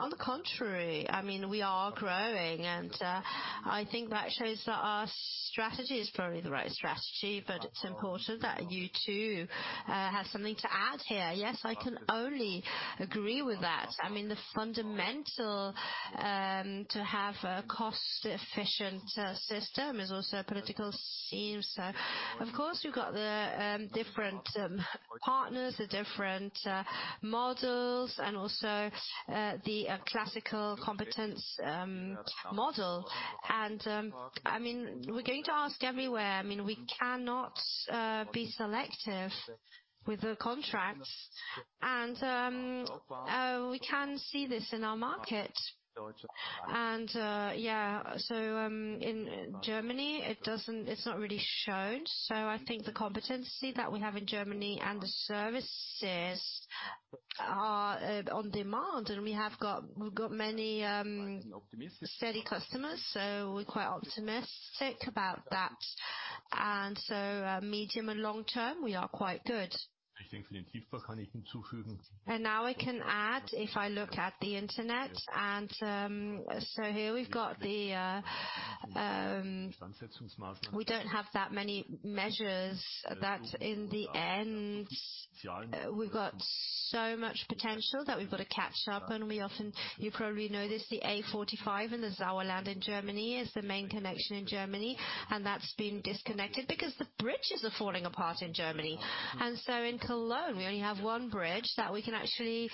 On the contrary, I mean, we are growing, and I think that shows that our strategy is probably the right strategy. It's important that you too, have something to add here. Yes, I can only agree with that. I mean, the fundamental to have a cost-efficient system is also a political scheme. Of course, you've got the different partners, the different models, and also the classical competence model. I mean, we're going to act everywhere. I mean, we cannot be selective with the contracts and we can see this in our market. Yeah. In Germany, it's not really shown. I think the competency that we have in Germany and the services are on demand, and we've got many steady customers, so we're quite optimistic about that. Medium and long term, we are quite good. Now I can add, if I look at the Internet, so here we've got, we don't have that many measures that in the end, we've got so much potential that we've got to catch up on. You probably know this, the A45 in the Sauerland in Germany is the main connection in Germany, and that's been disconnected because the bridges are falling apart in Germany. In Cologne, we only have one bridge that we can actually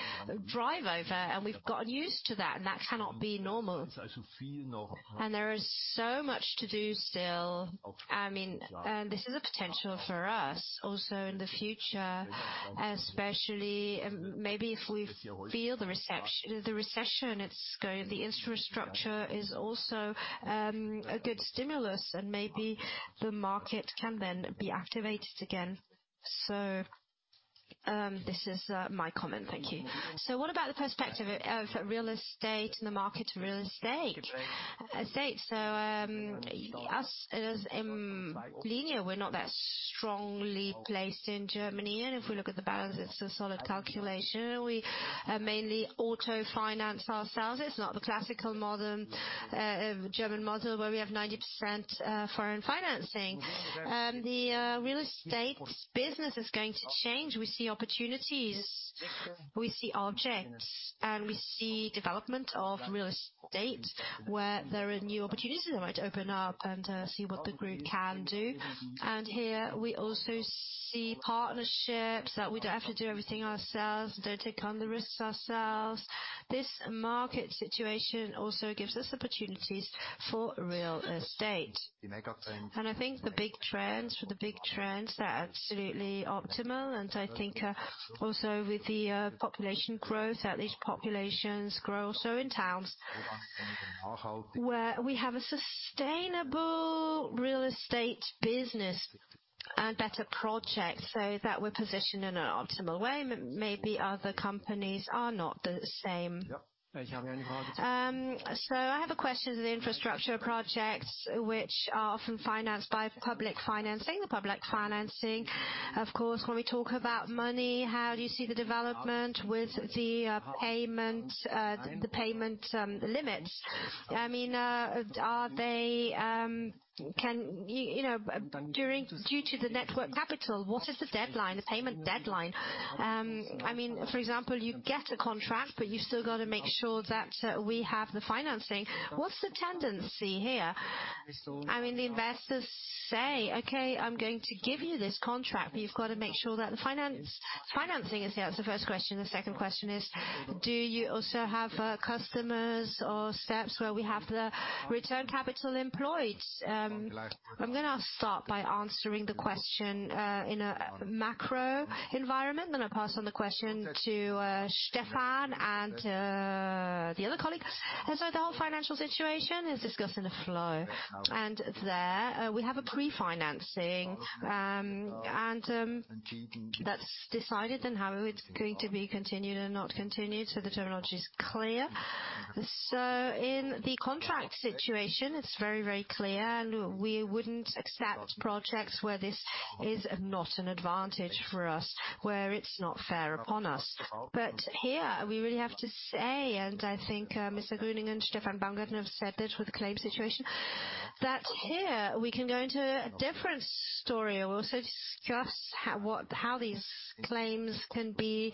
drive over, and we've gotten used to that, and that cannot be normal. There is so much to do still. I mean, this is a potential for us also in the future, especially maybe if we feel the recession. The infrastructure is also a good stimulus and maybe the market can then be activated again. This is my comment. Thank you. What about the perspective of real estate and the market to real estate? We as Implenia, we're not that strongly placed in Germany, and if we look at the balance sheet, it's a solid capitalization. We mainly self-finance ourselves. It's not the classical model, German model, where we have 90% foreign financing. The real estate business is going to change. We see opportunities, we see objects, and we see development of real estate where there are new opportunities that might open up and see what the group can do. Here we also see partnerships that we don't have to do everything ourselves, don't take on the risks ourselves. This market situation also gives us opportunities for real estate. I think the big trends they are absolutely optimal, and I think also with the population growth, at least populations grow, so in towns where we have a sustainable real estate business and better projects, so that we're positioned in an optimal way. Maybe other companies are not the same. I have a question on the infrastructure projects which are often financed by public financing. The public financing, of course, when we talk about money, how do you see the development with the payment limits? I mean, are they. You know, due to the working capital, what is the deadline, the payment deadline? I mean, for example, you get a contract, but you've still got to make sure that we have the financing. What's the tendency here? I mean, the investors say, "Okay, I'm going to give you this contract, but you've got to make sure that the finance, financing is there." That's the first question. The second question is: Do you also have customers or steps where we have the return capital employed? I'm gonna start by answering the question in a macro environment. Then I'll pass on the question to Stefan and the other colleague. The whole financial situation is discussed in the flow. There, we have a pre-financing, and that's decided on how it's going to be continued or not continued, so the terminology is clear. In the contract situation, it's very, very clear, and we wouldn't accept projects where this is not an advantage for us, where it's not fair upon us. Here we really have to say, and I think, Mr. Grüniger and Stefan Baumgärtner have said this with the claim situation, that here we can go into a different story. We also discuss how these claims can be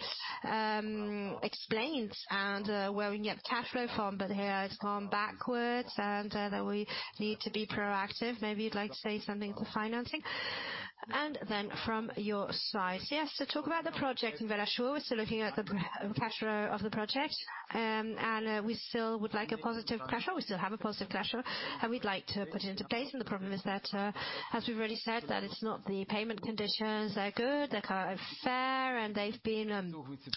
explained and where we can get the cash flow from. Here it's gone backwards and that we need to be proactive. Maybe you'd like to say something to financing, and then from your side. Yes. To talk about the project in Velashur, we're still looking at the cash flow of the project. We still would like a positive cash flow. We still have a positive cash flow, and we'd like to put it into place. The problem is that, as we've already said, that it's not the payment conditions. They're good, they're kind of fair, and they've been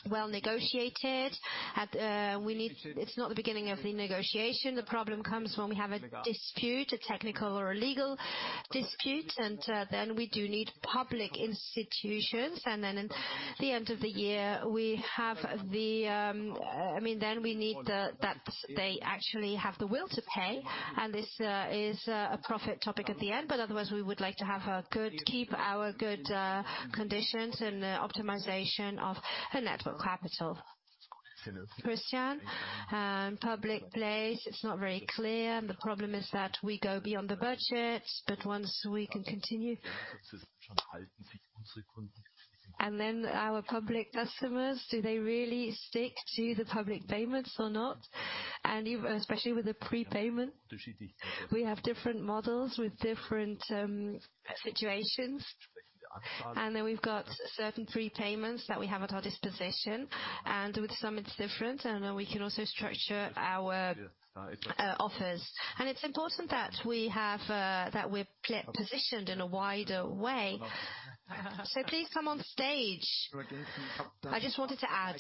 well negotiated. It's not the beginning of the negotiation. The problem comes when we have a dispute, a technical or a legal dispute, and then we do need public institutions. In the end of the year, we have the, I mean, that they actually have the will to pay, and this is a profit topic at the end. Otherwise we would like to keep our good conditions and optimization of the net working capital. Christian? Public place, it's not very clear, and the problem is that we go beyond the budget. Once we can continue. Then our public customers, do they really stick to the public payments or not? Even especially with the prepayment, we have different models with different, situations. We've got certain prepayments that we have at our disposition, and with some it's different, and we can also structure our, offers. It's important that we have, that we're well-positioned in a wider way. Please come on stage. I just wanted to add,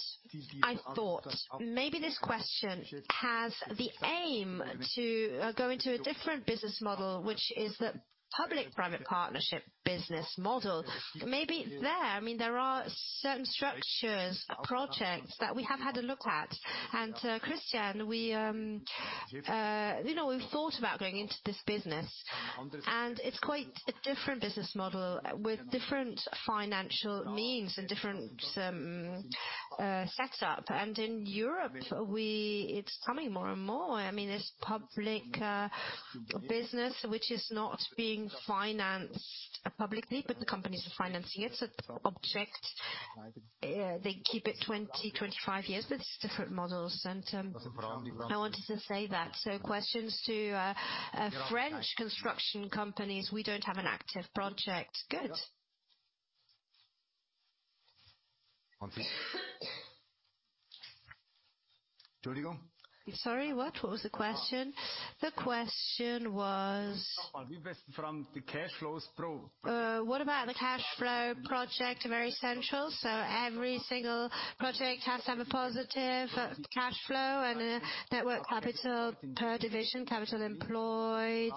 I thought maybe this question has the aim to, go into a different business model, which is the public-private partnership business model. Maybe there, I mean, there are certain structures, projects that we have had a look at. Christian, we, you know, we've thought about going into this business, and it's quite a different business model with different financial means and different, setup. In Europe, it's coming more and more. I mean, it's public business which is not being financed publicly, but the companies are financing it. It's an object. They keep it 20-25 years, but it's different models. I wanted to say that. Questions to French construction companies, we don't have an active project. Good. Sorry, what? What was the question? The question was- what about the cash flow project? Very central. Every single project has to have a positive cash flow and a net working capital per division, capital employed,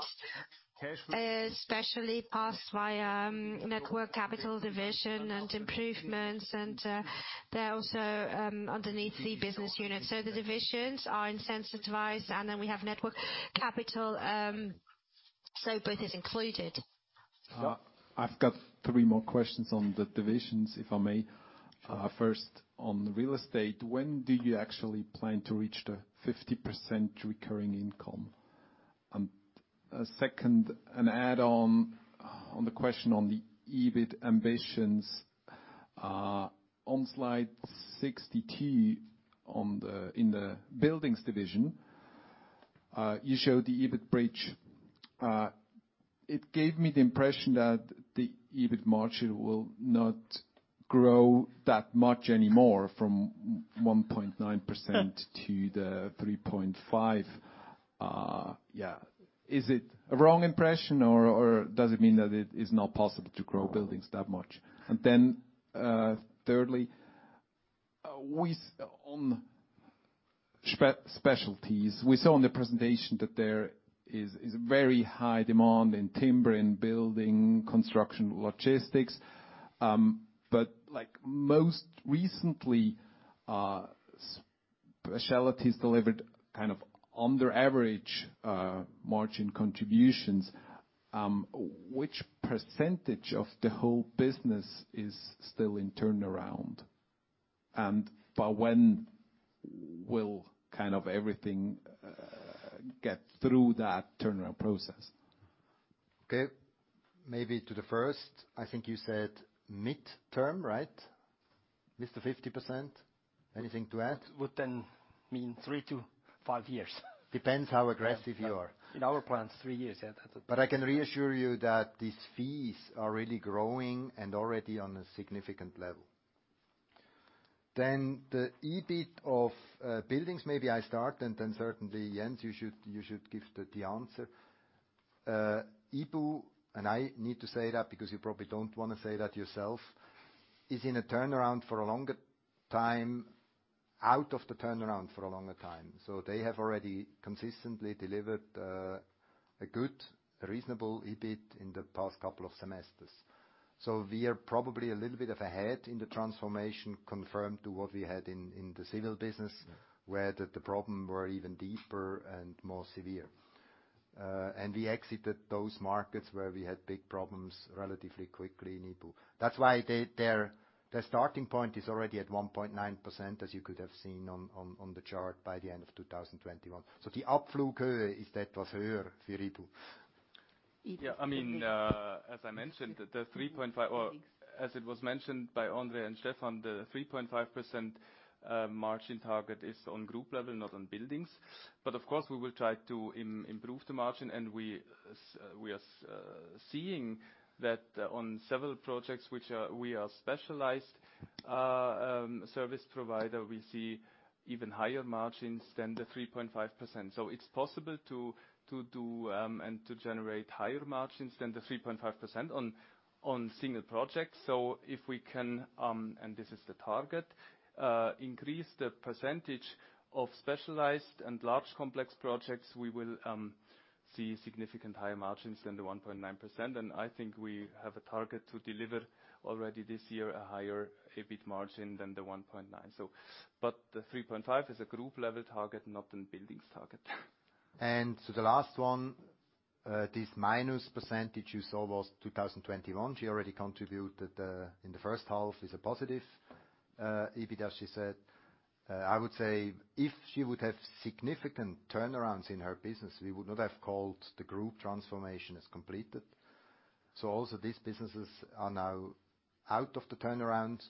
especially passed by net working capital division and improvements. They're also underneath the business unit. The divisions are incentivized, and then we have net working capital. Both is included. I've got three more questions on the divisions, if I may. First, on the real estate, when do you actually plan to reach the 50% recurring income? And second, an add-on, on the question on the EBIT ambitions. On slide 60T in the buildings division, you showed the EBIT bridge. It gave me the impression that the EBIT margin will not grow that much anymore from 1.9% to the 3.5%. Is it a wrong impression or does it mean that it is not possible to grow buildings that much? And then, thirdly, we saw in the presentation that there is very high demand in timber, in building, construction, logistics. But like most recently, specialties delivered kind of under average margin contributions. Which percentage of the whole business is still in turnaround? By when will kind of everything get through that turnaround process? Okay. Maybe to the first, I think you said midterm, right? With the 50%. Anything to add? Would then mean 3-5 years. Depends how aggressive you are. In our plans, three years, yeah. But I can reassure you that these fees are really growing and already on a significant level. Then the EBIT of Buildings, maybe I start and then certainly, Jens, you should give the answer. Buildings, and I need to say that because you probably don't wanna say that yourself, is in a turnaround for a longer time, out of the turnaround for a longer time. So they have already consistently delivered a good, reasonable EBIT in the past couple of semesters. So we are probably a little bit ahead in the transformation compared to what we had in the Civil business. Yeah. Where the problem were even deeper and more severe. We exited those markets where we had big problems relatively quickly in Europe. That's why their starting point is already at 1.9%, as you could have seen on the chart by the end of 2021. The. Yeah. I mean, as I mentioned, the 3.5% or as it was mentioned by André and Stefan, the 3.5% margin target is on group level, not on buildings. Of course, we will try to improve the margin, and we are seeing that on several projects which are we are specialized service provider, we see even higher margins than the 3.5%. It's possible to do and to generate higher margins than the 3.5% on single projects. If we can and this is the target increase the percentage of specialized and large complex projects, we will see significant higher margins than the 1.9%. I think we have a target to deliver already this year a higher EBIT margin than the 1.9%, so. The 3.5% is a group level target, not a Buildings target. The last one, this minus percentage you saw was 2021. She already contributed, in the first half is a positive, EBITDA, she said. I would say if she would have significant turnarounds in her business, we would not have called the group transformation as completed. Also these businesses are now out of the turnaround.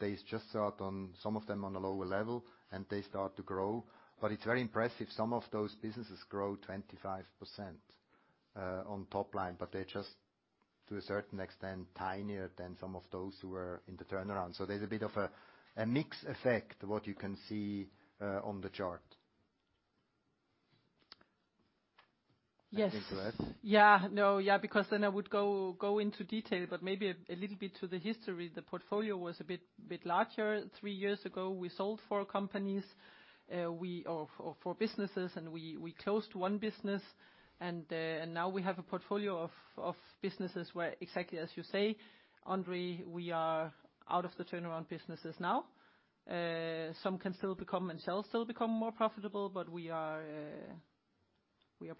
They just start on, some of them, on a lower level, and they start to grow. It's very impressive. Some of those businesses grow 25%, on top line, but they're just, to a certain extent, tinier than some of those who are in the turnaround. There's a bit of a mix effect, what you can see, on the chart. Yes. Anything to add? Yeah. No. Yeah, because then I would go into detail, but maybe a little bit to the history. The portfolio was a bit larger three years ago. We sold four companies. Or four businesses and we closed one business. Now we have a portfolio of businesses where exactly as you say, André, we are out of the turnaround businesses now. Some can still become and shall still become more profitable, but we are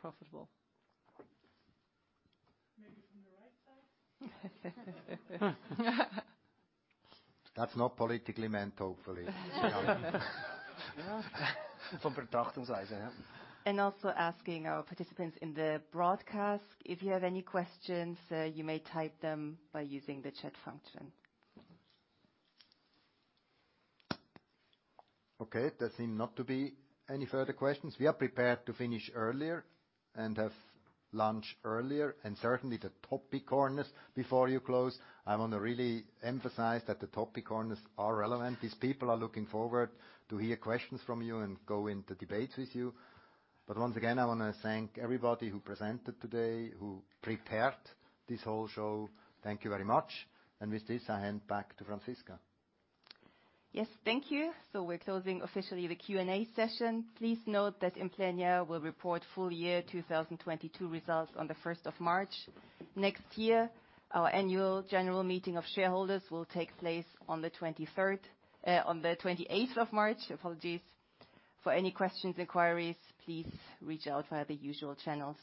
profitable. Maybe from the right side. That's not politically meant, hopefully. From Also asking our participants in the broadcast, if you have any questions, you may type them by using the chat function. Okay. There seem not to be any further questions. We are prepared to finish earlier and have lunch earlier, and certainly the topic corners before you close. I wanna really emphasize that the topic corners are relevant. These people are looking forward to hear questions from you and go into debates with you. Once again, I wanna thank everybody who presented today, who prepared this whole show. Thank you very much. With this, I hand back to Franziska. Yes. Thank you. We're closing officially the Q&A session. Please note that Implenia will report full year 2022 results on the 1st of March. Next year, our annual general meeting of shareholders will take place on the 23rd, on the 28th of March. Apologies. For any questions, inquiries, please reach out via the usual channels.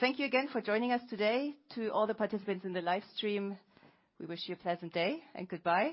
Thank you again for joining us today. To all the participants in the live stream, we wish you a pleasant day, and goodbye.